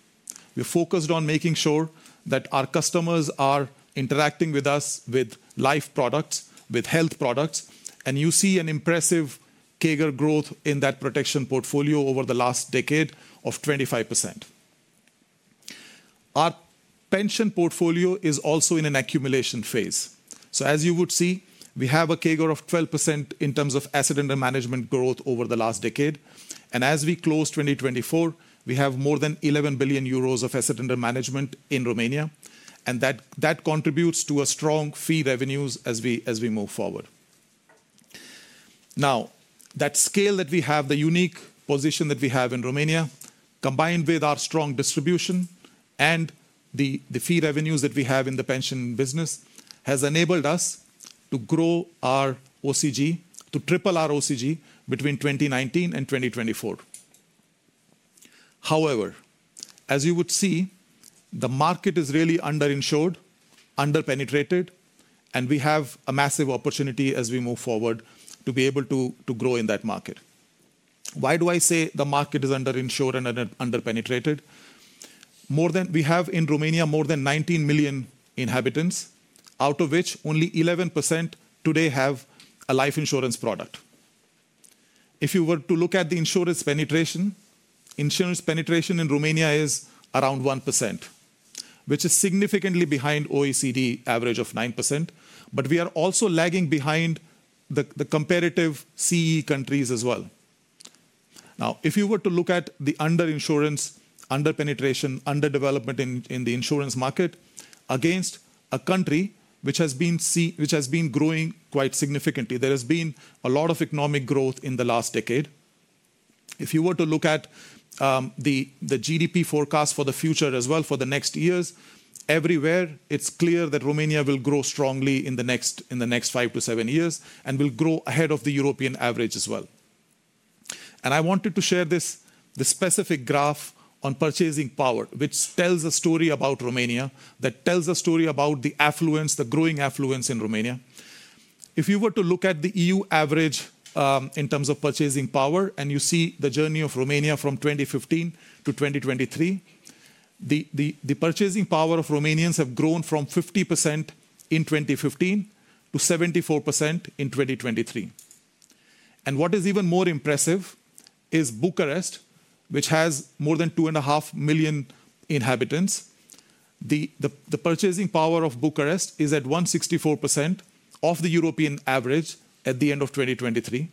We have focused on making sure that our customers are interacting with us with life products, with health products. You see an impressive CAGR growth in that protection portfolio over the last decade of 25%. Our pension portfolio is also in an accumulation phase. As you would see, we have a CAGR of 12% in terms of asset under management growth over the last decade. As we close 2024, we have more than 11 billion euros of assets under management in Romania. That contributes to strong fee revenues as we move forward. Now, that scale that we have, the unique position that we have in Romania, combined with our strong distribution and the fee revenues that we have in the pension business, has enabled us to grow our OCG, to triple our OCG between 2019 and 2024. However, as you would see, the market is really underinsured, underpenetrated, and we have a massive opportunity as we move forward to be able to grow in that market. Why do I say the market is underinsured and underpenetrated? We have in Romania more than 19 million inhabitants, out of which only 11% today have a life insurance product. If you were to look at the insurance penetration, insurance penetration in Romania is around 1%, which is significantly behind the OECD average of 9%. We are also lagging behind the comparative CE countries as well. If you were to look at the underinsurance, underpenetration, underdevelopment in the insurance market against a country which has been growing quite significantly, there has been a lot of economic growth in the last decade. If you were to look at the GDP forecast for the future as well for the next years, everywhere it's clear that Romania will grow strongly in the next five to seven years and will grow ahead of the European average as well. I wanted to share this specific graph on purchasing power, which tells a story about Romania, that tells a story about the affluence, the growing affluence in Romania. If you were to look at the EU average in terms of purchasing power and you see the journey of Romania from 2015 to 2023, the purchasing power of Romanians has grown from 50% in 2015 to 74% in 2023. What is even more impressive is Bucharest, which has more than 2.5 million inhabitants. The purchasing power of Bucharest is at 164% of the European average at the end of 2023.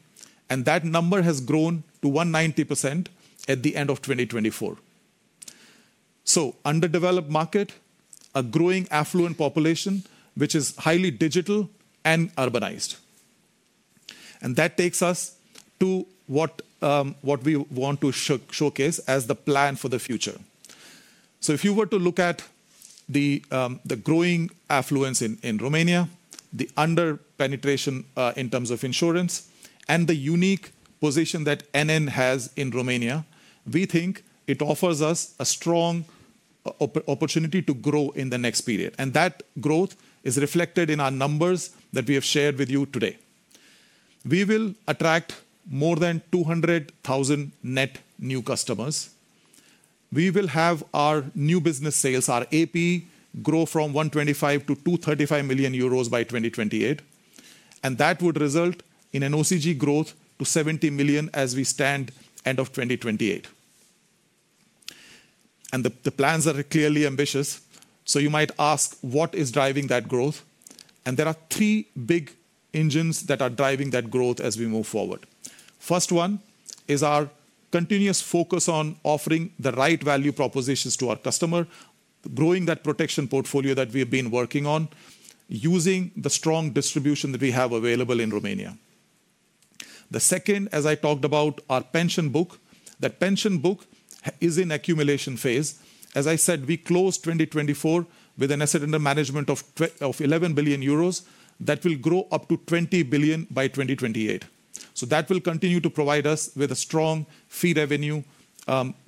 That number has grown to 190% at the end of 2024. Underdeveloped market, a growing affluent population, which is highly digital and urbanized. That takes us to what we want to showcase as the plan for the future. If you were to look at the growing affluence in Romania, the underpenetration in terms of insurance, and the unique position that NN has in Romania, we think it offers us a strong opportunity to grow in the next period. That growth is reflected in our numbers that we have shared with you today. We will attract more than 200,000 net new customers. We will have our new business sales, our AP, grow from 125 million to 235 million euros by 2028. That would result in an OCG growth to 70 million as we stand at the end of 2028. The plans are clearly ambitious. You might ask, what is driving that growth? There are three big engines that are driving that growth as we move forward. First one is our continuous focus on offering the right value propositions to our customer, growing that protection portfolio that we have been working on, using the strong distribution that we have available in Romania. The second, as I talked about, our pension book. That pension book is in accumulation phase. As I said, we closed 2024 with an asset under management of 11 billion euros that will grow up to 20 billion by 2028. That will continue to provide us with a strong fee revenue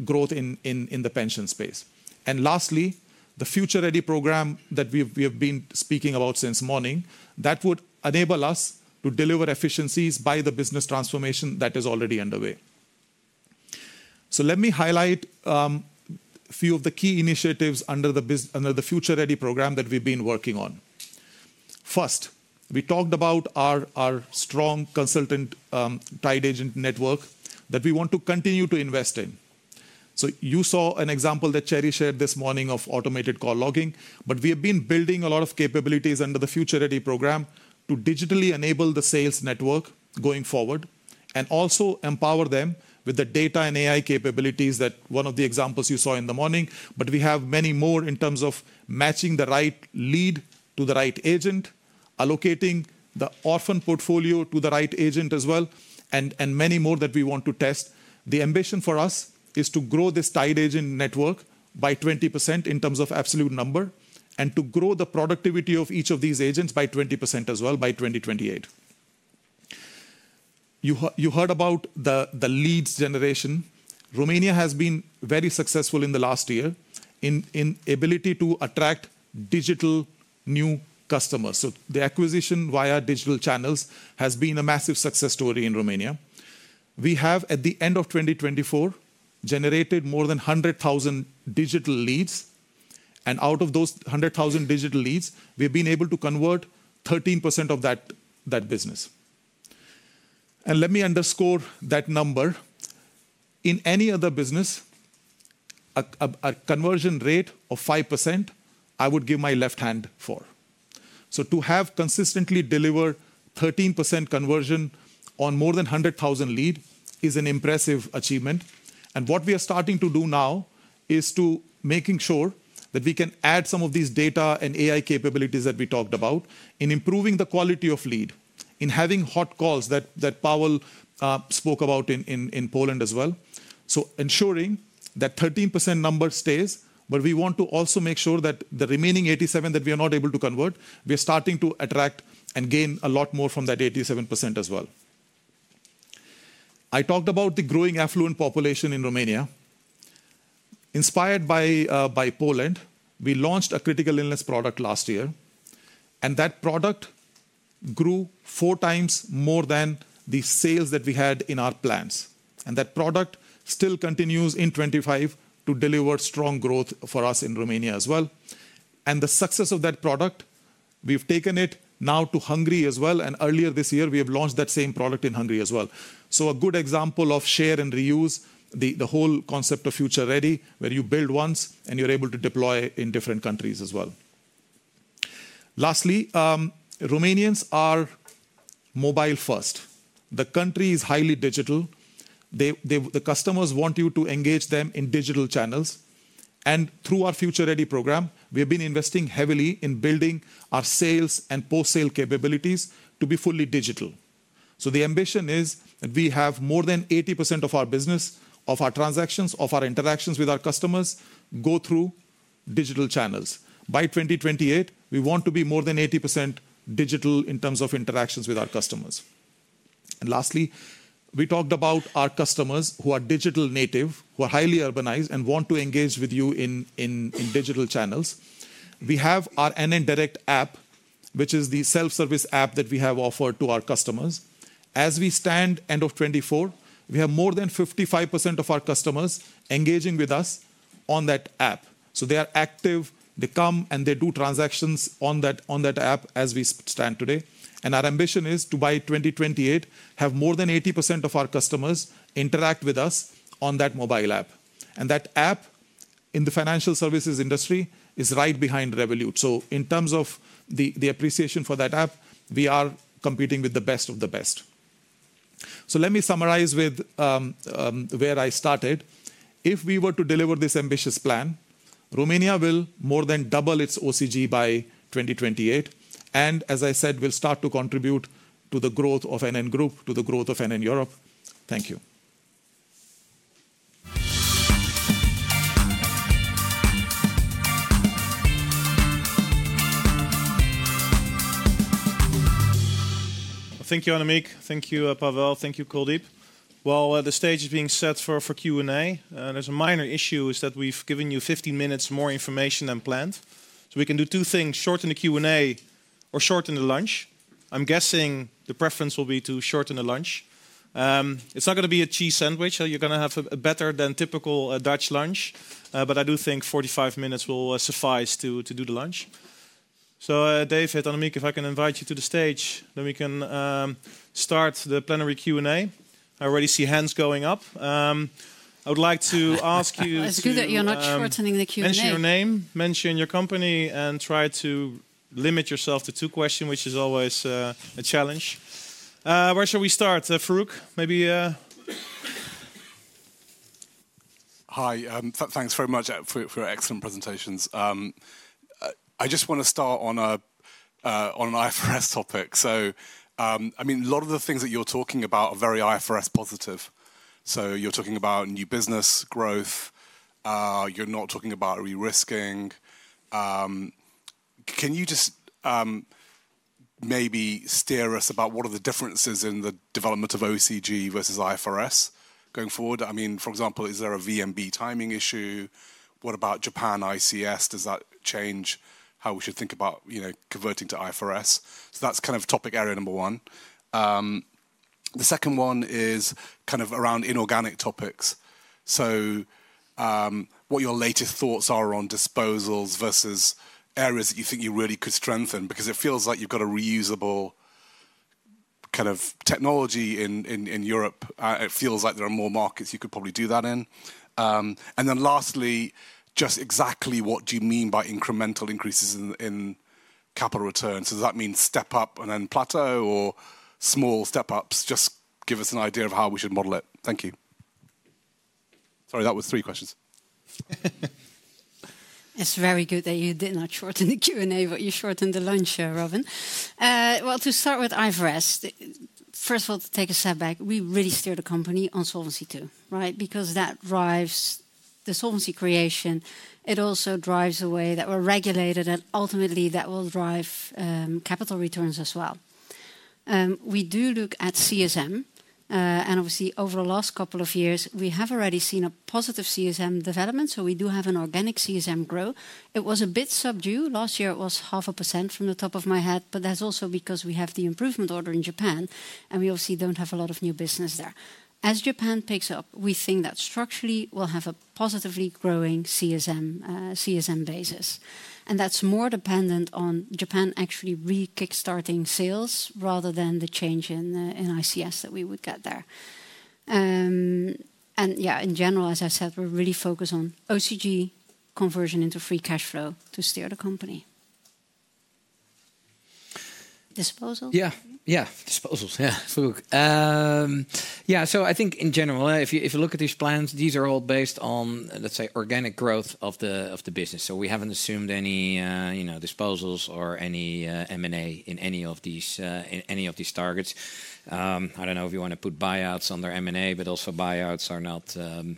growth in the pension space. Lastly, the Future Ready program that we have been speaking about since morning, that would enable us to deliver efficiencies by the business transformation that is already underway. Let me highlight a few of the key initiatives under the Future Ready program that we've been working on. First, we talked about our strong consultant tied agent network that we want to continue to invest in. You saw an example that Tjerrie shared this morning of automated call logging. We have been building a lot of capabilities under the Future Ready program to digitally enable the sales network going forward and also empower them with the data and AI capabilities that one of the examples you saw in the morning. We have many more in terms of matching the right lead to the right agent, allocating the orphan portfolio to the right agent as well, and many more that we want to test. The ambition for us is to grow this tied agent network by 20% in terms of absolute number and to grow the productivity of each of these agents by 20% as well by 2028. You heard about the leads generation. Romania has been very successful in the last year in the ability to attract digital new customers. The acquisition via digital channels has been a massive success story in Romania. We have, at the end of 2024, generated more than 100,000 digital leads. Out of those 100,000 digital leads, we have been able to convert 13% of that business. Let me underscore that number. In any other business, a conversion rate of 5%, I would give my left hand for. To have consistently delivered 13% conversion on more than 100,000 leads is an impressive achievement. What we are starting to do now is to make sure that we can add some of these data and AI capabilities that we talked about in improving the quality of lead, in having hot calls that Paweł spoke about in Poland as well. Ensuring that 13% number stays. We want to also make sure that the remaining 87% that we are not able to convert, we are starting to attract and gain a lot more from that 87% as well. I talked about the growing affluent population in Romania. Inspired by Poland, we launched a critical illness product last year. That product grew 4x more than the sales that we had in our plans. That product still continues in 2025 to deliver strong growth for us in Romania as well. The success of that product, we have taken it now to Hungary as well. Earlier this year, we have launched that same product in Hungary as well. A good example of share and reuse, the whole concept of Future Ready, where you build once and you are able to deploy in different countries as well. Lastly, Romanians are mobile first. The country is highly digital. The customers want you to engage them in digital channels. Through our Future Ready program, we have been investing heavily in building our sales and post-sale capabilities to be fully digital. The ambition is that we have more than 80% of our business, of our transactions, of our interactions with our customers go through digital channels. By 2028, we want to be more than 80% digital in terms of interactions with our customers. Lastly, we talked about our customers who are digital native, who are highly urbanized and want to engage with you in digital channels. We have our NN Direct app, which is the self-service app that we have offered to our customers. As we stand at the end of 2024, we have more than 55% of our customers engaging with us on that app. They are active. They come and they do transactions on that app as we stand today. Our ambition is to by 2028 have more than 80% of our customers interact with us on that mobile app. That app in the financial services industry is right behind Revolut. In terms of the appreciation for that app, we are competing with the best of the best. Let me summarize with where I started. If we were to deliver this ambitious plan, Romania will more than double its OCG by 2028. As I said, we'll start to contribute to the growth of NN Group, to the growth of NN Europe. Thank you. Thank you, Annemiek. Thank you, Paweł. Thank you, Kuldeep. While the stage is being set for Q&A, there's a minor issue that we've given you 15 minutes more information than planned. We can do two things: shorten the Q&A or shorten the lunch. I'm guessing the preference will be to shorten the lunch. It's not going to be a cheese sandwich. You're going to have a better than typical Dutch lunch. I do think 45 minutes will suffice to do the lunch. David, Annemiek, if I can invite you to the stage, then we can start the plenary Q&A. I already see hands going up. I would like to ask you. It's good that you're not shortening the Q&A. Mention your name, mention your company, and try to limit yourself to two questions, which is always a challenge. Where shall we start? Farooq, maybe. Hi. Thanks very much for your excellent presentations. I just want to start on an IFRS topic. I mean, a lot of the things that you're talking about are very IFRS positive. So you're talking about new business growth. You're not talking about risking. Can you just maybe steer us about what are the differences in the development of OCG versus IFRS going forward? I mean, for example, is there a VNB timing issue? What about Japan ICS? Does that change how we should think about converting to IFRS? That's kind of topic area number one. The second one is kind of around inorganic topics. What your latest thoughts are on disposals versus areas that you think you really could strengthen, because it feels like you've got a reusable kind of technology in Europe. It feels like there are more markets you could probably do that in. Lastly, just exactly what do you mean by incremental increases in capital returns? Does that mean step up and then plateau or small step ups? Just give us an idea of how we should model it. Thank you. Sorry, that was three questions. It's very good that you did not shorten the Q&A, but you shortened the lunch, Robin. To start with IFRS, first of all, to take a step back, we really steer the company on Solvency II, right? Because that drives the solvency creation. It also drives the way that we're regulated, and ultimately that will drive capital returns as well. We do look at CSM. And obviously, over the last couple of years, we have already seen a positive CSM development. We do have an organic CSM grow. It was a bit subdued. Last year, it was 0.5% from the top of my head. That's also because we have the improvement order in Japan, and we obviously do not have a lot of new business there. As Japan picks up, we think that structurally we'll have a positively growing CSM basis. That is more dependent on Japan actually re-kickstarting sales rather than the change in ICS that we would get there. Yeah, in general, as I've said, we're really focused on OCG conversion into free cash flow to steer the company. Disposals? Yeah, disposals. Yeah, Farooq. I think in general, if you look at these plans, these are all based on, let's say, organic growth of the business. We haven't assumed any disposals or any M&A in any of these targets. I don't know if you want to put buyouts under M&A, but also buyouts are not, the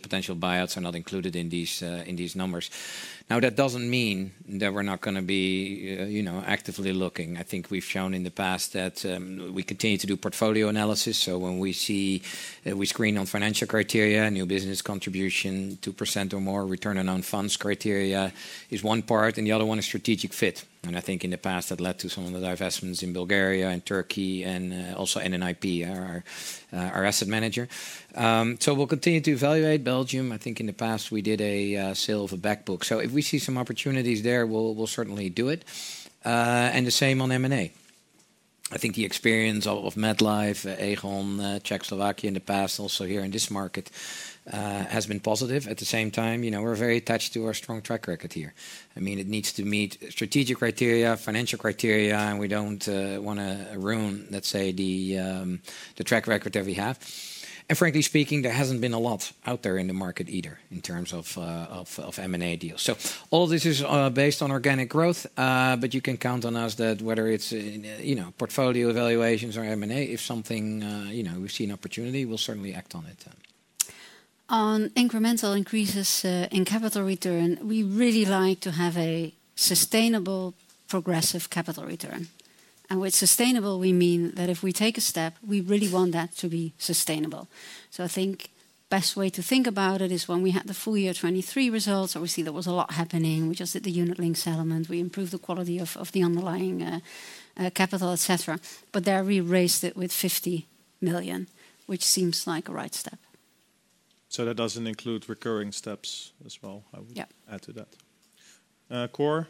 potential buyouts are not included in these numbers. That doesn't mean that we're not going to be actively looking. I think we've shown in the past that we continue to do portfolio analysis. When we see that we screen on financial criteria, new business contribution, 2% or more return on own funds criteria is one part, and the other one is strategic fit. I think in the past, that led to some of the divestments in Bulgaria and Turkey and also NNIP, our asset manager. We will continue to evaluate Belgium. I think in the past, we did a sale of a backbook. If we see some opportunities there, we will certainly do it. The same on M&A. I think the experience of MedLife, Aegon, Czechoslovakia in the past, also here in this market, has been positive. At the same time, we're very attached to our strong track record here. I mean, it needs to meet strategic criteria, financial criteria, and we do not want to ruin, let's say, the track record that we have. And frankly speaking, there has not been a lot out there in the market either in terms of M&A deals. All this is based on organic growth, but you can count on us that whether it is portfolio evaluations or M&A, if we see an opportunity, we will certainly act on it. On incremental increases in capital return, we really like to have a sustainable progressive capital return. With sustainable, we mean that if we take a step, we really want that to be sustainable. I think the best way to think about it is when we had the full year 2023 results. Obviously, there was a lot happening. We just did the unit-linked settlement. We improved the quality of the underlying capital, et cetera. There we raised it with 50 million, which seems like a right step. That does not include recurring steps as well. I would add to that. Cor.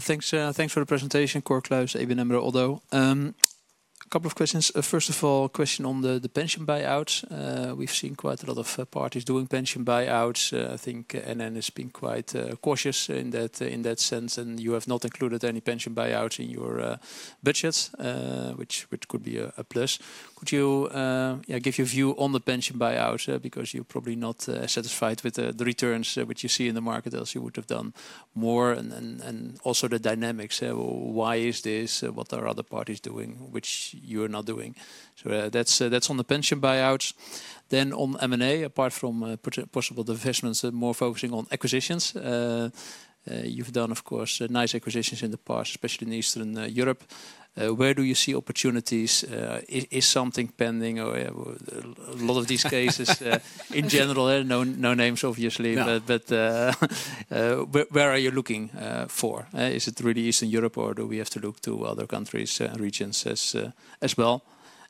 Thanks for the presentation, Cor Kluis, ABN Amro, ODDO. A couple of questions. First of all, a question on the pension buyouts. We have seen quite a lot of parties doing pension buyouts. I think NN has been quite cautious in that sense, and you have not included any pension buyouts in your budget, which could be a plus. Could you give your view on the pension buyouts? Because you are probably not satisfied with the returns that you see in the market, as you would have done more. Also the dynamics. Why is this? What are other parties doing which you are not doing? That is on the pension buyouts. On M&A, apart from possible divestments, more focusing on acquisitions. You've done, of course, nice acquisitions in the past, especially in Eastern Europe. Where do you see opportunities? Is something pending? A lot of these cases in general, no names obviously, but where are you looking for? Is it really Eastern Europe, or do we have to look to other countries and regions as well?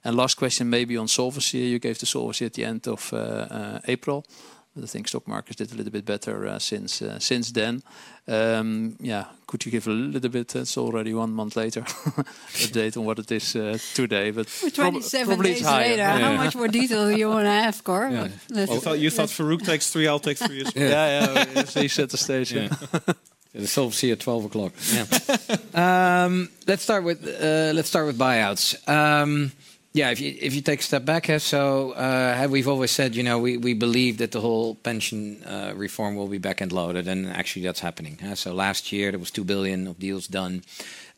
Last question, maybe on solvency here. You gave the solvency at the end of April. I think stock markets did a little bit better since then. Yeah, could you give a little bit? It's already one month later. Update on what it is today. Probably it's higher. How much more detail do you want to have, Cor? You thought Farooq takes three, I'll take three. Yeah, yeah, you set the stage. The solvency at 12:00. Let's start with buyouts. Yeah, if you take a step back, so we've always said we believe that the whole pension reform will be back and loaded. And actually, that's happening. Last year, there were 2 billion of deals done.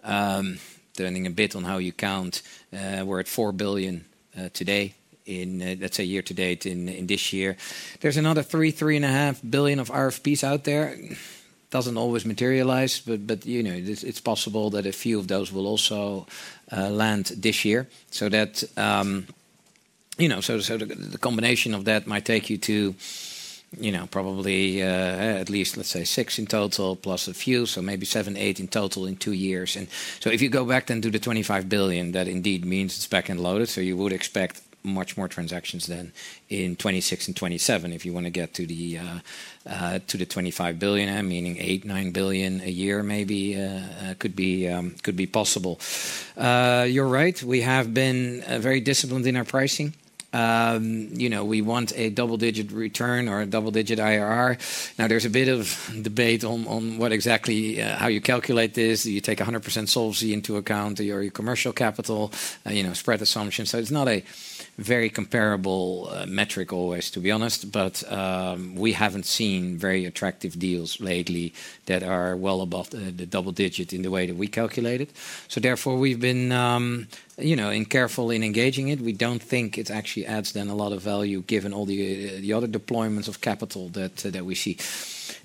Depending a bit on how you count, we're at 4 billion today, let's say year to date in this year. There's another 3-3.5 billion of RFPs out there. Doesn't always materialize, but it's possible that a few of those will also land this year. The combination of that might take you to probably at least, let's say, 6 billion in total plus a few, so maybe 7-8 billion in total in two years. If you go back then to the 25 billion, that indeed means it's back and loaded. You would expect much more transactions than in 2026 and 2027 if you want to get to the 25 billion, meaning 8 billion-9 billion a year maybe could be possible. You're right. We have been very disciplined in our pricing. We want a double-digit return or a double-digit IRR. Now, there's a bit of debate on what exactly how you calculate this. Do you take 100% solvency into account or your commercial capital, spread assumption? It's not a very comparable metric always, to be honest. We haven't seen very attractive deals lately that are well above the double digit in the way that we calculate it. Therefore, we've been careful in engaging it. We don't think it actually adds then a lot of value given all the other deployments of capital that we see.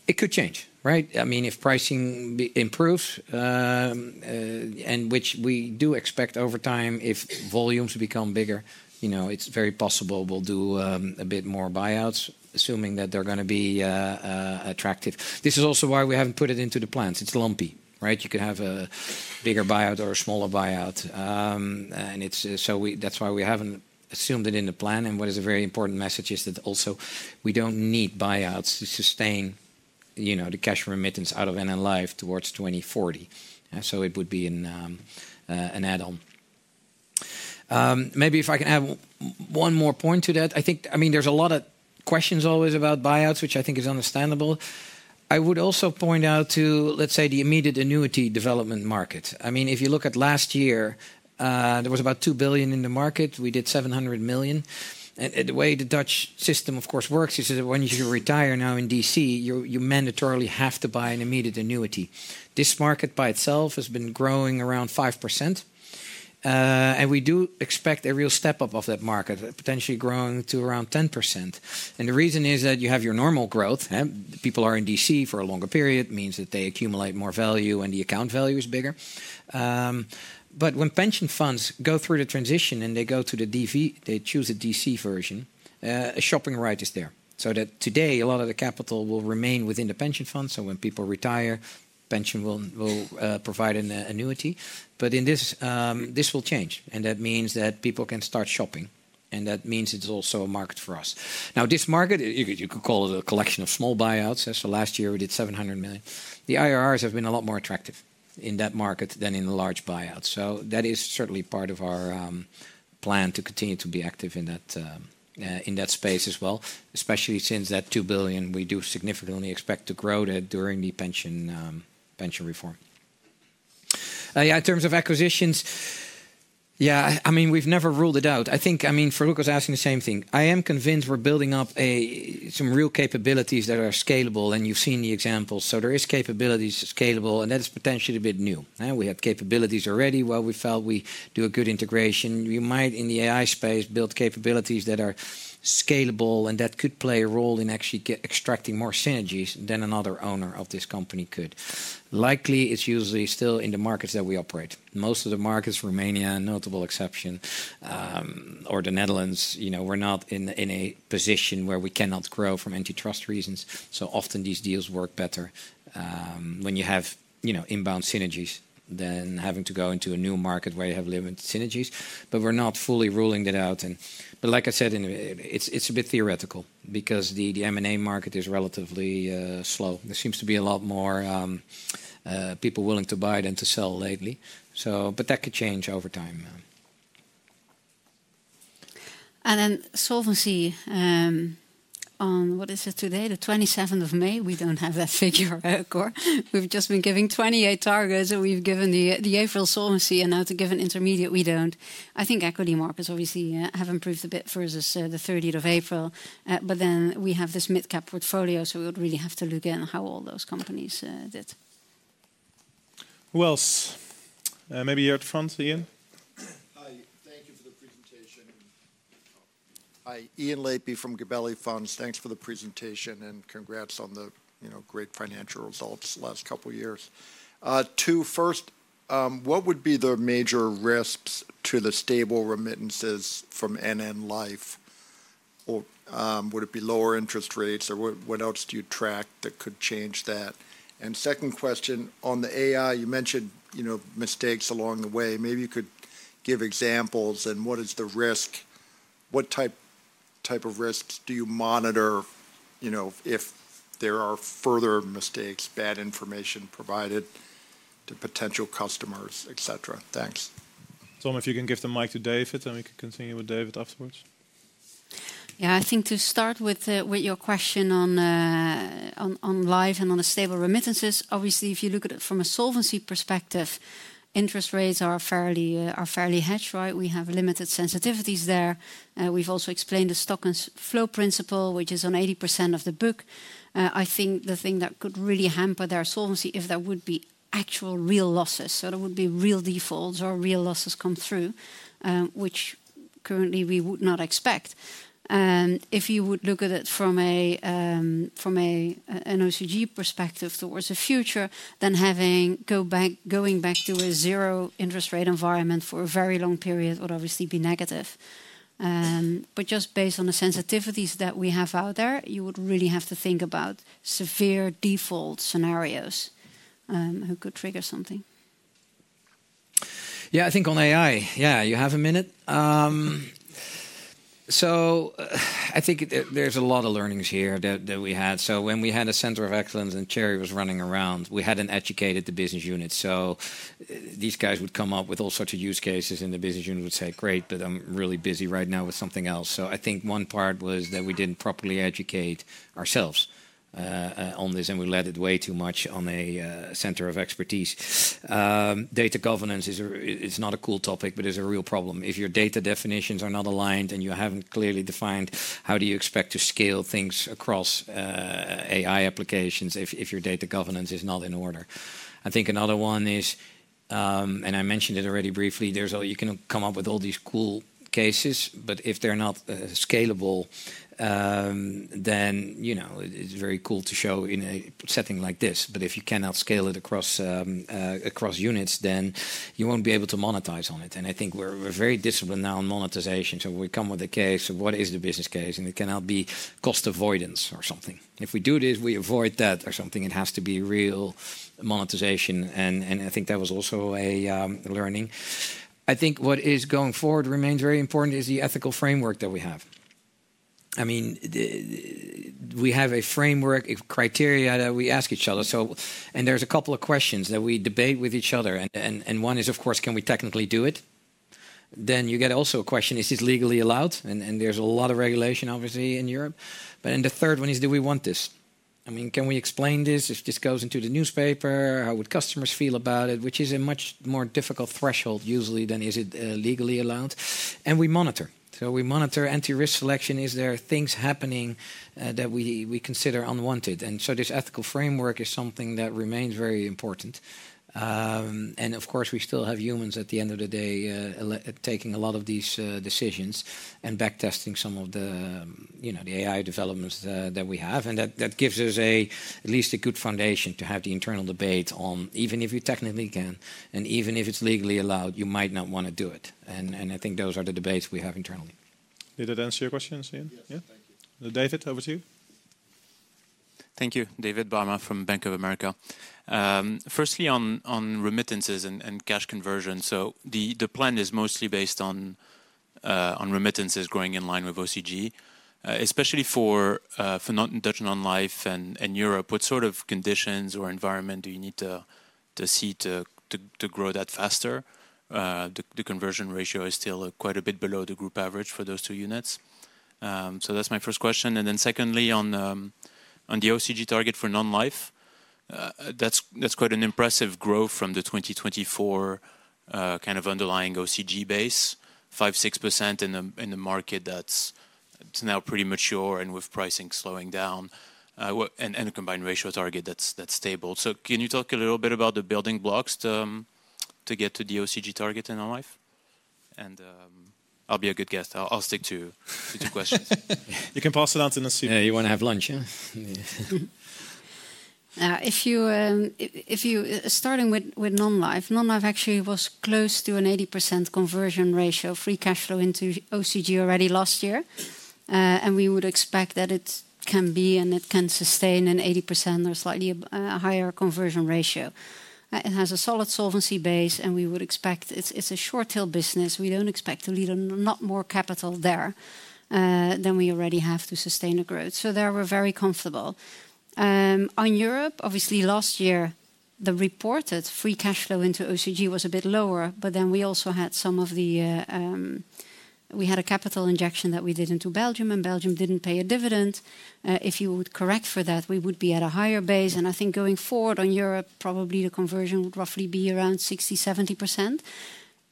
It could change, right? I mean, if pricing improves, and which we do expect over time if volumes become bigger, it's very possible we'll do a bit more buyouts, assuming that they're going to be attractive. This is also why we haven't put it into the plans. It's lumpy, right? You can have a bigger buyout or a smaller buyout. That is why we haven't assumed it in the plan. What is a very important message is that also we don't need buyouts to sustain the cash remittance out of NN Life towards 2040. It would be an add-on. Maybe if I can add one more point to that, I think, I mean, there's a lot of questions always about buyouts, which I think is understandable. I would also point out to, let's say, the immediate annuity development market. I mean, if you look at last year, there was about 2 billion in the market. We did 700 million. The way the Dutch system, of course, works is that when you retire now in DC, you mandatorily have to buy an Immediate Annuity. This market by itself has been growing around 5%. We do expect a real step up of that market, potentially growing to around 10%. The reason is that you have your normal growth. People are in DC for a longer period, means that they accumulate more value and the account value is bigger. When pension funds go through the transition and they go to the DB, they choose a DC version, a shopping right is there. That means today, a lot of the capital will remain within the pension fund. When people retire, pension will provide an annuity. This will change. That means that people can start shopping. That means it's also a market for us. Now, this market, you could call it a collection of small buyouts. Last year, we did 700 million. The IRRs have been a lot more attractive in that market than in the large buyouts. That is certainly part of our plan to continue to be active in that space as well, especially since that 2 billion, we do significantly expect to grow that during the pension reform. Yeah, in terms of acquisitions, yeah, I mean, we've never ruled it out. I think, I mean, Farooq was asking the same thing. I am convinced we're building up some real capabilities that are scalable, and you've seen the examples. There are capabilities scalable, and that is potentially a bit new. We had capabilities already while we felt we do a good integration. You might, in the AI space, build capabilities that are scalable, and that could play a role in actually extracting more synergies than another owner of this company could. Likely, it's usually still in the markets that we operate. Most of the markets, Romania, notable exception, or the Netherlands, we're not in a position where we cannot grow from antitrust reasons. Often, these deals work better when you have inbound synergies than having to go into a new market where you have limited synergies. We're not fully ruling that out. Like I said, it's a bit theoretical because the M&A market is relatively slow. There seems to be a lot more people willing to buy than to sell lately. That could change over time. Solvency on what is it today, the 27th of May? We do not have that figure, Cor. We have just been giving 2028 targets, and we have given the April solvency, and now to give an intermediate, we do not. I think equity markets obviously have improved a bit versus the 30th of April. We have this mid-cap portfolio, so we would really have to look at how all those companies did. Who else? Maybe you are at the front, Ian. Hi, thank you for the presentation. Hi, Ian Lapie from Gabelli Funds. Thanks for the presentation and congrats on the great financial results last couple of years. To first, what would be the major risks to the stable remittances from NN Life? Would it be lower interest rates, or what else do you track that could change that? Second question, on the AI, you mentioned mistakes along the way. Maybe you could give examples and what is the risk? What type of risks do you monitor if there are further mistakes, bad information provided to potential customers, et cetera? Thanks. Tom, if you can give the mic to David, then we can continue with David afterwards. Yeah, I think to start with your question on life and on the stable remittances, obviously, if you look at it from a solvency perspective, interest rates are fairly hedged, right? We have limited sensitivities there. We've also explained the Stock and Flow principle, which is on 80% of the book. I think the thing that could really hamper their solvency is if there would be actual real losses. So there would be real defaults or real losses come through, which currently we would not expect. If you would look at it from an OCG perspective towards the future, then going back to a zero interest rate environment for a very long period would obviously be negative. Just based on the sensitivities that we have out there, you would really have to think about severe default scenarios who could trigger something. Yeah, I think on AI, yeah, you have a minute. I think there's a lot of learnings here that we had. When we had a center of excellence and Tjerrie was running around, we hadn't educated the busin ess unit. These guys would come up with all sorts of use cases and the business unit would say, "Great, but I'm really busy right now with something else." I think one part was that we did not properly educate ourselves on this, and we led it way too much on a center of expertise. Data governance is not a cool topic, but it is a real problem. If your data definitions are not aligned and you have not clearly defined, how do you expect to scale things across AI applications if your data governance is not in order? I think another one is, and I mentioned it already briefly, you can come up with all these cool cases, but if they are not scalable, then it is very cool to show in a setting like this. If you cannot scale it across units, then you will not be able to monetize on it. I think we're very disciplined now on monetization. We come with a case of what is the business case, and it cannot be cost avoidance or something. If we do this, we avoid that or something. It has to be real monetization. I think that was also a learning. I think what is going forward remains very important is the ethical framework that we have. I mean, we have a framework, a criteria that we ask each other. There's a couple of questions that we debate with each other. One is, of course, can we technically do it? You also get a question, is this legally allowed? There's a lot of regulation, obviously, in Europe. The third one is, do we want this? I mean, can we explain this if this goes into the newspaper? How would customers feel about it? Which is a much more difficult threshold usually than is it legally allowed? We monitor. We monitor anti-risk selection. Is there things happening that we consider unwanted? This ethical framework is something that remains very important. Of course, we still have humans at the end of the day taking a lot of these decisions and backtesting some of the AI developments that we have. That gives us at least a good foundation to have the internal debate on, even if you technically can, and even if it is legally allowed, you might not want to do it. I think those are the debates we have internally. Did it answer your questions, Ian? Yeah. Thank you. David, over to you. Thank you. David Barma from Bank of America. Firstly, on remittances and cash conversion. The plan is mostly based on remittances growing in line with OCG, especially for Dutch and Non-life and Europe. What sort of conditions or environment do you need to see to grow that faster? The conversion ratio is still quite a bit below the group average for those two units. That is my first question. Secondly, on the OCG target for Non-life, that is quite an impressive growth from the 2024 kind of underlying OCG base, 5%-6% in a market that is now pretty mature and with pricing slowing down and a combined ratio target that is stable. Can you talk a little bit about the building blocks to get to the OCG target in Non-life? I will be a good guest. I will stick to two questions. You can pass it on to who. You want to have lunch, yeah? If you're starting with Non-life, Non-life actually was close to an 80% conversion ratio free cash flow into OCG already last year. We would expect that it can be and it can sustain an 80% or slightly higher conversion ratio. It has a solid solvency base, and we would expect it's a short-tail business. We do not expect to need a lot more capital there than we already have to sustain the growth. There we're very comfortable. On Europe, obviously, last year, the reported free cash flow into OCG was a bit lower, but then we also had a capital injection that we did into Belgium, and Belgium did not pay a dividend. If you would correct for that, we would be at a higher base. I think going forward on Europe, probably the conversion would roughly be around 60%-70%.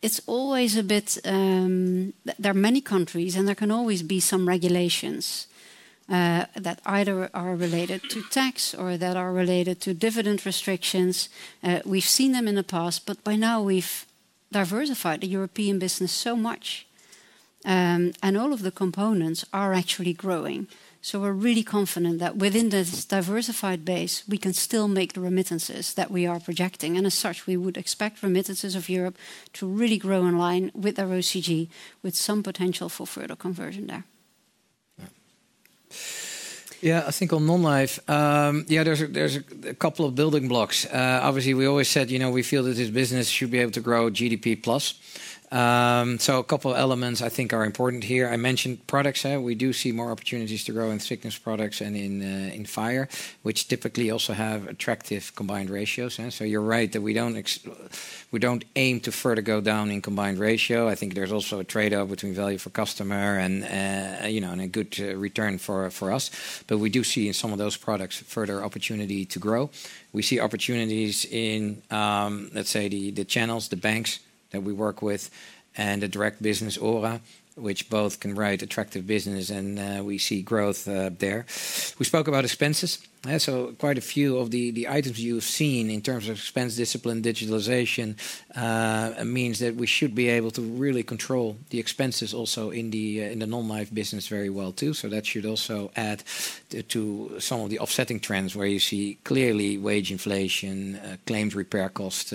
It's always a bit, there are many countries, and there can always be some regulations that either are related to tax or that are related to dividend restrictions. We've seen them in the past, but by now, we've diversified the European business so much, and all of the components are actually growing. We are really confident that within this diversified base, we can still make the remittances that we are projecting. As such, we would expect remittances of Europe to really grow in line with our OCG, with some potential for further conversion there. Yeah, I think on Non-life, yeah, there's a couple of building blocks. Obviously, we always said we feel that this business should be able to grow GDP plus. A couple of elements I think are important here. I mentioned products. We do see more opportunities to grow in thickness products and in fire, which typically also have attractive combined ratios. You're right that we don't aim to further go down in combined ratio. I think there's also a trade-off between value for customer and a good return for us. We do see in some of those products further opportunity to grow. We see opportunities in, let's say, the channels, the banks that we work with, and the direct business OHRA, which both can write attractive business, and we see growth there. We spoke about expenses. Quite a few of the items you've seen in terms of expense discipline, digitalization, means that we should be able to really control the expenses also in the Non-life business very well too. That should also add to some of the offsetting trends where you see clearly wage inflation, claims repair cost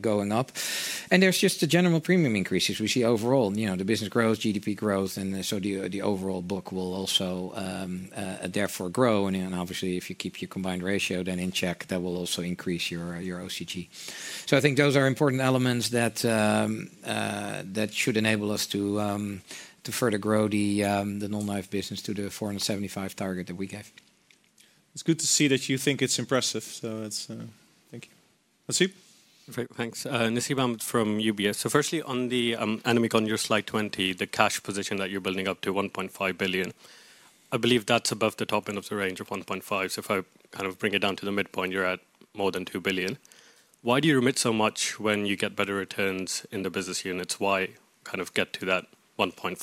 going up. There is just the general premium increases we see overall. The business grows, GDP grows, and so the overall book will also therefore grow. Obviously, if you keep your combined ratio in check, that will also increase your OCG. I think those are important elements that should enable us to further grow the Non-life business to the 475 million target that we gave. It is good to see that you think it is impressive. Thank you. Nasib? Thanks. Nasib on from UBS. Firstly, Annemiek, on your slide 20, the cash position that you are building up to 1.5 billion, I believe that is above the top end of the range of 1.5 billion. If I kind of bring it down to the midpoint, you're at more than 2 billion. Why do you remit so much when you get better returns in the business units? Why kind of get to that 1.5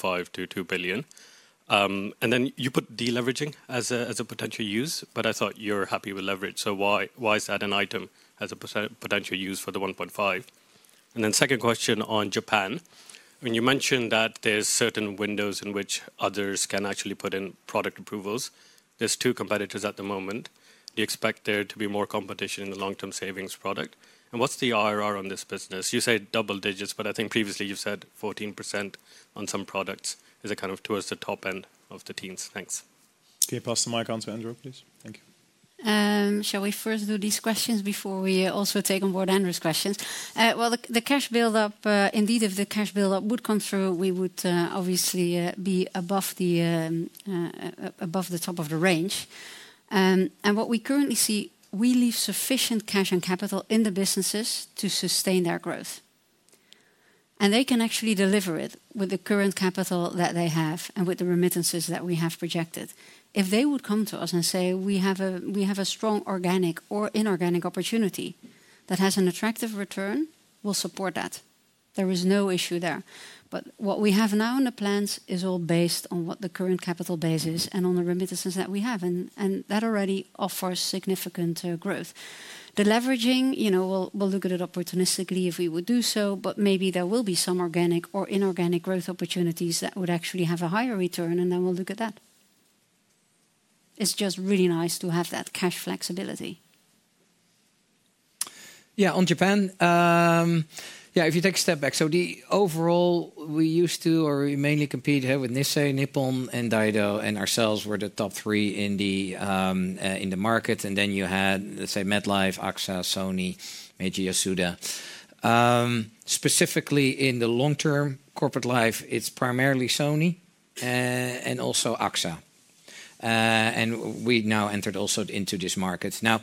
billion-2 billion? You put deleveraging as a potential use, but I thought you're happy with leverage. Why is that an item as a potential use for the 1.5 billion? Second question on Japan. I mean, you mentioned that there's certain windows in which others can actually put in product approvals. There are two competitors at the moment. Do you expect there to be more competition in the long-term savings product? What's the IRR on this business? You say double digits, but I think previously you've said 14% on some products is kind of towards the top end of the teens. Thanks. Can you pass the mic on to Andrew, please? Thank you. Shall we first do these questions before we also take on board Andrew's questions? The cash buildup, indeed, if the cash buildup would come through, we would obviously be above the top of the range. What we currently see, we leave sufficient cash and capital in the businesses to sustain their growth. They can actually deliver it with the current capital that they have and with the remittances that we have projected. If they would come to us and say, "We have a strong organic or inorganic opportunity that has an attractive return, we'll support that." There is no issue there. What we have now in the plans is all based on what the current capital base is and on the remittances that we have. That already offers significant growth. The leveraging, we'll look at it opportunistically if we would do so, but maybe there will be some organic or inorganic growth opportunities that would actually have a higher return, and then we'll look at that. It's just really nice to have that cash flexibility. Yeah, on Japan, yeah, if you take a step back, so the overall, we used to, or we mainly competed here with Nissei, Nippon, and Daido, and ourselves were the top three in the market. You had, let's say, MetLife, AXA, Sony, Meiji, Yasuda. Specifically in the long-term corporate life, it's primarily Sony and also AXA. We now entered also into this market. Now,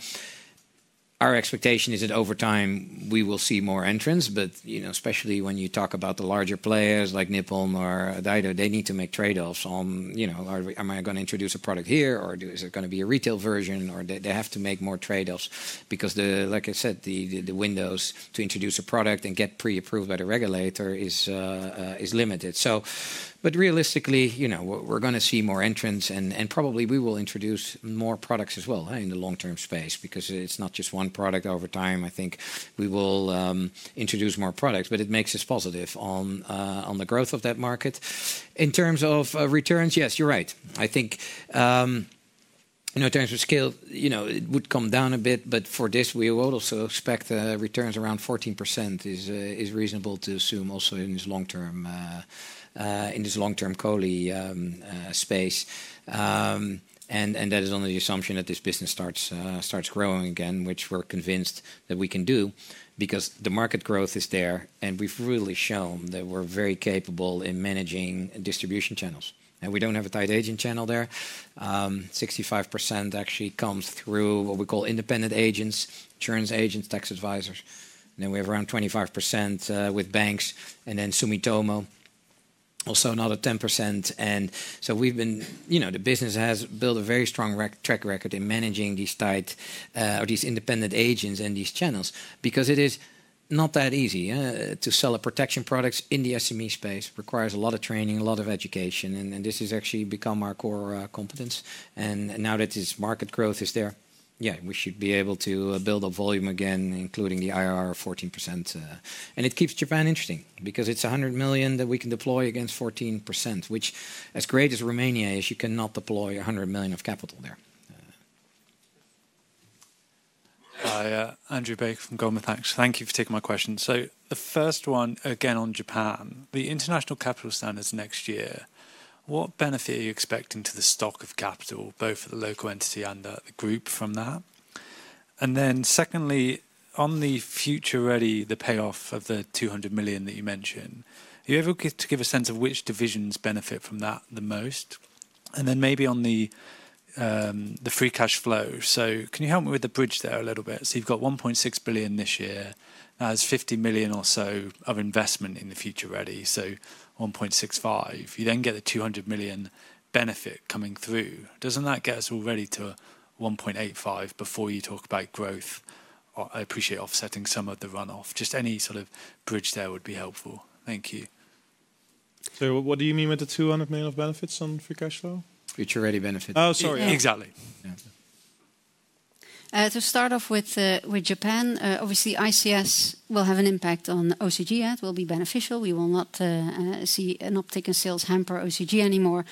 our expectation is that over time, we will see more entrants, but especially when you talk about the larger players like Nippon or Daido, they need to make trade-offs on, "Am I going to introduce a product here, or is it going to be a retail version?" They have to make more trade-offs because, like I said, the windows to introduce a product and get pre-approved by the regulator is limited. Realistically, we're going to see more entrants, and probably we will introduce more products as well in the long-term space because it's not just one product over time. I think we will introduce more products, but it makes us positive on the growth of that market. In terms of returns, yes, you're right.I think in terms of scale, it would come down a bit, but for this, we would also expect returns around 14% is reasonable to assume also in this long-term COLI space. That is on the assumption that this business starts growing again, which we're convinced that we can do because the market growth is there, and we've really shown that we're very capable in managing distribution channels. We don't have a tight agent channel there. 65% actually comes through what we call independent agents, insurance agents, tax advisors. We have around 25% with banks and then Sumitomo, also another 10%. The business has built a very strong track record in managing these independent agents and these channels because it is not that easy to sell protection products in the SME space. It requires a lot of training, a lot of education, and this has actually become our core competence. Now that this market growth is there, yeah, we should be able to build up volume again, including the IRR of 14%. It keeps Japan interesting because it is 100 million that we can deploy against 14%, which, as great as Romania is, you cannot deploy 100 million of capital there. Andrew Baker from Goldman Sachs, thanks. Thank you for taking my question. The first one, again on Japan, the International Capital Standard next year, what benefit are you expecting to the stock of capital, both for the local entity and the group from that? Secondly, on the Future Ready program, the payoff of the 200 million that you mentioned, are you able to give a sense of which divisions benefit from that the most? Maybe on the free cash flow. Can you help me with the bridge there a little bit? You have 1.6 billion this year as 50 million or so of investment in the Future Ready program, so 1.65 billion. You then get the 200 million benefit coming through. Does not that get us already to 1.85 billion before you talk about growth? I appreciate offsetting some of the runoff. Just any sort of bridge there would be helpful. Thank you. What do you mean with the 200 million of benefits on free cash flow? Future Ready benefits. Oh, sorry, exactly. To start off with Japan, obviously, ICS will have an impact on OCG. It will be beneficial. We will not see an uptick in sales hamper OCG anymore.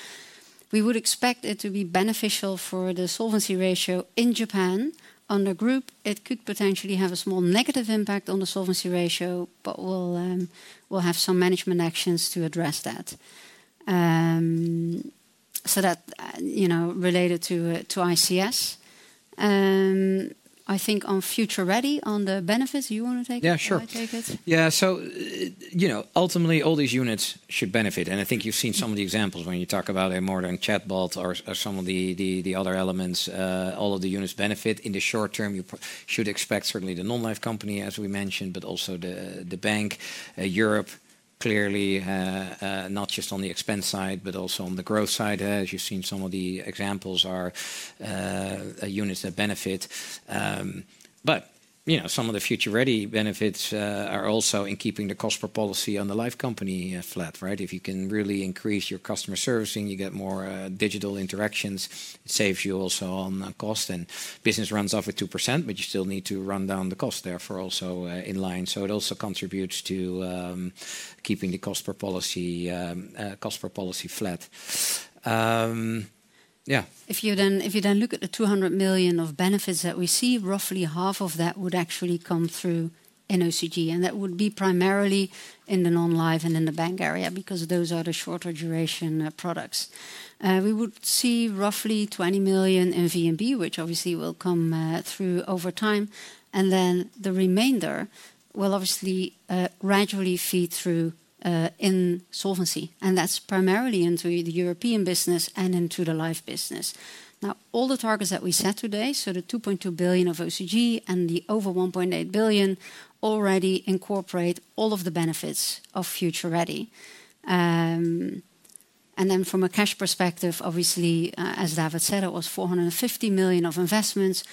We would expect it to be beneficial for the solvency ratio in Japan. Under group, it could potentially have a small negative impact on the solvency ratio, but we'll have some management actions to address that. That related to ICS. I think on Future Ready, on the benefits, you want to take it? Yeah, sure. Can I take it? Yeah. Ultimately, all these units should benefit. I think you've seen some of the examples when you talk about it, more than chatbots or some of the other elements. All of the units benefit in the short term. You should expect certainly the Non-life company, as we mentioned, but also the bank. Europe, clearly, not just on the expense side, but also on the growth side. As you've seen, some of the examples are units that benefit. Some of the Future Ready benefits are also in keeping the cost per policy on the life company flat, right? If you can really increase your customer servicing, you get more digital interactions. It saves you also on cost. Business runs off at 2%, but you still need to run down the cost therefore also in line. It also contributes to keeping the cost per policy flat. Yeah. If you then look at the 200 million of benefits that we see, roughly half of that would actually come through OCG. That would be primarily in the Non-life and in the bank area because those are the shorter duration products. We would see roughly 20 million in VNB, which obviously will come through over time. The remainder will obviously gradually feed through in solvency. That is primarily into the European business and into the life business. Now, all the targets that we set today, so the 2.2 billion of OCG and the over 1.8 billion already incorporate all of the benefits of Future Ready. From a cash perspective, obviously, as David said, it was 450 million of investments.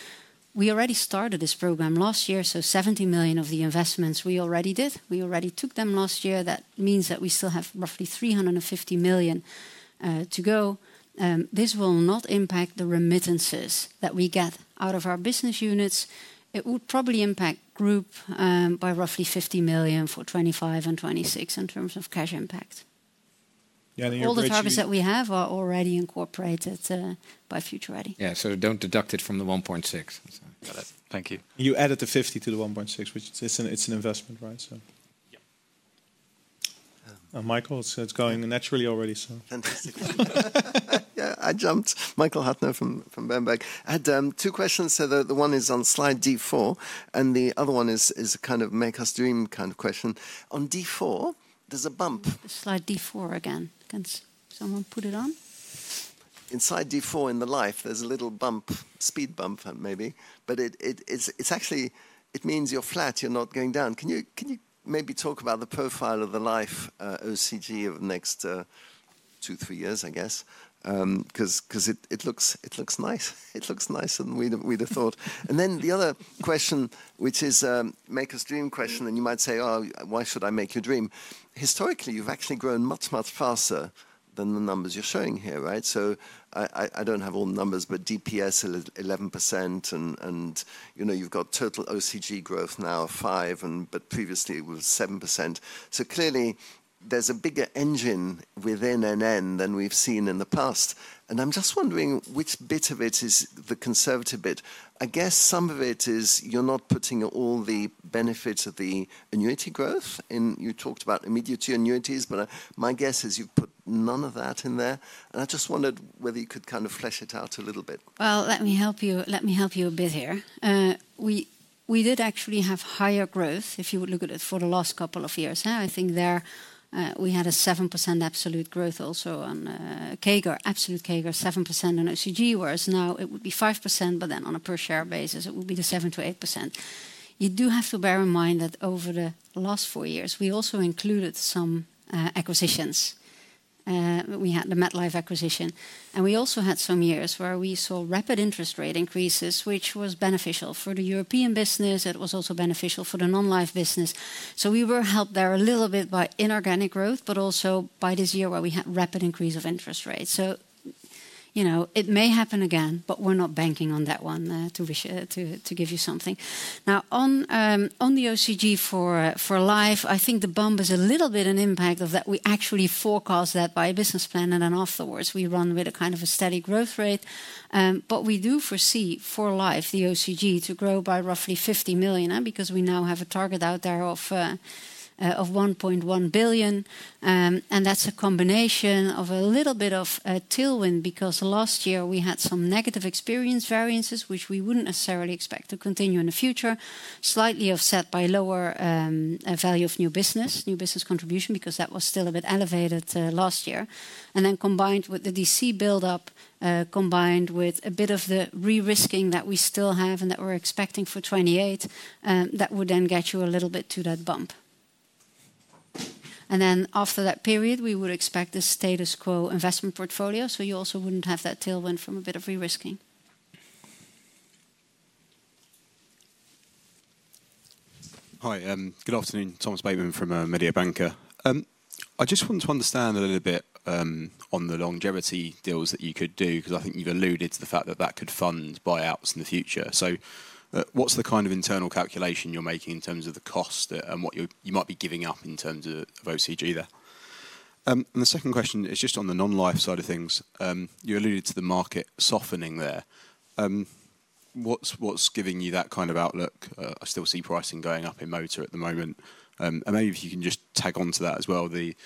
We already started this program last year, so 70 million of the investments we already did. We already took them last year. That means that we still have roughly 350 million to go. This will not impact the remittances that we get out of our business units. It would probably impact group by roughly 50 million for 2025 and 2026 in terms of cash impact. All the targets that we have are already incorporated by Future Ready. Yeah, so do not deduct it from the 1.6 billion. Got it. Thank you. You added the 50 million to the 1.6 billion, which, it is an investment, right? Yeah. Michael, it's going naturally already, so. Fantastic. Yeah, I jumped. Michael Huttner from Berenberg, had two questions. The one is on slide D4, and the other one is a kind of make us dream kind of question. On D4, there's a bump. Slide D4 again. Can someone put it on? Inside D4 in the life, there's a little bump, speed bump maybe. It actually means you're flat. You're not going down. Can you maybe talk about the profile of the life OCG of the next two, three years, I guess? Because it looks nice. It looks nice and we'd have thought. The other question, which is a make us dream question, and you might say, "Oh, why should I make you dream?" Historically, you've actually grown much, much faster than the numbers you're showing here, right? I don't have all the numbers, but DPS at 11%, and you've got total OCG growth now of 5%, but previously it was 7%. Clearly, there's a bigger engine within NN than we've seen in the past. I'm just wondering which bit of it is the conservative bit. I guess some of it is you're not putting all the benefits of the annuity growth. You talked about immediate annuities, but my guess is you've put none of that in there. I just wondered whether you could kind of flesh it out a little bit. Let me help you a bit here. We did actually have higher growth if you would look at it for the last couple of years. I think there we had a 7% absolute growth also on CAGR, absolute CAGR 7% on OCG, whereas now it would be 5%, but then on a per share basis, it would be the 7%-8%. You do have to bear in mind that over the last four years, we also included some acquisitions. We had the MetLife acquisition, and we also had some years where we saw rapid interest rate increases, which was beneficial for the European business. It was also beneficial for the Non-life business. We were helped there a little bit by inorganic growth, but also by this year where we had rapid increase of interest rates. It may happen again, but we're not banking on that one to give you something. Now, on the OCG for life, I think the bump is a little bit an impact of that we actually forecast that by a business plan and then afterwards we run with a kind of a steady growth rate. We do foresee for life the OCG to grow by roughly 50 million because we now have a target out there of 1.1 billion. That is a combination of a little bit of a tailwind because last year we had some negative experience variances, which we would not necessarily expect to continue in the future, slightly offset by lower value of new business, new business contribution because that was still a bit elevated last year. Combined with the DC buildup, combined with a bit of the re-risking that we still have and that we are expecting for 2028, that would then get you a little bit to that bump. After that period, we would expect the status quo investment portfolio. You also would not have that tailwind from a bit of re-risking. Hi, good afternoon, Thomas Bateman from Mediobanca. I just want to understand a little bit on the longevity deals that you could do because I think you have alluded to the fact that that could fund buyouts in the future. What is the kind of internal calculation you are making in terms of the cost and what you might be giving up in terms of OCG there? The second question is just on the Non-life side of things. You alluded to the market softening there. What is giving you that kind of outlook? I still see pricing going up in motor at the moment. Maybe if you can just tag on to that as well, the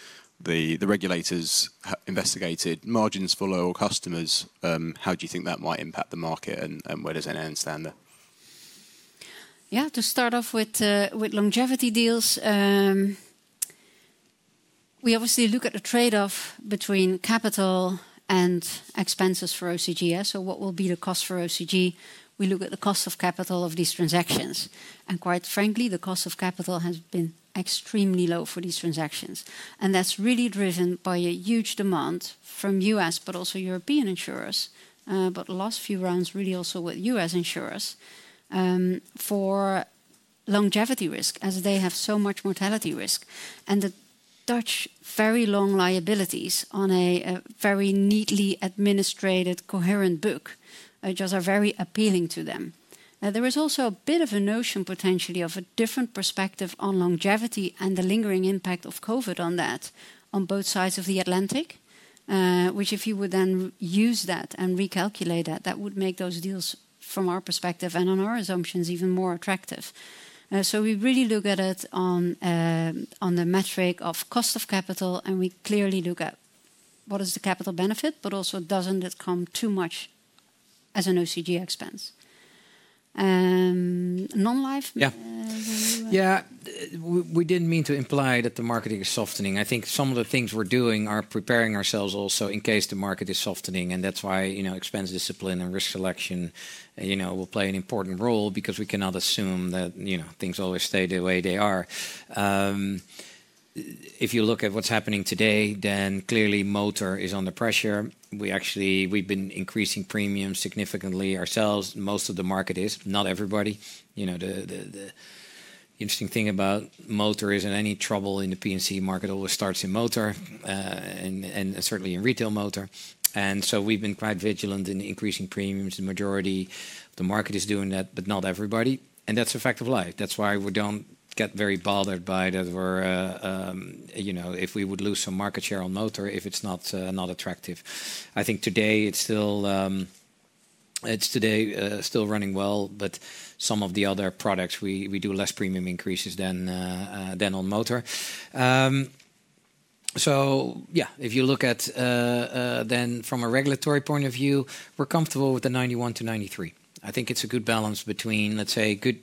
regulators investigated margins for lower customers, how do you think that might impact the market and where does NN stand there? To start off with longevity deals, we obviously look at the trade-off between capital and expenses for OCG. What will be the cost for OCG? We look at the cost of capital of these transactions. Quite frankly, the cost of capital has been extremely low for these transactions. That is really driven by a huge demand from U.S., but also European insurers. Last few rounds really also with U.S. insurers for longevity risk as they have so much mortality risk. The Dutch very long liabilities on a very neatly administrated coherent book just are very appealing to them. There is also a bit of a notion potentially of a different perspective on longevity and the lingering impact of COVID on that on both sides of the Atlantic, which if you would then use that and recalculate that, that would make those deals from our perspective and on our assumptions even more attractive. We really look at it on the metric of cost of capital, and we clearly look at what is the capital benefit, but also doesn't it come too much as an OCG expense? Non-life? Yeah. Yeah, we didn't mean to imply that the marketing is softening. I think some of the things we're doing are preparing ourselves also in case the market is softening. That's why expense discipline and risk selection will play an important role because we cannot assume that things always stay the way they are. If you look at what's happening today, then clearly motor is under pressure. We've been increasing premiums significantly ourselves. Most of the market is, not everybody. The interesting thing about motor is any trouble in the P&C market always starts in motor and certainly in retail motor. We've been quite vigilant in increasing premiums in the majority. The market is doing that, but not everybody. That's a fact of life. That's why we don't get very bothered by that if we would lose some market share on motor if it's not attractive. I think today it's still running well, but some of the other products, we do less premium increases than on motor. If you look at it from a regulatory point of view, we're comfortable with the 91%-93%. I think it's a good balance between, let's say, good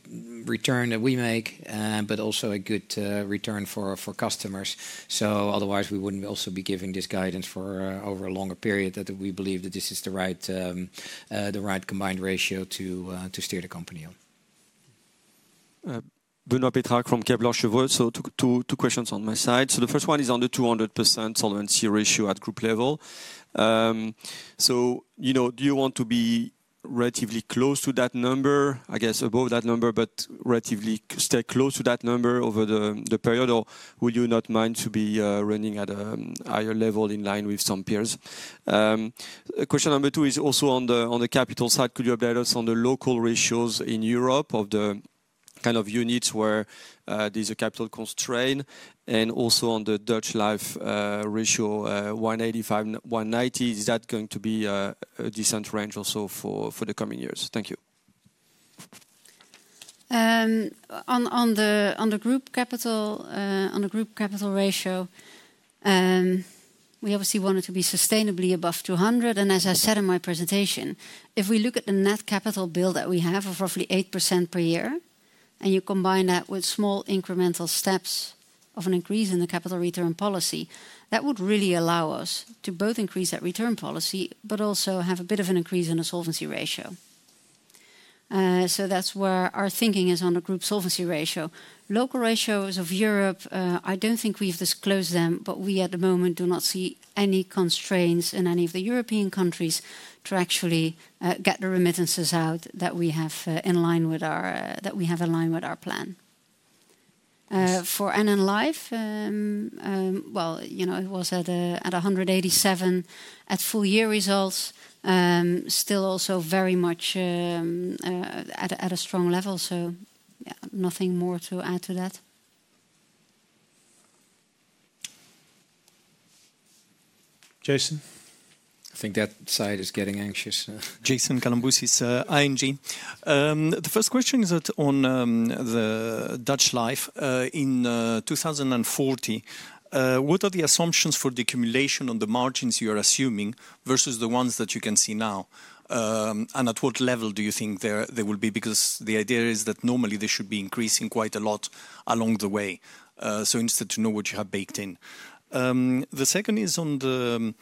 return that we make, but also a good return for customers. Otherwise, we wouldn't also be giving this guidance for over a longer period that we believe that this is the right combined ratio to steer the company on. Benoît Pétrarque from Kepler Cheuvreux. Two questions on my side. The first one is on the 200% solvency ratio at group level. Do you want to be relatively close to that number, I guess above that number, but relatively stay close to that number over the period, or would you not mind to be running at a higher level in line with some peers? Question number two is also on the capital side. Could you update us on the local ratios in Europe of the kind of units where there's a capital constraint? Also on the Dutch life ratio, 185%-190%, is that going to be a decent range also for the coming years? Thank you. On the group capital ratio, we obviously want it to be sustainably above 200%. As I said in my presentation, if we look at the net capital build that we have of roughly 8% per year, and you combine that with small incremental steps of an increase in the capital return policy, that would really allow us to both increase that return policy, but also have a bit of an increase in the solvency ratio. That is where our thinking is on the group solvency ratio. Local ratios of Europe, I don't think we've disclosed them, but we at the moment do not see any constraints in any of the European countries to actually get the remittances out that we have in line with our plan. For NN Life, it was at 187% at full year results, still also very much at a strong level. Yeah, nothing more to add to that. Jason. I think that side is getting anxious. Jason Kalamboussis, ING. The first question is on the Dutch life in 2040. What are the assumptions for the accumulation on the margins you are assuming versus the ones that you can see now? At what level do you think there will be? The idea is that normally they should be increasing quite a lot along the way. Instead, to know what you have baked in. The second is on the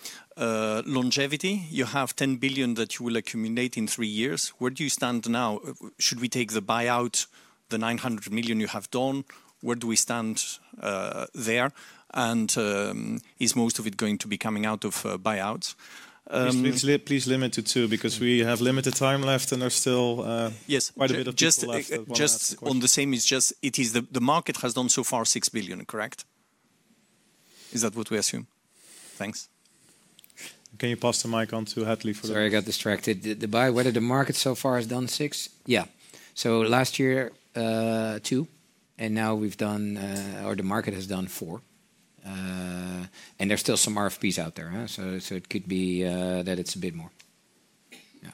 longevity. You have 10 billion that you will accumulate in three years. Where do you stand now? Should we take the buyout, the 900 million you have done? Where do we stand there? And is most of it going to be coming out of buyouts? Please limit it too because we have limited time left and there's still quite a bit of time left. Just on the same, it's just the market has done so far 6 billion, correct? Is that what we assume? Thanks. Can you pass the mic on to Hadley for that? Sorry, I got distracted. Whether the market so far has done 6 billion? Yeah. Last year 2 billion, and now we've done, or the market has done 4 billion. There's still some RFPs out there. It could be that it's a bit more. Yeah.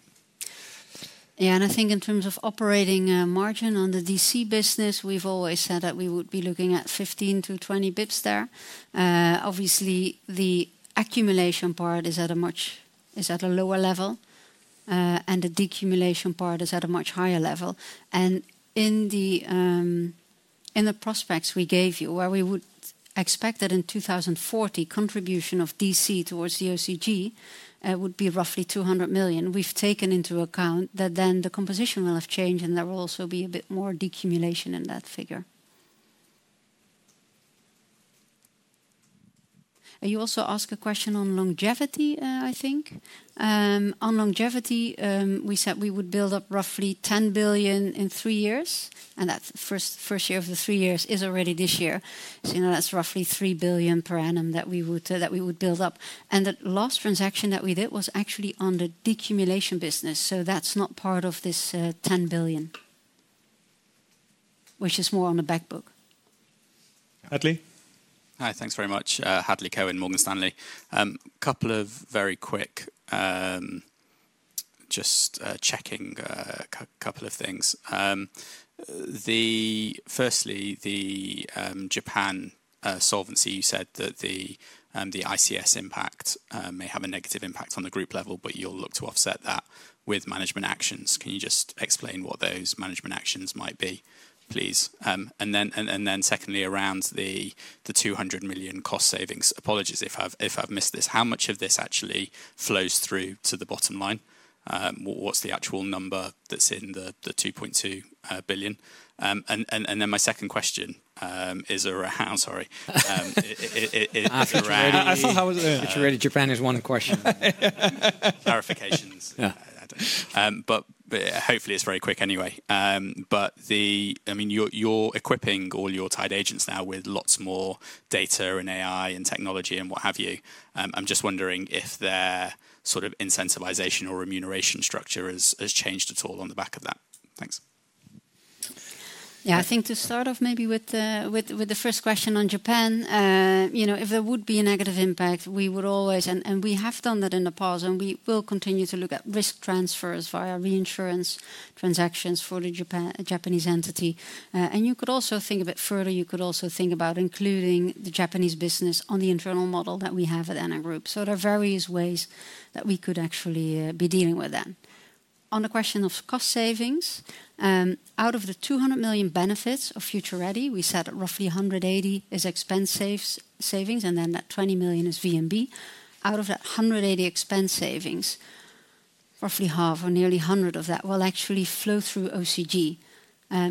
Yeah, and I think in terms of operating margin on the DC business, we've always said that we would be looking at 15-20 bps there. Obviously, the accumulation part is at a much lower level, and the decumulation part is at a much higher level. In the prospects we gave you, where we would expect that in 2040, contribution of DC towards the OCG would be roughly 200 million, we've taken into account that then the composition will have changed and there will also be a bit more decumulation in that figure. You also asked a question on longevity, I think. On longevity, we said we would build up roughly 10 billion in three years. That first year of the three years is already this year. That's roughly 3 billion per annum that we would build up. The last transaction that we did was actually on the decumulation business. That is not part of this 10 billion, which is more on the back book. Hadley? Hi, thanks very much. Hadley Cohen, Morgan Stanley. A couple of very quick, just checking a couple of things. Firstly, the Japan solvency, you said that the ICS impact may have a negative impact on the group level, but you will look to offset that with management actions. Can you just explain what those management actions might be, please? Secondly, around the 200 million cost savings, apologies if I have missed this, how much of this actually flows through to the bottom line? What is the actual number that is in the 2.2 billion? My second question, is there a, sorry. I thought that was it. It is already Japan is one question. Clarifications. Hopefully it is very quick anyway. I mean, you're equipping all your tied agents now with lots more data and AI and technology and what have you. I'm just wondering if their sort of incentivization or remuneration structure has changed at all on the back of that. Thanks. Yeah, I think to start off maybe with the first question on Japan, if there would be a negative impact, we would always, and we have done that in the past, and we will continue to look at risk transfers via reinsurance transactions for the Japanese entity. You could also think a bit further. You could also think about including the Japanese business on the internal model that we have at NN Group. There are various ways that we could actually be dealing with that. On the question of cost savings, out of the 200 million benefits of Future Ready, we said roughly 180 million is expense savings, and then that 20 million is VNB. Out of that 180 million expense savings, roughly half or nearly 100 million of that will actually flow through OCG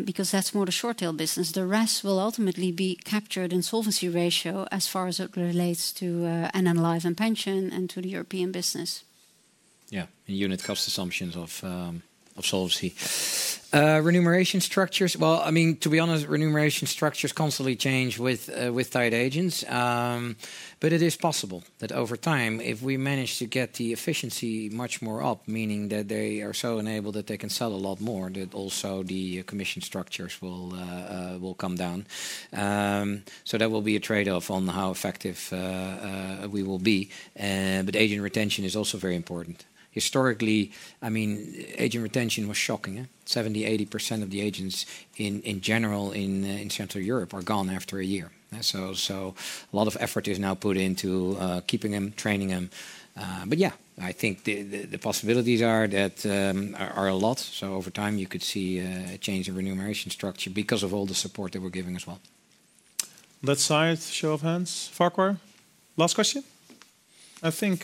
because that's more the short-tail business. The rest will ultimately be captured in solvency ratio as far as it relates to NN Life and pension and to the European business. Yeah, and unit cost assumptions of solvency. Remuneration structures, I mean, to be honest, remuneration structures constantly change with tied agents. It is possible that over time, if we manage to get the efficiency much more up, meaning that they are so enabled that they can sell a lot more, that also the commission structures will come down. There will be a trade-off on how effective we will be. But agent retention is also very important. Historically, I mean, agent retention was shocking. 70%-80% of the agents in general in Central Europe are gone after a year. So a lot of effort is now put into keeping them, training them. But yeah, I think the possibilities are a lot. So over time, you could see a change in remuneration structure because of all the support that we're giving as well. That side, show of hands. Farquhar? Last question? I think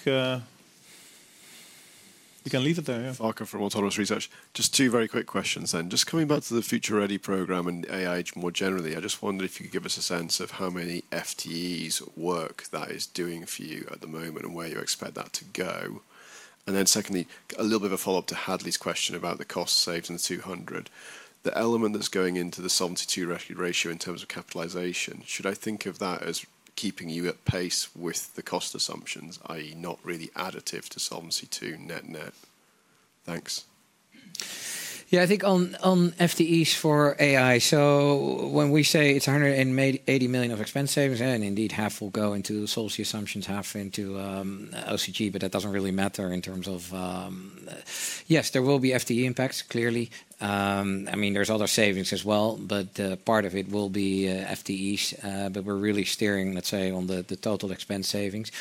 you can leave it there. Farquhar from Autonomous Research. Just two very quick questions then. Just coming back to the Future Ready program and AI more generally, I just wondered if you could give us a sense of how many FTEs work that is doing for you at the moment and where you expect that to go. Secondly, a little bit of a follow-up to Hadley's question about the cost saved in the 200 million. The element that's going into the Solvency II ratio in terms of capitalization, should I think of that as keeping you at pace with the cost assumptions, i.e., not really additive to Solvency II net net? Thanks. I think on FTEs for AI, when we say it's 180 million of expense savings, and indeed half will go into solvency assumptions, half into OCG, but that doesn't really matter in terms of, yes, there will be FTE impacts, clearly. I mean, there's other savings as well, but part of it will be FTEs. We're really steering, let's say, on the total expense savings.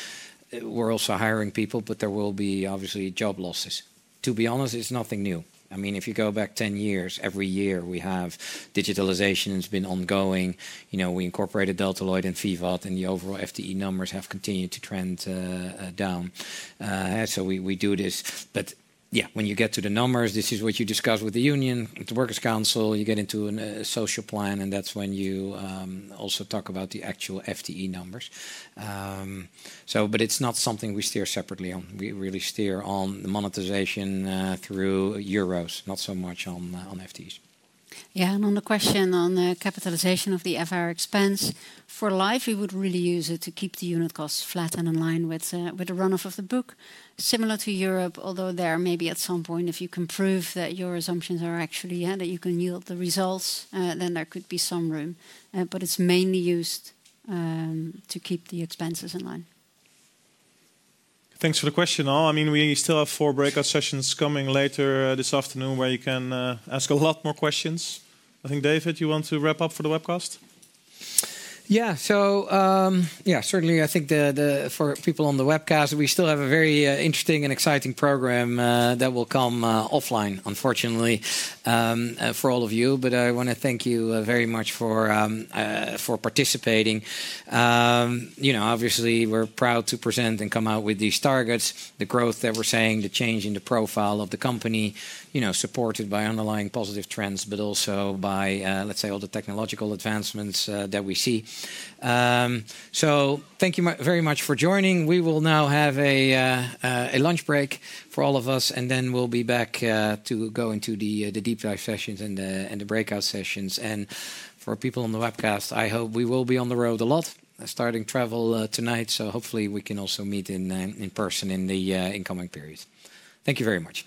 We're also hiring people, but there will be obviously job losses. To be honest, it's nothing new. I mean, if you go back 10 years, every year we have digitalization has been ongoing. We incorporated Delta Lloyd and VIVAT, and the overall FTE numbers have continued to trend down. We do this. Yeah, when you get to the numbers, this is what you discuss with the union, with the workers' council, you get into a social plan, and that is when you also talk about the actual FTE numbers. It is not something we steer separately on. We really steer on the monetization through euros, not so much on FTEs. Yeah, and on the question on capitalization of the FR expense, for life, we would really use it to keep the unit costs flat and in line with the runoff of the book. Similar to Europe, although there may be at some point, if you can prove that your assumptions are actually that you can yield the results, then there could be some room. It is mainly used to keep the expenses in line. Thanks for the question. I mean, we still have four breakout sessions coming later this afternoon where you can ask a lot more questions. I think, David, you want to wrap up for the webcast? Yeah, certainly, I think for people on the webcast, we still have a very interesting and exciting program that will come offline, unfortunately, for all of you. I want to thank you very much for participating. Obviously, we're proud to present and come out with these targets, the growth that we're saying, the change in the profile of the company, supported by underlying positive trends, but also by, let's say, all the technological advancements that we see. Thank you very much for joining. We will now have a lunch break for all of us, and then we'll be back to go into the deep dive sessions and the breakout sessions. For people on the webcast, I hope we will be on the road a lot, starting travel tonight. Hopefully we can also meet in person in the incoming period. Thank you very much.